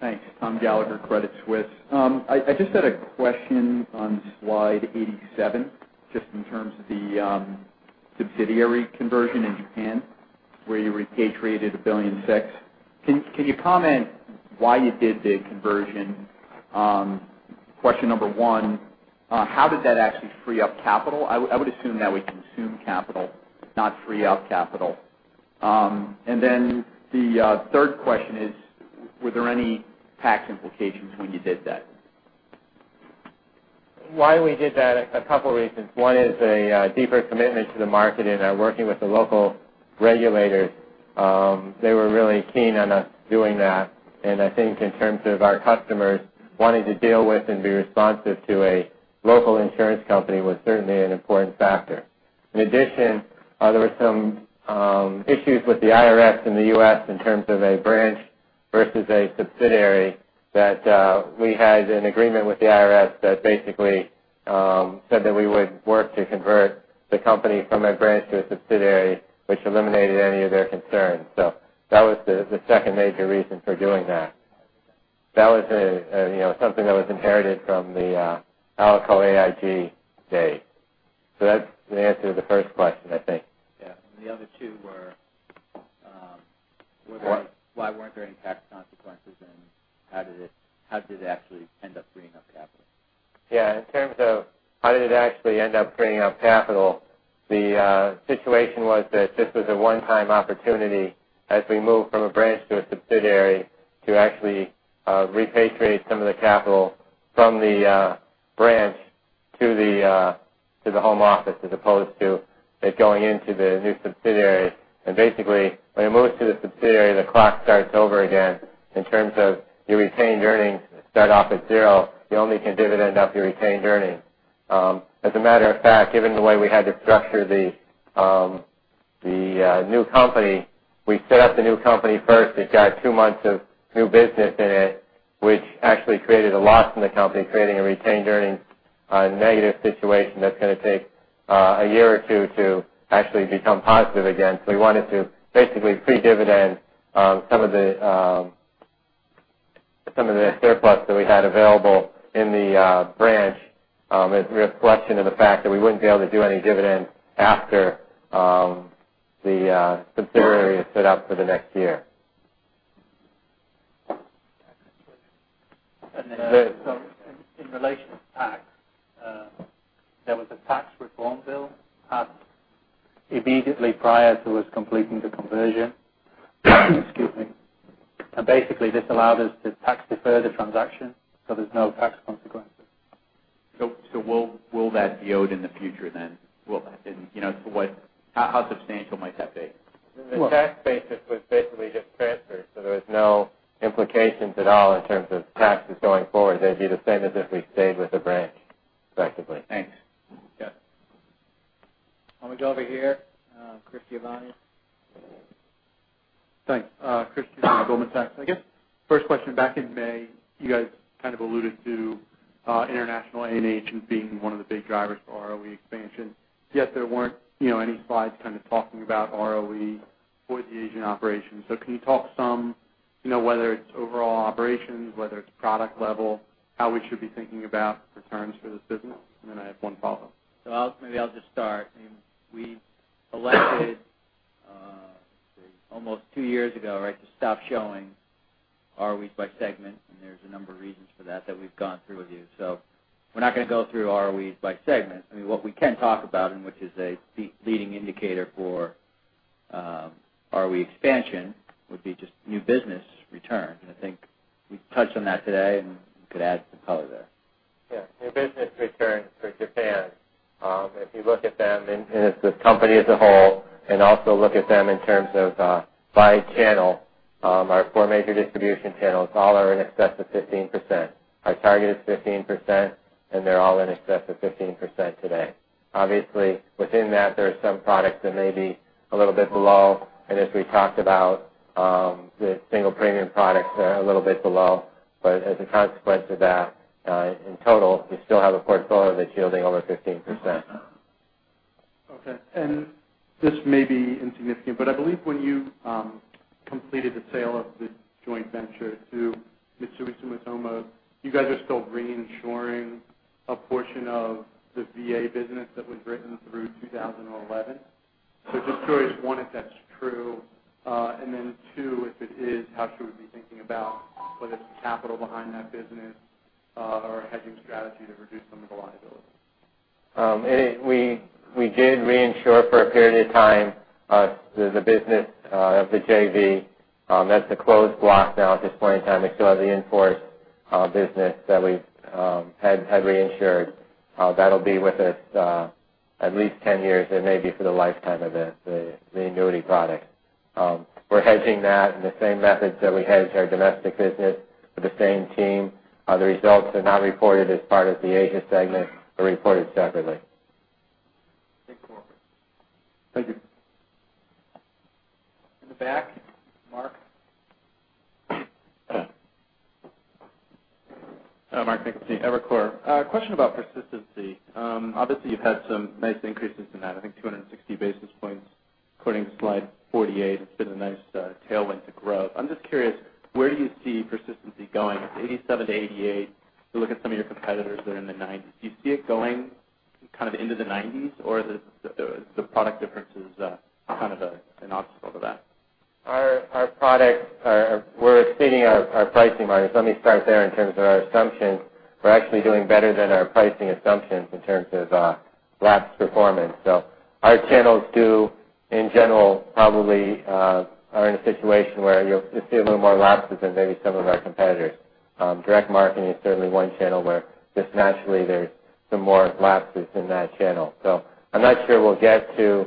Thanks. Thomas Gallagher, Credit Suisse. I just had a question on slide 87, just in terms of the subsidiary conversion in Japan, where you repatriated $1.6 billion. Can you comment why you did the conversion? Question number one, how did that actually free up capital? I would assume that would consume capital, not free up capital. The third question is, were there any tax implications when you did that? Why we did that, a couple reasons. One is a deeper commitment to the market and our working with the local regulators. They were really keen on us doing that, and I think in terms of our customers wanting to deal with and be responsive to a local insurance company was certainly an important factor. In addition, there were some issues with the IRS in the U.S. in terms of a branch versus a subsidiary that we had an agreement with the IRS that basically said that we would work to convert the company from a branch to a subsidiary, which eliminated any of their concerns. That was the second major reason for doing that. That was something that was inherited from the AIG days. That's the answer to the first question, I think. Yeah. The other two were why weren't there any tax consequences and how did it actually end up freeing up capital? Yeah. In terms of how did it actually end up freeing up capital, the situation was that this was a one-time opportunity as we moved from a branch to a subsidiary to actually repatriate some of the capital from the branch to the home office as opposed to it going into the new subsidiary. Basically, when it moves to the subsidiary, the clock starts over again in terms of your retained earnings start off at zero. You only can dividend up your retained earnings. As a matter of fact, given the way we had to structure the new company, we set up the new company first. It got two months of new business in it, which actually created a loss in the company, creating a retained earnings negative situation that's going to take a year or two to actually become positive again. We wanted to basically pre-dividend some of the surplus that we had available in the branch as reflection of the fact that we wouldn't be able to do any dividend after the subsidiary is set up for the next year. Yeah, that's good. In relation to tax, there was a tax reform bill passed immediately prior to us completing the conversion. Excuse me. This allowed us to tax-defer the transaction, so there is no tax consequences. Will that be owed in the future then? How substantial might that be? The tax basis was basically just transferred, so there was no implications at all in terms of taxes going forward. They'd be the same as if we'd stayed with a branch, effectively. Thanks. Yeah. Why don't we go over here, Christopher Giovanni? Thanks. Christopher Giovanni, Goldman Sachs. I guess first question, back in May, you guys kind of alluded to international A&H as being one of the big drivers for ROE expansion. Yet there weren't any slides kind of talking about ROE for the Asian operations. Can you talk some, whether it's overall operations, whether it's product level, how we should be thinking about returns for this business? I have one follow-up. Maybe I'll just start. We elected, let's see, almost two years ago, right, to stop showing ROEs by segment. There's a number of reasons for that that we've gone through with you. We're not going to go through ROEs by segment. What we can talk about, and which is a leading indicator for ROE expansion, would be just new business returns. I think we've touched on that today, and you could add some color there. Yeah. New business returns for Japan, if you look at them, and it's the company as a whole, and also look at them in terms of by channel, our four major distribution channels all are in excess of 15%. Our target is 15%, and they're all in excess of 15% today. Obviously, within that, there are some products that may be a little bit below. As we talked about, the single premium products are a little bit below. As a consequence of that, in total, we still have a portfolio that's yielding over 15%. Okay. This may be insignificant, but I believe when you completed the sale of the joint venture to Mitsui Sumitomo, you guys are still reinsuring a portion of the VA business that was written through 2011. Just curious, one, if that's true. Two, if it is, how should we be thinking about whether it's the capital behind that business or hedging strategy to reduce some of the liability? We did reinsure for a period of time the business of the JV. That's a closed block now at this point in time. We still have the in-force business that we had reinsured. That'll be with us at least 10 years, and maybe for the lifetime of the annuity product. We're hedging that in the same methods that we hedge our domestic business with the same team. The results are not reported as part of the Asia segment. They're reported separately. Thanks for offering. Thank you. In the back, Mark. Mark McKinney, Evercore. A question about persistency. Obviously, you've had some nice increases in that. I think 260 basis points according to slide 48. It's been a nice tailwind to growth. I'm just curious, where do you see persistency going? It's 87%-88%. You look at some of your competitors that are in the 90s. Do you see it going kind of into the 90s, or the product difference is kind of an obstacle to that? Our products, we're exceeding our pricing margins. Let me start there in terms of our assumptions. We're actually doing better than our pricing assumptions in terms of lapse performance. Our channels do, in general, probably are in a situation where you'll see a little more lapses than maybe some of our competitors. Direct marketing is certainly one channel where just naturally, there's some more lapses in that channel. I'm not sure we'll get to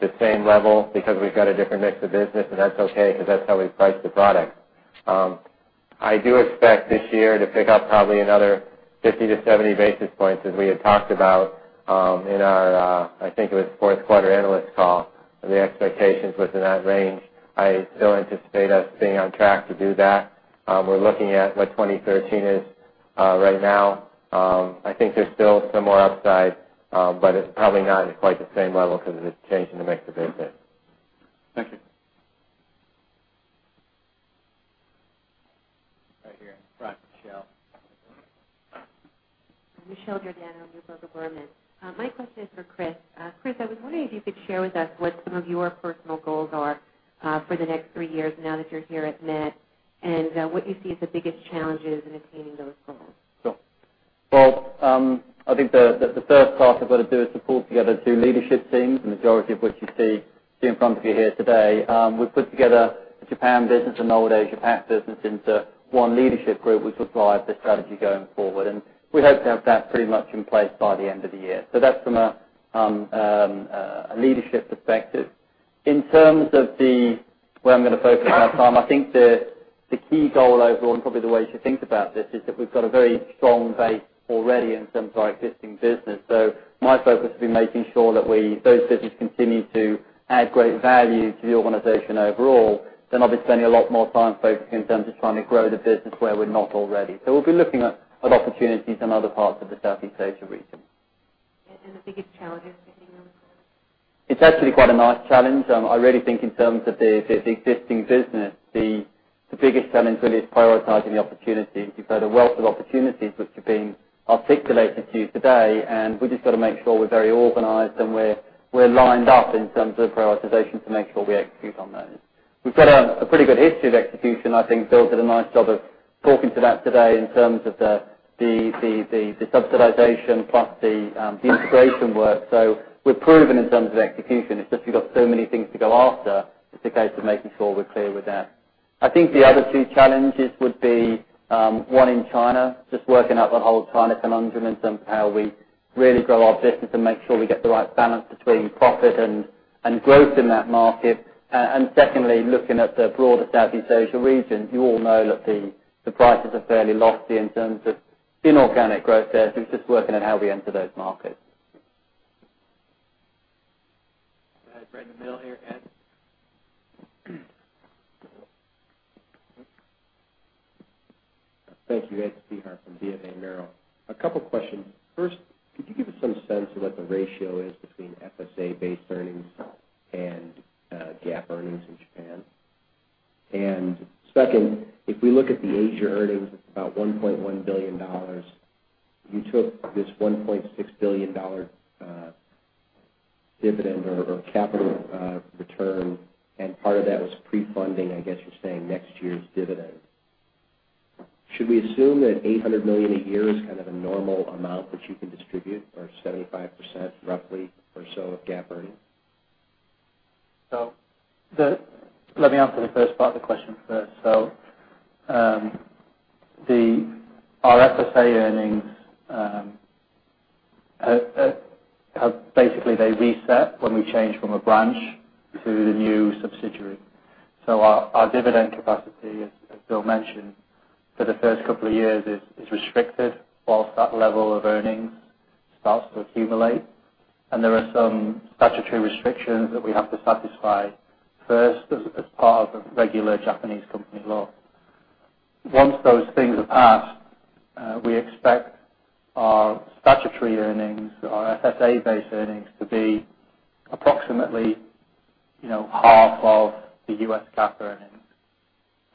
the same level because we've got a different mix of business, and that's okay because that's how we price the product. I do expect this year to pick up probably another 50 to 70 basis points as we had talked about in our, I think it was fourth quarter analyst call. The expectations within that range. I still anticipate us being on track to do that. We're looking at what 2013 is right now. I think there's still some more upside, but it's probably not at quite the same level because it's changing the mix a bit there. Thank you. Right here, in front. Michelle. Michelle Giordano with BofA-Merrill. My question is for Chris. Chris, I was wondering if you could share with us what some of your personal goals are for the next three years now that you're here at Met, and what you see as the biggest challenges in attaining those goals. Sure. Well, I think the first part of what I do is pull together two leadership teams, the majority of which you see in front of you here today. We've put together the Japan business and old Asia Pac business into one leadership group, which will drive the strategy going forward. We hope to have that pretty much in place by the end of the year. That's from a leadership perspective. In terms of where I'm going to focus my time, I think the key goal overall, and probably the way to think about this, is that we've got a very strong base already in terms of our existing business. My focus will be making sure that those businesses continue to add great value to the organization overall. I'll be spending a lot more time focusing in terms of trying to grow the business where we're not already. We'll be looking at opportunities in other parts of the Southeast Asia region. The biggest challenge is hitting those goals? It's actually quite a nice challenge. I really think in terms of the existing business, the biggest challenge really is prioritizing the opportunities. You've got a wealth of opportunities which are being articulated to you today, and we just got to make sure we're very organized and we're lined up in terms of prioritization to make sure we execute on those. We've got a pretty good history of execution. I think Bill did a nice job of talking to that today in terms of the subsidization plus the integration work. We're proven in terms of execution. It's just we've got so many things to go after. It's a case of making sure we're clear with that. I think the other two challenges would be, one in China, just working out the whole China conundrum in terms of how we really grow our business and make sure we get the right balance between profit and growth in that market. Secondly, looking at the broader Southeast Asia region. You all know that the prices are fairly lofty in terms of inorganic growth there, it's just working on how we enter those markets. Go ahead, right in the middle here. Ed? Thank you. Edward Spehar from BofA Merrill. A couple questions. First, could you give us some sense of what the ratio is between FSA-based earnings and GAAP earnings in Japan? Second, if we look at the Asia earnings, it's about $1.1 billion. You took this $1.6 billion dividend or capital return, and part of that was pre-funding, I guess you're saying, next year's dividend. Should we assume that $800 million a year is kind of a normal amount that you can distribute, or 75% roughly, or so of GAAP earnings? Let me answer the first part of the question first. Our FSA earnings, basically they reset when we change from a branch to the new subsidiary. Our dividend capacity, as Bill mentioned, for the first couple of years is restricted whilst that level of earnings starts to accumulate. There are some statutory restrictions that we have to satisfy first as part of regular Japanese company law. Once those things are passed, we expect our statutory earnings, our FSA-based earnings to be approximately half of the U.S. GAAP earnings.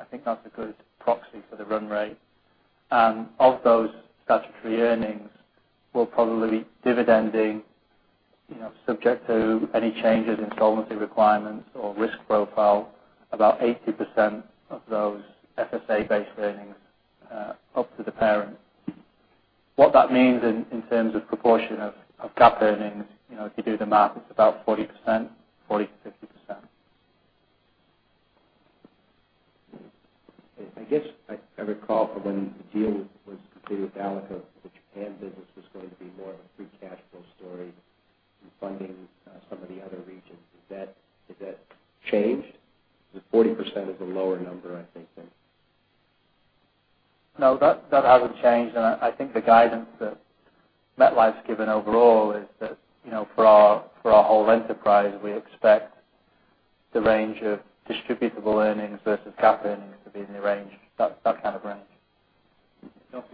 I think that's a good proxy for the run rate. Of those statutory earnings, we'll probably be dividending, subject to any changes in solvency requirements or risk profile, about 80% of those FSA-based earnings up to the parent. What that means in terms of proportion of GAAP earnings, if you do the math, it's about 40%, 40%-50%. I guess I recall from when the deal was completed with Alico, the Japan business was going to be more of a free cash flow story in funding some of the other regions. Has that changed? Because 40% is a lower number, I think, than No, that hasn't changed. I think the guidance that MetLife's given overall is that for our whole enterprise, we expect the range of distributable earnings versus GAAP earnings to be in the range, that kind of range. Don't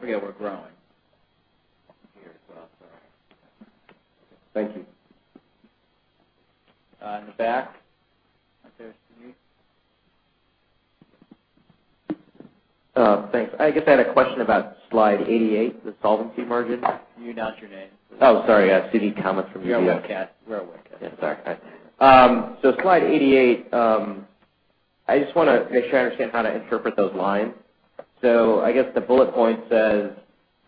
forget we're growing here as well. Thank you. In the back. Right there, Suneet. Thanks. I guess I had a question about slide 88, the solvency margin. Can you announce your name? Oh, sorry. Suneet Kamath from UBS. You're on webcast. We're on webcast. Yeah. Sorry. Slide 88, I just want to make sure I understand how to interpret those lines. I guess the bullet point says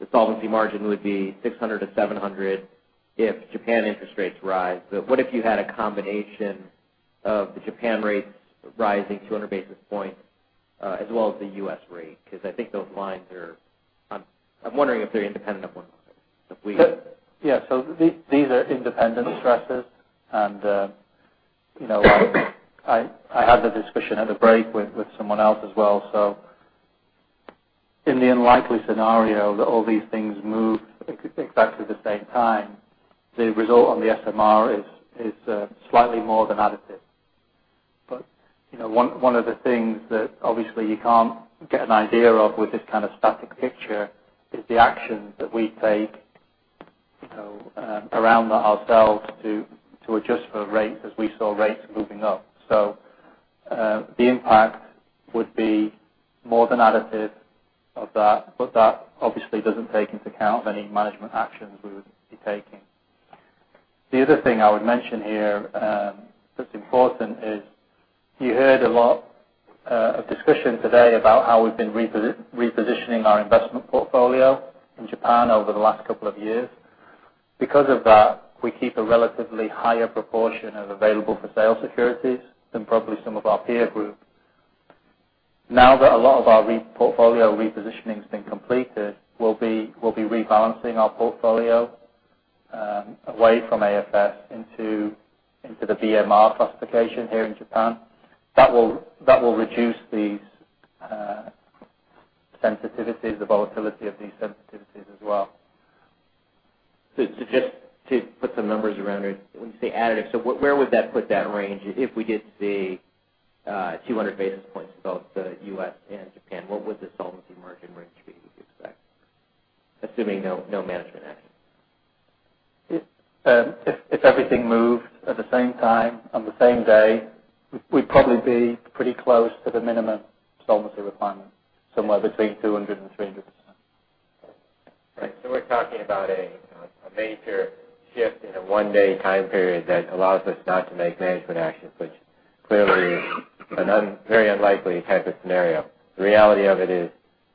the solvency margin would be 600 to 700 if Japan interest rates rise. What if you had a combination of the Japan rates rising 200 basis points, as well as the U.S. rate? I think those lines are I'm wondering if they're independent of one another. Yeah. These are independent stresses. I had the discussion at a break with someone else as well. In the unlikely scenario that all these things move exactly the same time, the result on the SMR is slightly more than additive. One of the things that obviously you can't get an idea of with this kind of static picture is the actions that we take around that ourselves to adjust for rates as we saw rates moving up. The impact would be more than additive of that, but that obviously doesn't take into account any management actions we would be taking. The other thing I would mention here that's important is you heard a lot of discussion today about how we've been repositioning our investment portfolio in Japan over the last couple of years. Because of that, we keep a relatively higher proportion of available-for-sale securities than probably some of our peer group. Now that a lot of our portfolio repositioning has been completed, we'll be rebalancing our portfolio away from AFS into the BMR classification here in Japan. That will reduce these sensitivities, the volatility of these sensitivities as well. Just to put some numbers around it, when you say additive, where would that put that range if we did see 200 basis points in both the U.S. and Japan? What would the solvency margin range be, would you expect? Assuming no management action. If everything moved at the same time on the same day, we'd probably be pretty close to the minimum solvency requirement, somewhere between 200%-300%. Right. We're talking about a major shift in a one-day time period that allows us not to make management actions, which clearly is a very unlikely type of scenario. The reality of it is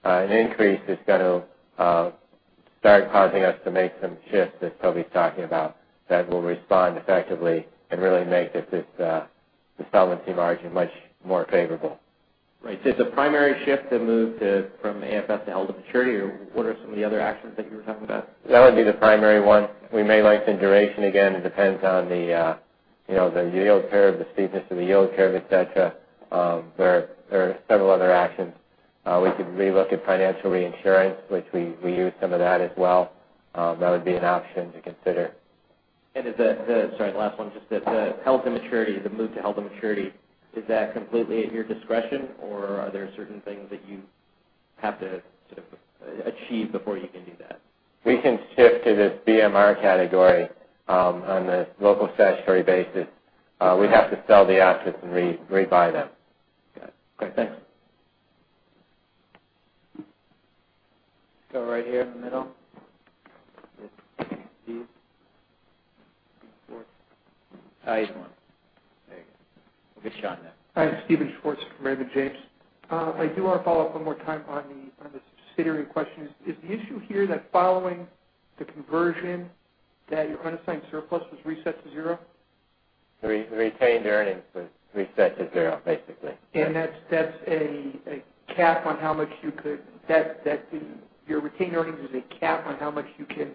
an increase is going to start causing us to make some shifts, as Toby's talking about, that will respond effectively and really make the solvency margin much more favorable. Right. It's a primary shift to move from AFS to held-to-maturity, or what are some of the other actions that you were talking about? That would be the primary one. We may lengthen duration again. It depends on the yield curve, the steepness of the yield curve, et cetera. There are several other actions. We could relook at financial reinsurance, which we use some of that as well. That would be an option to consider. Is the, sorry, last one, just the held-to-maturity, the move to held-to-maturity, is that completely at your discretion, or are there certain things that you have to sort of achieve before you can do that? We can shift to this BMR category on a local statutory basis. We'd have to sell the assets and rebuy them. Got it. Okay, thanks. Let's go right here in the middle. Steven Schwartz. This one. There you go. We'll get Sean now. Hi, I'm Steven Schwartz from Raymond James. I do want to follow up one more time on the statutory question. Is the issue here that following the conversion, that your unassigned surplus was reset to zero? The retained earnings was reset to zero, basically. That's a cap on how much. Your retained earnings is a cap on how much you can?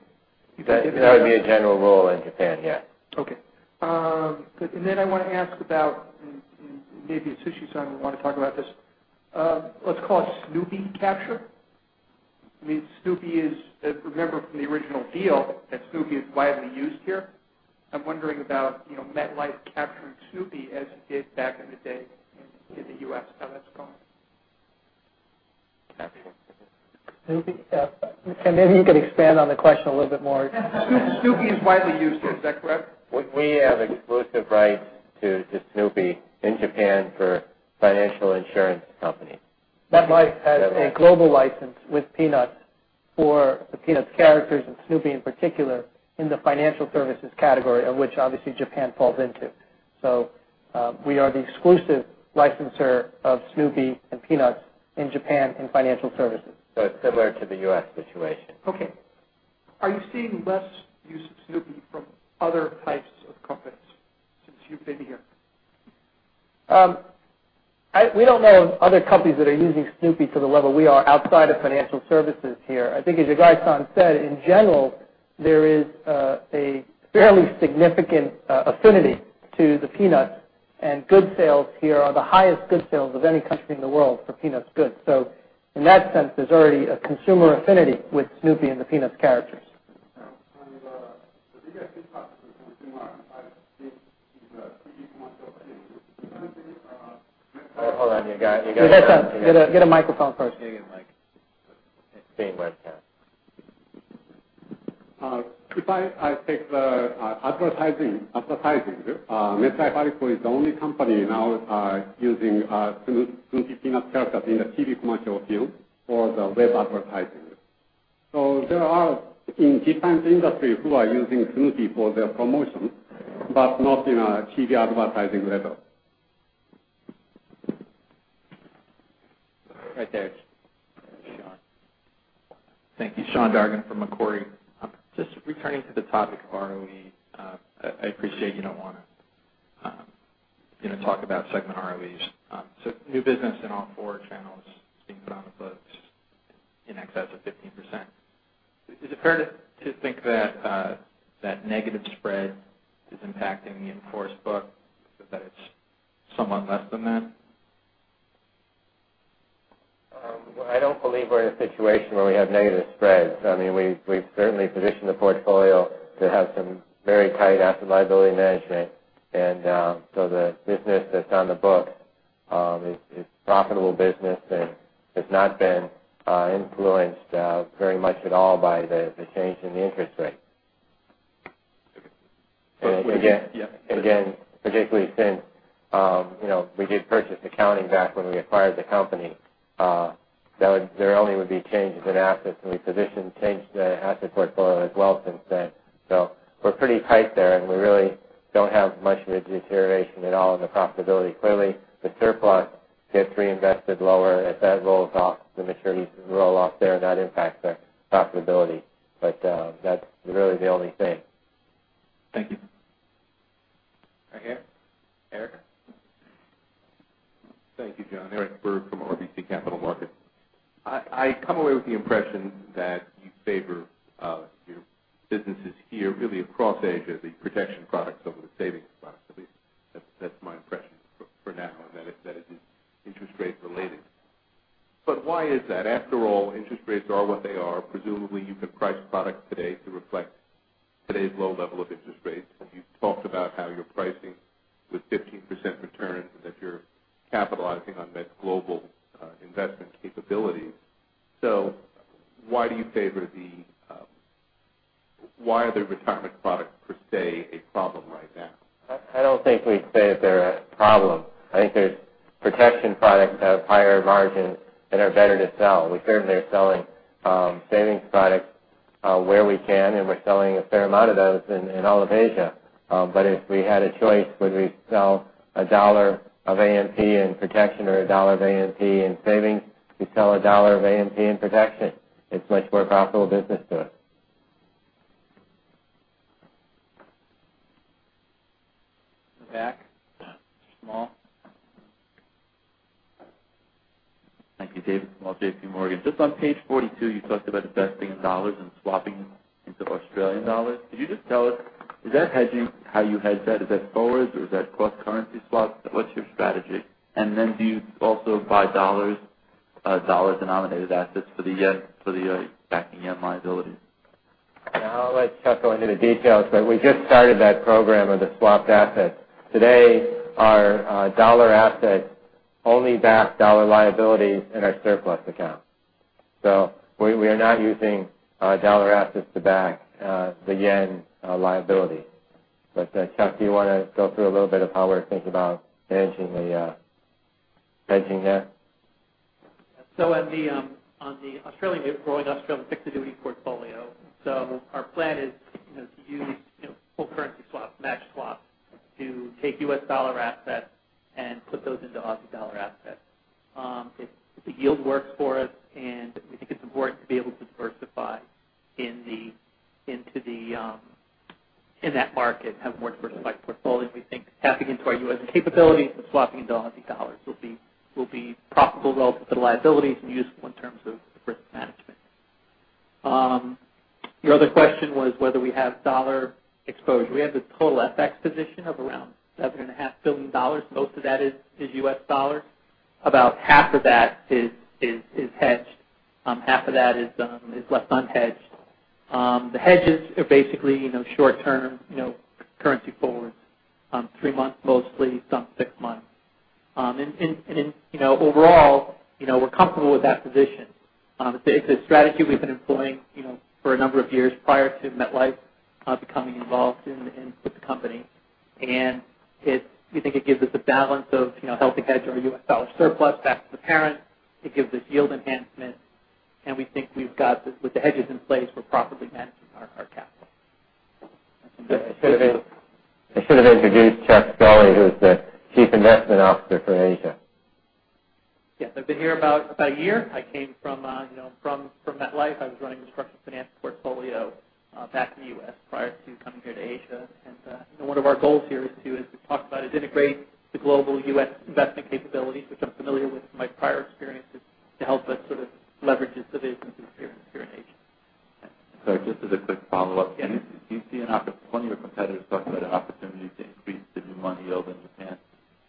That would be a general rule in Japan, yeah. Okay. Good. I want to ask about, and maybe Tsutsui-san will want to talk about this. Let's call it Snoopy capture. I mean, remember from the original deal that Snoopy is widely used here. I'm wondering about MetLife capturing Snoopy as you did back in the day in the U.S., how that's going. Snoopy? Yeah. Maybe you could expand on the question a little bit more. Snoopy is widely used here. Is that correct? We have exclusive rights to Snoopy in Japan for financial insurance companies. MetLife has a global license with Peanuts for the Peanuts characters, and Snoopy in particular, in the financial services category, of which obviously Japan falls into. We are the exclusive licensor of Snoopy and Peanuts in Japan in financial services. It's similar to the U.S. situation. Okay. Are you seeing less use of Snoopy from other types of companies since you've been here? We don't know of other companies that are using Snoopy to the level we are outside of financial services here. I think as Yagai-san said, in general, there is a fairly significant affinity to the Peanuts, and goods sales here are the highest goods sales of any country in the world for Peanuts goods. In that sense, there's already a consumer affinity with Snoopy and the Peanuts characters. We got feedback from someone saying they can't hear you. Can you speak into the microphone? Hold on. Get a microphone first. Give him the mic. Same webcast. I take the advertising, MetLife is the only company now using Snoopy Peanuts characters in the TV commercial field for the web advertising. There are in different industry who are using Snoopy for their promotion, but not in a TV advertising level. Right there. Sean. Thank you. Sean Dargan from Macquarie. Just returning to the topic of ROE. I appreciate you don't want to talk about segment ROEs. New business in all four channels is being put on the books. In excess of 15%. Is it fair to think that negative spread is impacting the in-force book, but that it's somewhat less than that? I don't believe we're in a situation where we have negative spreads. We've certainly positioned the portfolio to have some very tight asset liability management. The business that's on the book is profitable business, and has not been influenced very much at all by the change in the interest rate. Okay. Again, particularly since we did purchase accounting back when we acquired the company. There only would be changes in assets, and we changed the asset portfolio as well since then. We're pretty tight there, and we really don't have much of a deterioration at all in the profitability. Clearly, the surplus gets reinvested lower. As that rolls off, the maturities roll off there, and that impacts our profitability. That's really the only thing. Thank you. Right here. Eric? Thank you, John. Eric Berg from RBC Capital Markets. I come away with the impression that you favor your businesses here, really across Asia, the protection products over the savings products. At least that's my impression for now, and that is interest rate related. Why is that? After all, interest rates are what they are. Presumably, you can price products today to reflect today's low level of interest rates. You've talked about how your pricing with 15% returns and that you're capitalizing on that global investment capability. Why are the retirement products, per se, a problem right now? I don't think we'd say they're a problem. I think the protection products have higher margins and are better to sell. We're certainly selling savings products where we can, and we're selling a fair amount of those in all of Asia. If we had a choice, would we sell a dollar of AMP in protection or a dollar of AMP in savings? We'd sell a dollar of AMP in protection. It's much more profitable business to us. In the back. Small. Thank you. David Small, JPMorgan. On page 42, you talked about investing in $ and swapping into AUD. Could you just tell us, is that how you hedge that? Is that forwards or is that cross-currency swaps? What's your strategy? Do you also buy $ denominated assets for the backing JPY liability? I'll let Chuck go into the details, we just started that program of the swapped assets. Today, our $ assets only back $ liabilities in our surplus account. We are not using $ assets to back the JPY liability. Chuck, do you want to go through a little bit of how we're thinking about managing the hedging there? On the growing Australian fixed income portfolio, our plan is to use full currency swap, match swap to take U.S. $ assets and put those into AUD assets. If the yield works for us and we think it's important to be able to diversify in that market, have a more diversified portfolio, we think tapping into our U.S. capabilities and swapping into AUD will be profitable relative to the liabilities and useful in terms of risk management. Your other question was whether we have $ exposure. We have a total FX position of around $7.5 billion. Most of that is U.S. $. About half of that is hedged. Half of that is left unhedged. The hedges are basically short-term currency forwards. Three months mostly, some six months. Overall, we're comfortable with that position. It's a strategy we've been employing for a number of years prior to MetLife becoming involved in the company. We think it gives us a balance of helping hedge our U.S. $ surplus back to the parent. It gives us yield enhancement, we think with the hedges in place, we're properly managing our capital. I should have introduced Charles Scully, who is the Chief Investment Officer for Asia. Yes, I've been here about a year. I came from MetLife. I was running the structured finance portfolio back in the U.S. prior to coming here to Asia. One of our goals here is to, as we've talked about, is integrate the global U.S. investment capabilities, which I'm familiar with from my prior experiences, to help us sort of leverage the citizens' experience here in Asia. Sorry, just as a quick follow-up. Plenty of competitors talk about an opportunity to increase the new money yield in Japan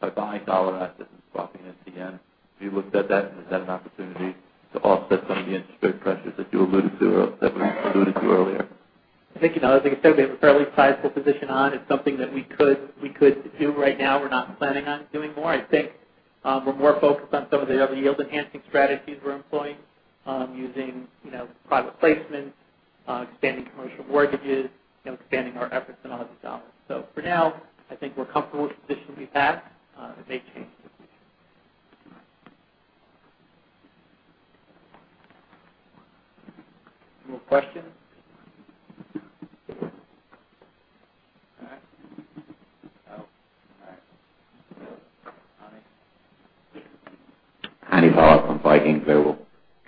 by buying U.S. dollar assets and swapping into JPY. Have you looked at that, and is that an opportunity to offset some of the interest rate pressures that you alluded to earlier? I think, as I said, we have a fairly sizable position on. It's something that we could do right now. We're not planning on doing more. I think we're more focused on some of the other yield-enhancing strategies we're employing using private placements, expanding commercial mortgages, expanding our efforts in AUD. For now, I think we're comfortable with the position we have. It may change. Any more questions? All right. Oh, all right. Honey. Honey Park from Viking Global.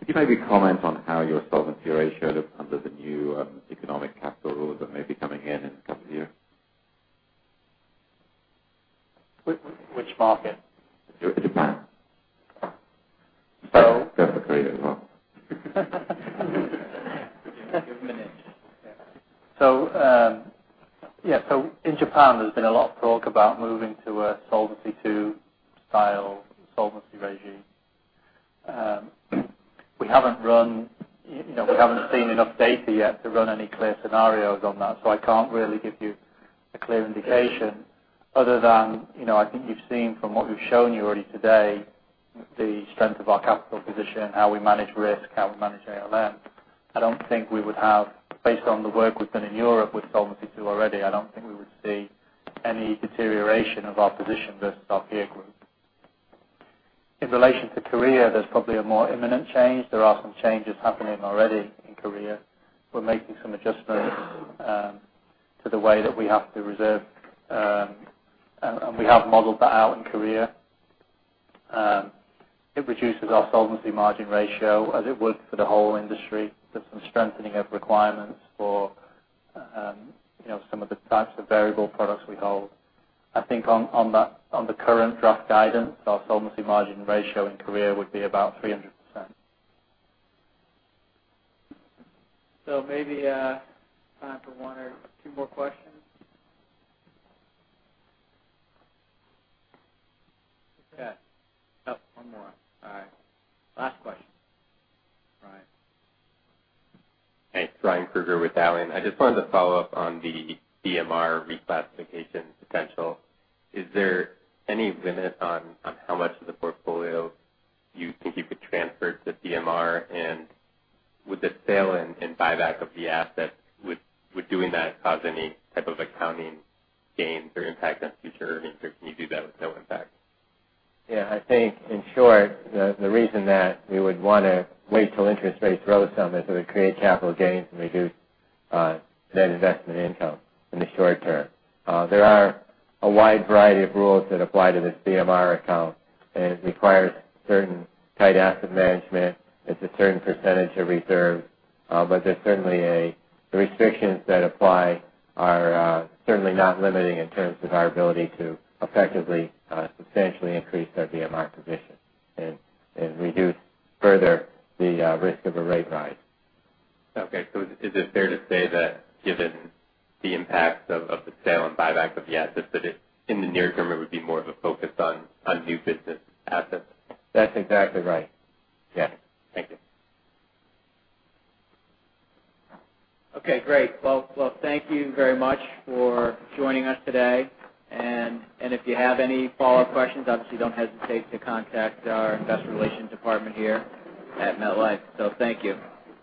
Could you maybe comment on how your solvency ratio looked under the new economic capital rules that may be coming in a couple of years? Which market? Japan. So- Go for Korea as well. You have a minute. In Japan, there's been a lot of talk about moving to a Solvency II style solvency regime. We haven't seen enough data yet to run any clear scenarios on that, so I can't really give you a clear indication other than, I think you've seen from what we've shown you already today, the strength of our capital position, how we manage risk, how we manage ALM. I don't think we would have, based on the work we've done in Europe with Solvency II already, I don't think we would see any deterioration of our position versus our peer group. In relation to Korea, there's probably a more imminent change. There are some changes happening already in Korea. We're making some adjustments to the way that we have to reserve. We have modeled that out in Korea. It reduces our solvency margin ratio, as it would for the whole industry. There's some strengthening of requirements for some of the types of variable products we hold. I think on the current draft guidance, our solvency margin ratio in Korea would be about 300%. Maybe time for one or two more questions. Okay. Oh, one more. All right. Last question. Ryan. Thanks. Ryan Krueger with Dowling. I just wanted to follow up on the BMR reclassification potential. Is there any limit on how much of the portfolio you think you could transfer to BMR? Would the sale and buyback of the asset, would doing that cause any type of accounting gains or impact on future earnings, or can you do that with no impact? Yeah. I think, in short, the reason that we would want to wait till interest rates rose some is so we create capital gains and reduce net investment income in the short term. There are a wide variety of rules that apply to this BMR account, and it requires certain tight asset management. It's a certain percentage of reserves. The restrictions that apply are certainly not limiting in terms of our ability to effectively, substantially increase our BMR position and reduce further the risk of a rate rise. Okay. Is it fair to say that given the impact of the sale and buyback of the assets, that in the near term, it would be more of a focus on new business assets? That's exactly right. Yeah. Thank you. Okay, great. Well, thank you very much for joining us today. If you have any follow-up questions, obviously, don't hesitate to contact our investor relations department here at MetLife. Thank you.